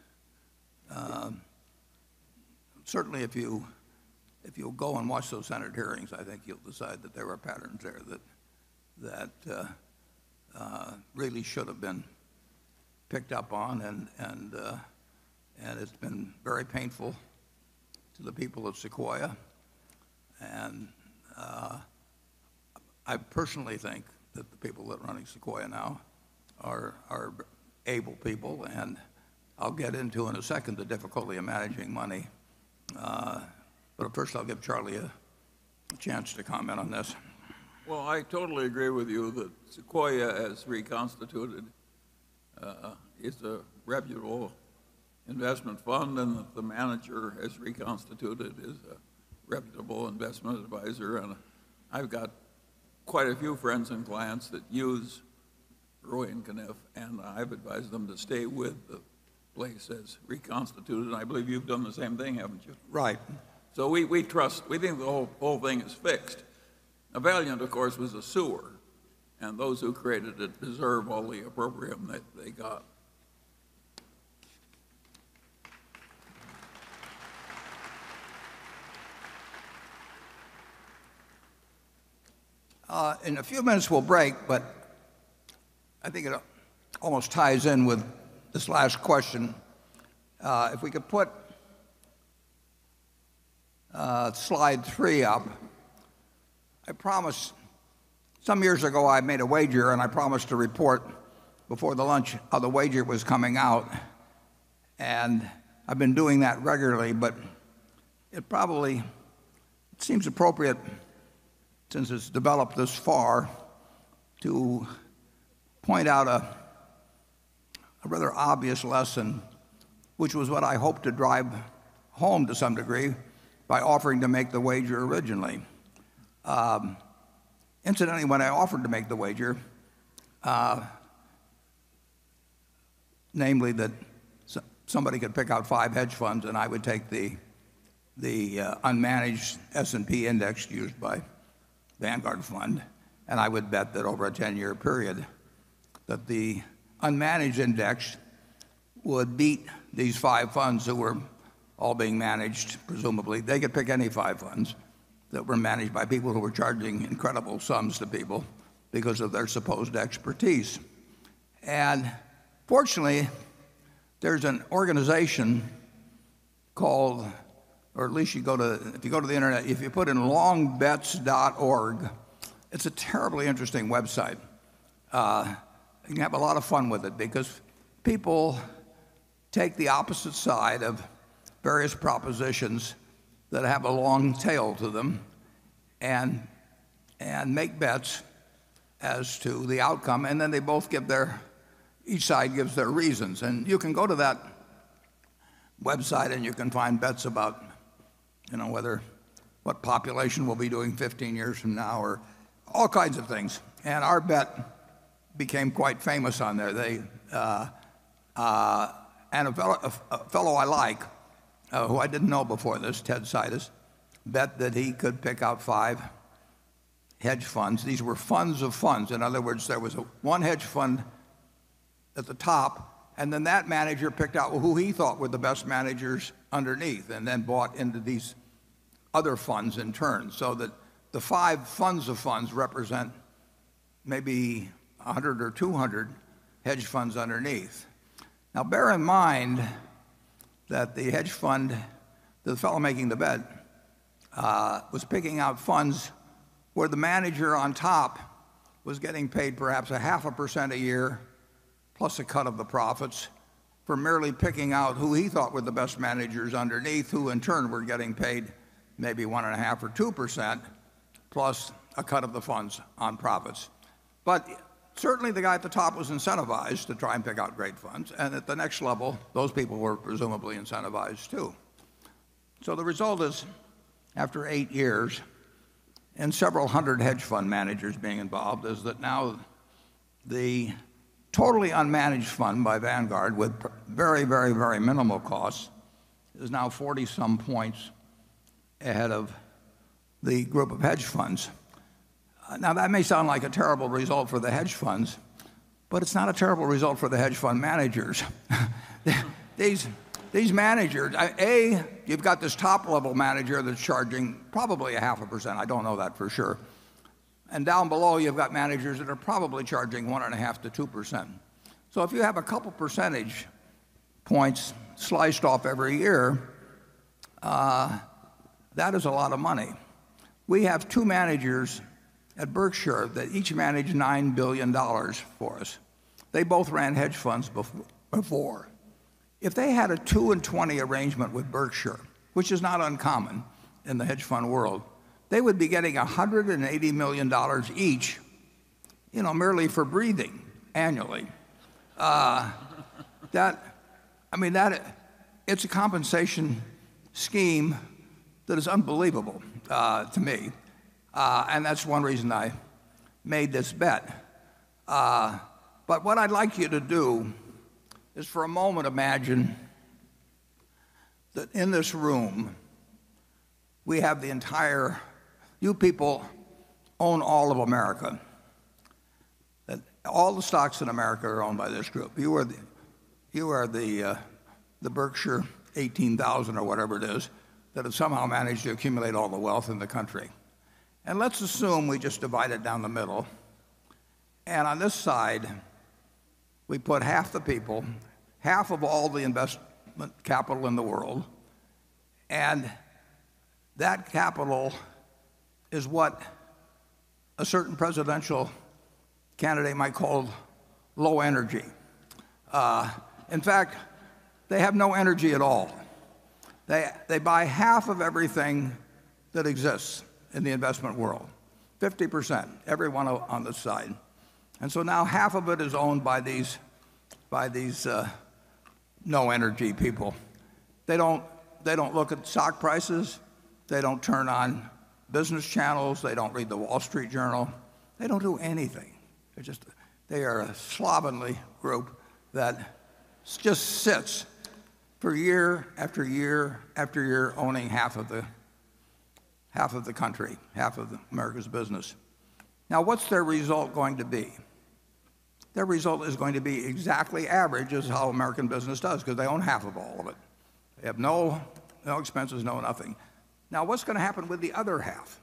certainly if you go and watch those Senate hearings, I think you'll decide that there were patterns there that really should have been picked up on, and it's been very painful to the people of Sequoia. I personally think that the people that are running Sequoia now are able people, and I'll get into in a second the difficulty of managing money. First, I'll give Charlie a chance to comment on this. Well, I totally agree with you that Sequoia as reconstituted is a reputable investment fund, the manager as reconstituted is a reputable investment advisor. I've got quite a few friends and clients that use Ruane, Cunniff, I've advised them to stay with the place as reconstituted, I believe you've done the same thing, haven't you? Right. we think the whole thing is fixed Valeant, of course, was a sewer, and those who created it deserve all the opprobrium that they got. In a few minutes we'll break, I think it almost ties in with this last question. If we could put slide three up. Some years ago, I made a wager, I promised a report before the lunch how the wager was coming out, and I've been doing that regularly. It probably seems appropriate, since it's developed this far, to point out a rather obvious lesson, which was what I hoped to drive home to some degree by offering to make the wager originally. Incidentally, when I offered to make the wager, namely that somebody could pick out five hedge funds and I would take the unmanaged S&P index used by Vanguard Fund, and I would bet that over a 10-year period, that the unmanaged index would beat these five funds that were all being managed, presumably. They could pick any five funds that were managed by people who were charging incredible sums to people because of their supposed expertise. Fortunately, there's an organization. If you go to the internet, if you put in longbets.org, it's a terribly interesting website. You can have a lot of fun with it because people take the opposite side of various propositions that have a long tail to them and make bets as to the outcome. Then each side gives their reasons. you can go to that website, and you can find bets about what population we'll be doing 15 years from now or all kinds of things. Our bet became quite famous on there. A fellow I like, who I didn't know before this, Ted Seides, bet that he could pick out five hedge funds. These were funds of funds. In other words, there was one hedge fund at the top, and then that manager picked out who he thought were the best managers underneath and then bought into these other funds in turn. That the five funds of funds represent maybe 100 or 200 hedge funds underneath. Bear in mind that the fellow making the bet was picking out funds where the manager on top was getting paid perhaps a half a percent a year, plus a cut of the profits for merely picking out who he thought were the best managers underneath, who in turn were getting paid maybe 1.5% or 2%, plus a cut of the funds on profits. Certainly the guy at the top was incentivized to try and pick out great funds, and at the next level, those people were presumably incentivized, too. The result is, after eight years and several hundred hedge fund managers being involved, is that now the totally unmanaged fund by The Vanguard Group with very minimal costs, is now 40-some points ahead of the group of hedge funds. That may sound like a terrible result for the hedge funds, but it's not a terrible result for the hedge fund managers. These managers, A, you've got this top-level manager that's charging probably a half a percent. I don't know that for sure. Down below, you've got managers that are probably charging 1.5% to 2%. If you have a couple percentage points sliced off every year, that is a lot of money. We have two managers at Berkshire that each manage $9 billion for us. They both ran hedge funds before. If they had a two and twenty arrangement with Berkshire, which is not uncommon in the hedge fund world, they would be getting $180 million each merely for breathing annually. It's a compensation scheme that is unbelievable to me, and that's one reason I made this bet. What I'd like you to do is for a moment imagine that you people own all of America. That all the stocks in America are owned by this group. You are the Berkshire 18,000 or whatever it is, that have somehow managed to accumulate all the wealth in the country. Let's assume we just divide it down the middle, and on this side, we put half the people, half of all the investment capital in the world, and that capital is what a certain presidential candidate might call low energy. In fact, they have no energy at all. They buy half of everything that exists in the investment world. 50%, everyone on this side. Now half of it is owned by these no-energy people. They don't look at stock prices. They don't turn on business channels. They don't read The Wall Street Journal. They don't do anything. They are a slovenly group that just sits For year after year after year, owning half of the country, half of America's business. What's their result going to be? Their result is going to be exactly average as how American business does because they own half of all of it. They have no expenses, no nothing. What's going to happen with the other half?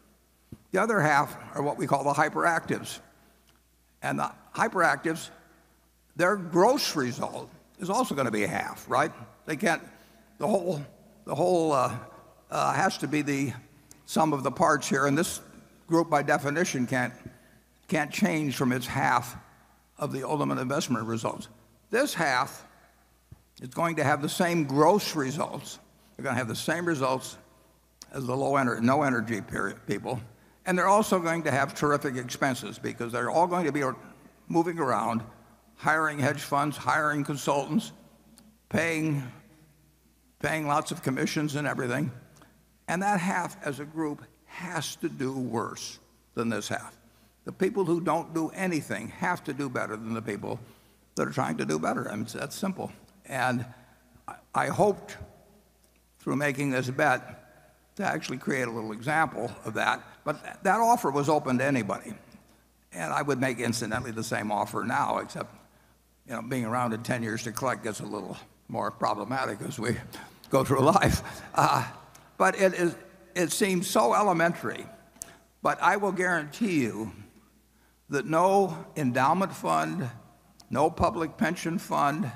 The other half are what we call the hyperactives. The hyperactives, their gross result is also going to be half, right? The whole has to be the sum of the parts here, and this group, by definition, can't change from its half of the ultimate investment results. This half is going to have the same gross results. They're going to have the same results as the low energy, no energy people, and they're also going to have terrific expenses because they're all going to be moving around, hiring hedge funds, hiring consultants, paying lots of commissions and everything. That half as a group has to do worse than this half. The people who don't do anything have to do better than the people that are trying to do better. It's that simple. I hoped through making this bet to actually create a little example of that. That offer was open to anybody, and I would make incidentally the same offer now, except being around in 10 years to collect gets a little more problematic as we go through life. It seems so elementary, but I will guarantee you that no endowment fund, no public pension fund,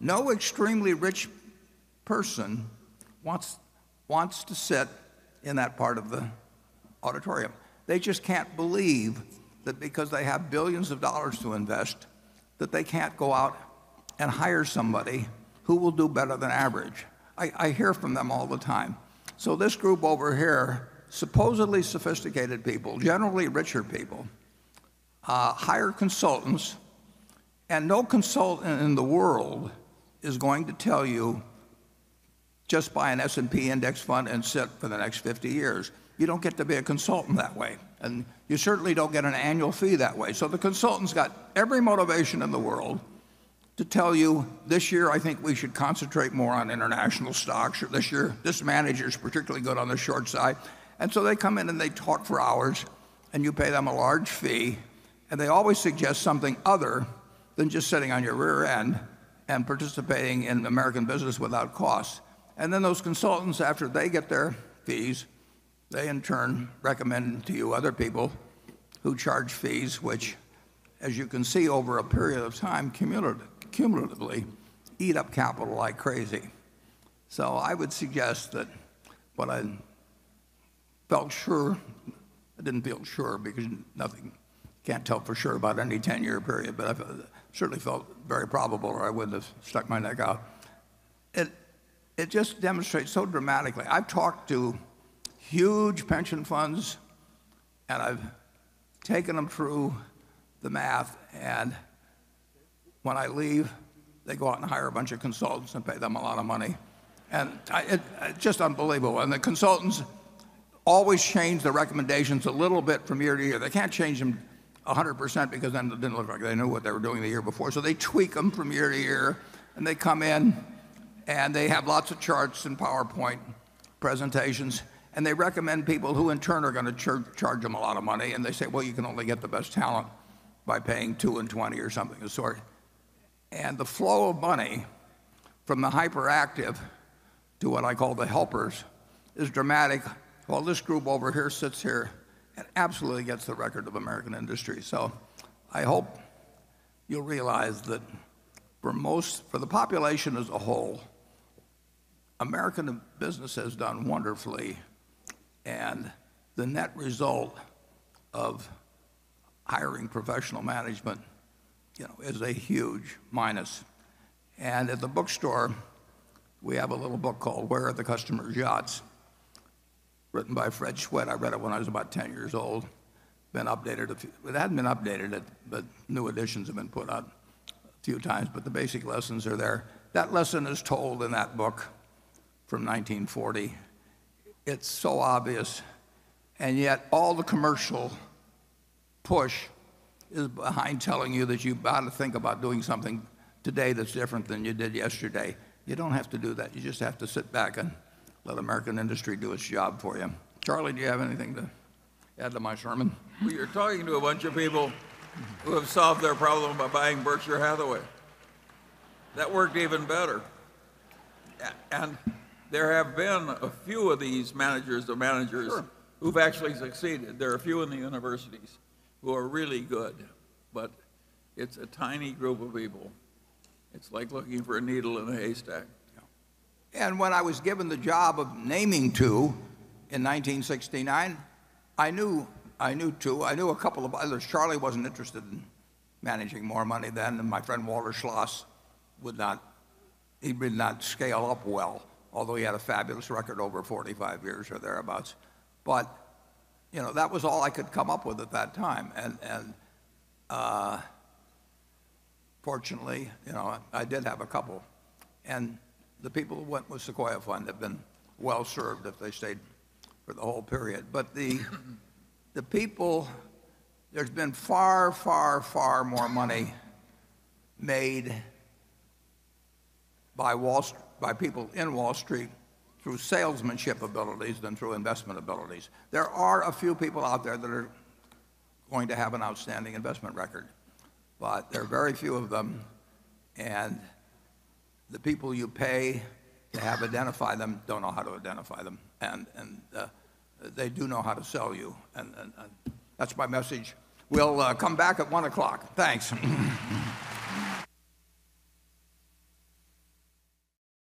no extremely rich person wants to sit in that part of the auditorium. They just can't believe that because they have billions of dollars to invest, that they can't go out and hire somebody who will do better than average. I hear from them all the time. This group over here, supposedly sophisticated people, generally richer people, hire consultants, and no consultant in the world is going to tell you, just buy an S&P index fund and sit for the next 50 years. You don't get to be a consultant that way, and you certainly don't get an annual fee that way. The consultant's got every motivation in the world to tell you, "This year, I think we should concentrate more on international stocks, or this year, this manager's particularly good on the short side." They come in and they talk for hours and you pay them a large fee, and they always suggest something other than just sitting on your rear end and participating in American business without cost. Those consultants, after they get their fees, they in turn recommend to you other people who charge fees, which as you can see over a period of time, cumulatively eat up capital like crazy. I would suggest that what I felt sure, I didn't feel sure because can't tell for sure about any 10-year period, but I certainly felt very probable or I wouldn't have stuck my neck out. It just demonstrates so dramatically. I've talked to huge pension funds, and I've taken them through the math, and when I leave, they go out and hire a bunch of consultants and pay them a lot of money. It's just unbelievable. The consultants always change their recommendations a little bit from year to year. They can't change them 100% because then it didn't look like they knew what they were doing the year before. They tweak them from year to year and they come in and they have lots of charts and PowerPoint presentations, and they recommend people who in turn are going to charge them a lot of money. They say, "Well, you can only get the best talent by paying two and twenty" or something of the sort. The flow of money from the hyperactive to what I call the helpers is dramatic, while this group over here sits here and absolutely gets the record of American industry. I hope you will realize that for the population as a whole, American business has done wonderfully, and the net result of hiring professional management is a huge minus. At the bookstore, we have a little book called "Where Are The Customers' Yachts?" written by Fred Schwed. I read it when I was about 10 years old. It hasn't been updated, but new editions have been put out a few times, but the basic lessons are there. That lesson is told in that book from 1940. It's so obvious, and yet all the commercial push is behind telling you that you've got to think about doing something today that's different than you did yesterday. You don't have to do that. You just have to sit back and let American industry do its job for you. Charlie, do you have anything to add to my sermon? Well, you're talking to a bunch of people who have solved their problem by buying Berkshire Hathaway. That worked even better. There have been a few of these managers. Sure who've actually succeeded. There are a few in the universities who are really good, but it's a tiny group of people. It's like looking for a needle in a haystack. Yeah. When I was given the job of naming two in 1969, I knew two. I knew a couple of others. Charlie wasn't interested in managing more money then, and my friend Walter Schloss would not scale up well, although he had a fabulous record over 45 years or thereabouts. That was all I could come up with at that time. Fortunately, I did have a couple, and the people who went with Sequoia Fund have been well-served if they stayed for the whole period. The people, there's been far, far, far more money made by people in Wall Street through salesmanship abilities than through investment abilities. There are a few people out there that are going to have an outstanding investment record, but there are very few of them. The people you pay to help identify them don't know how to identify them, and they do know how to sell you. That's my message. We'll come back at 1:00 P.M. Thanks.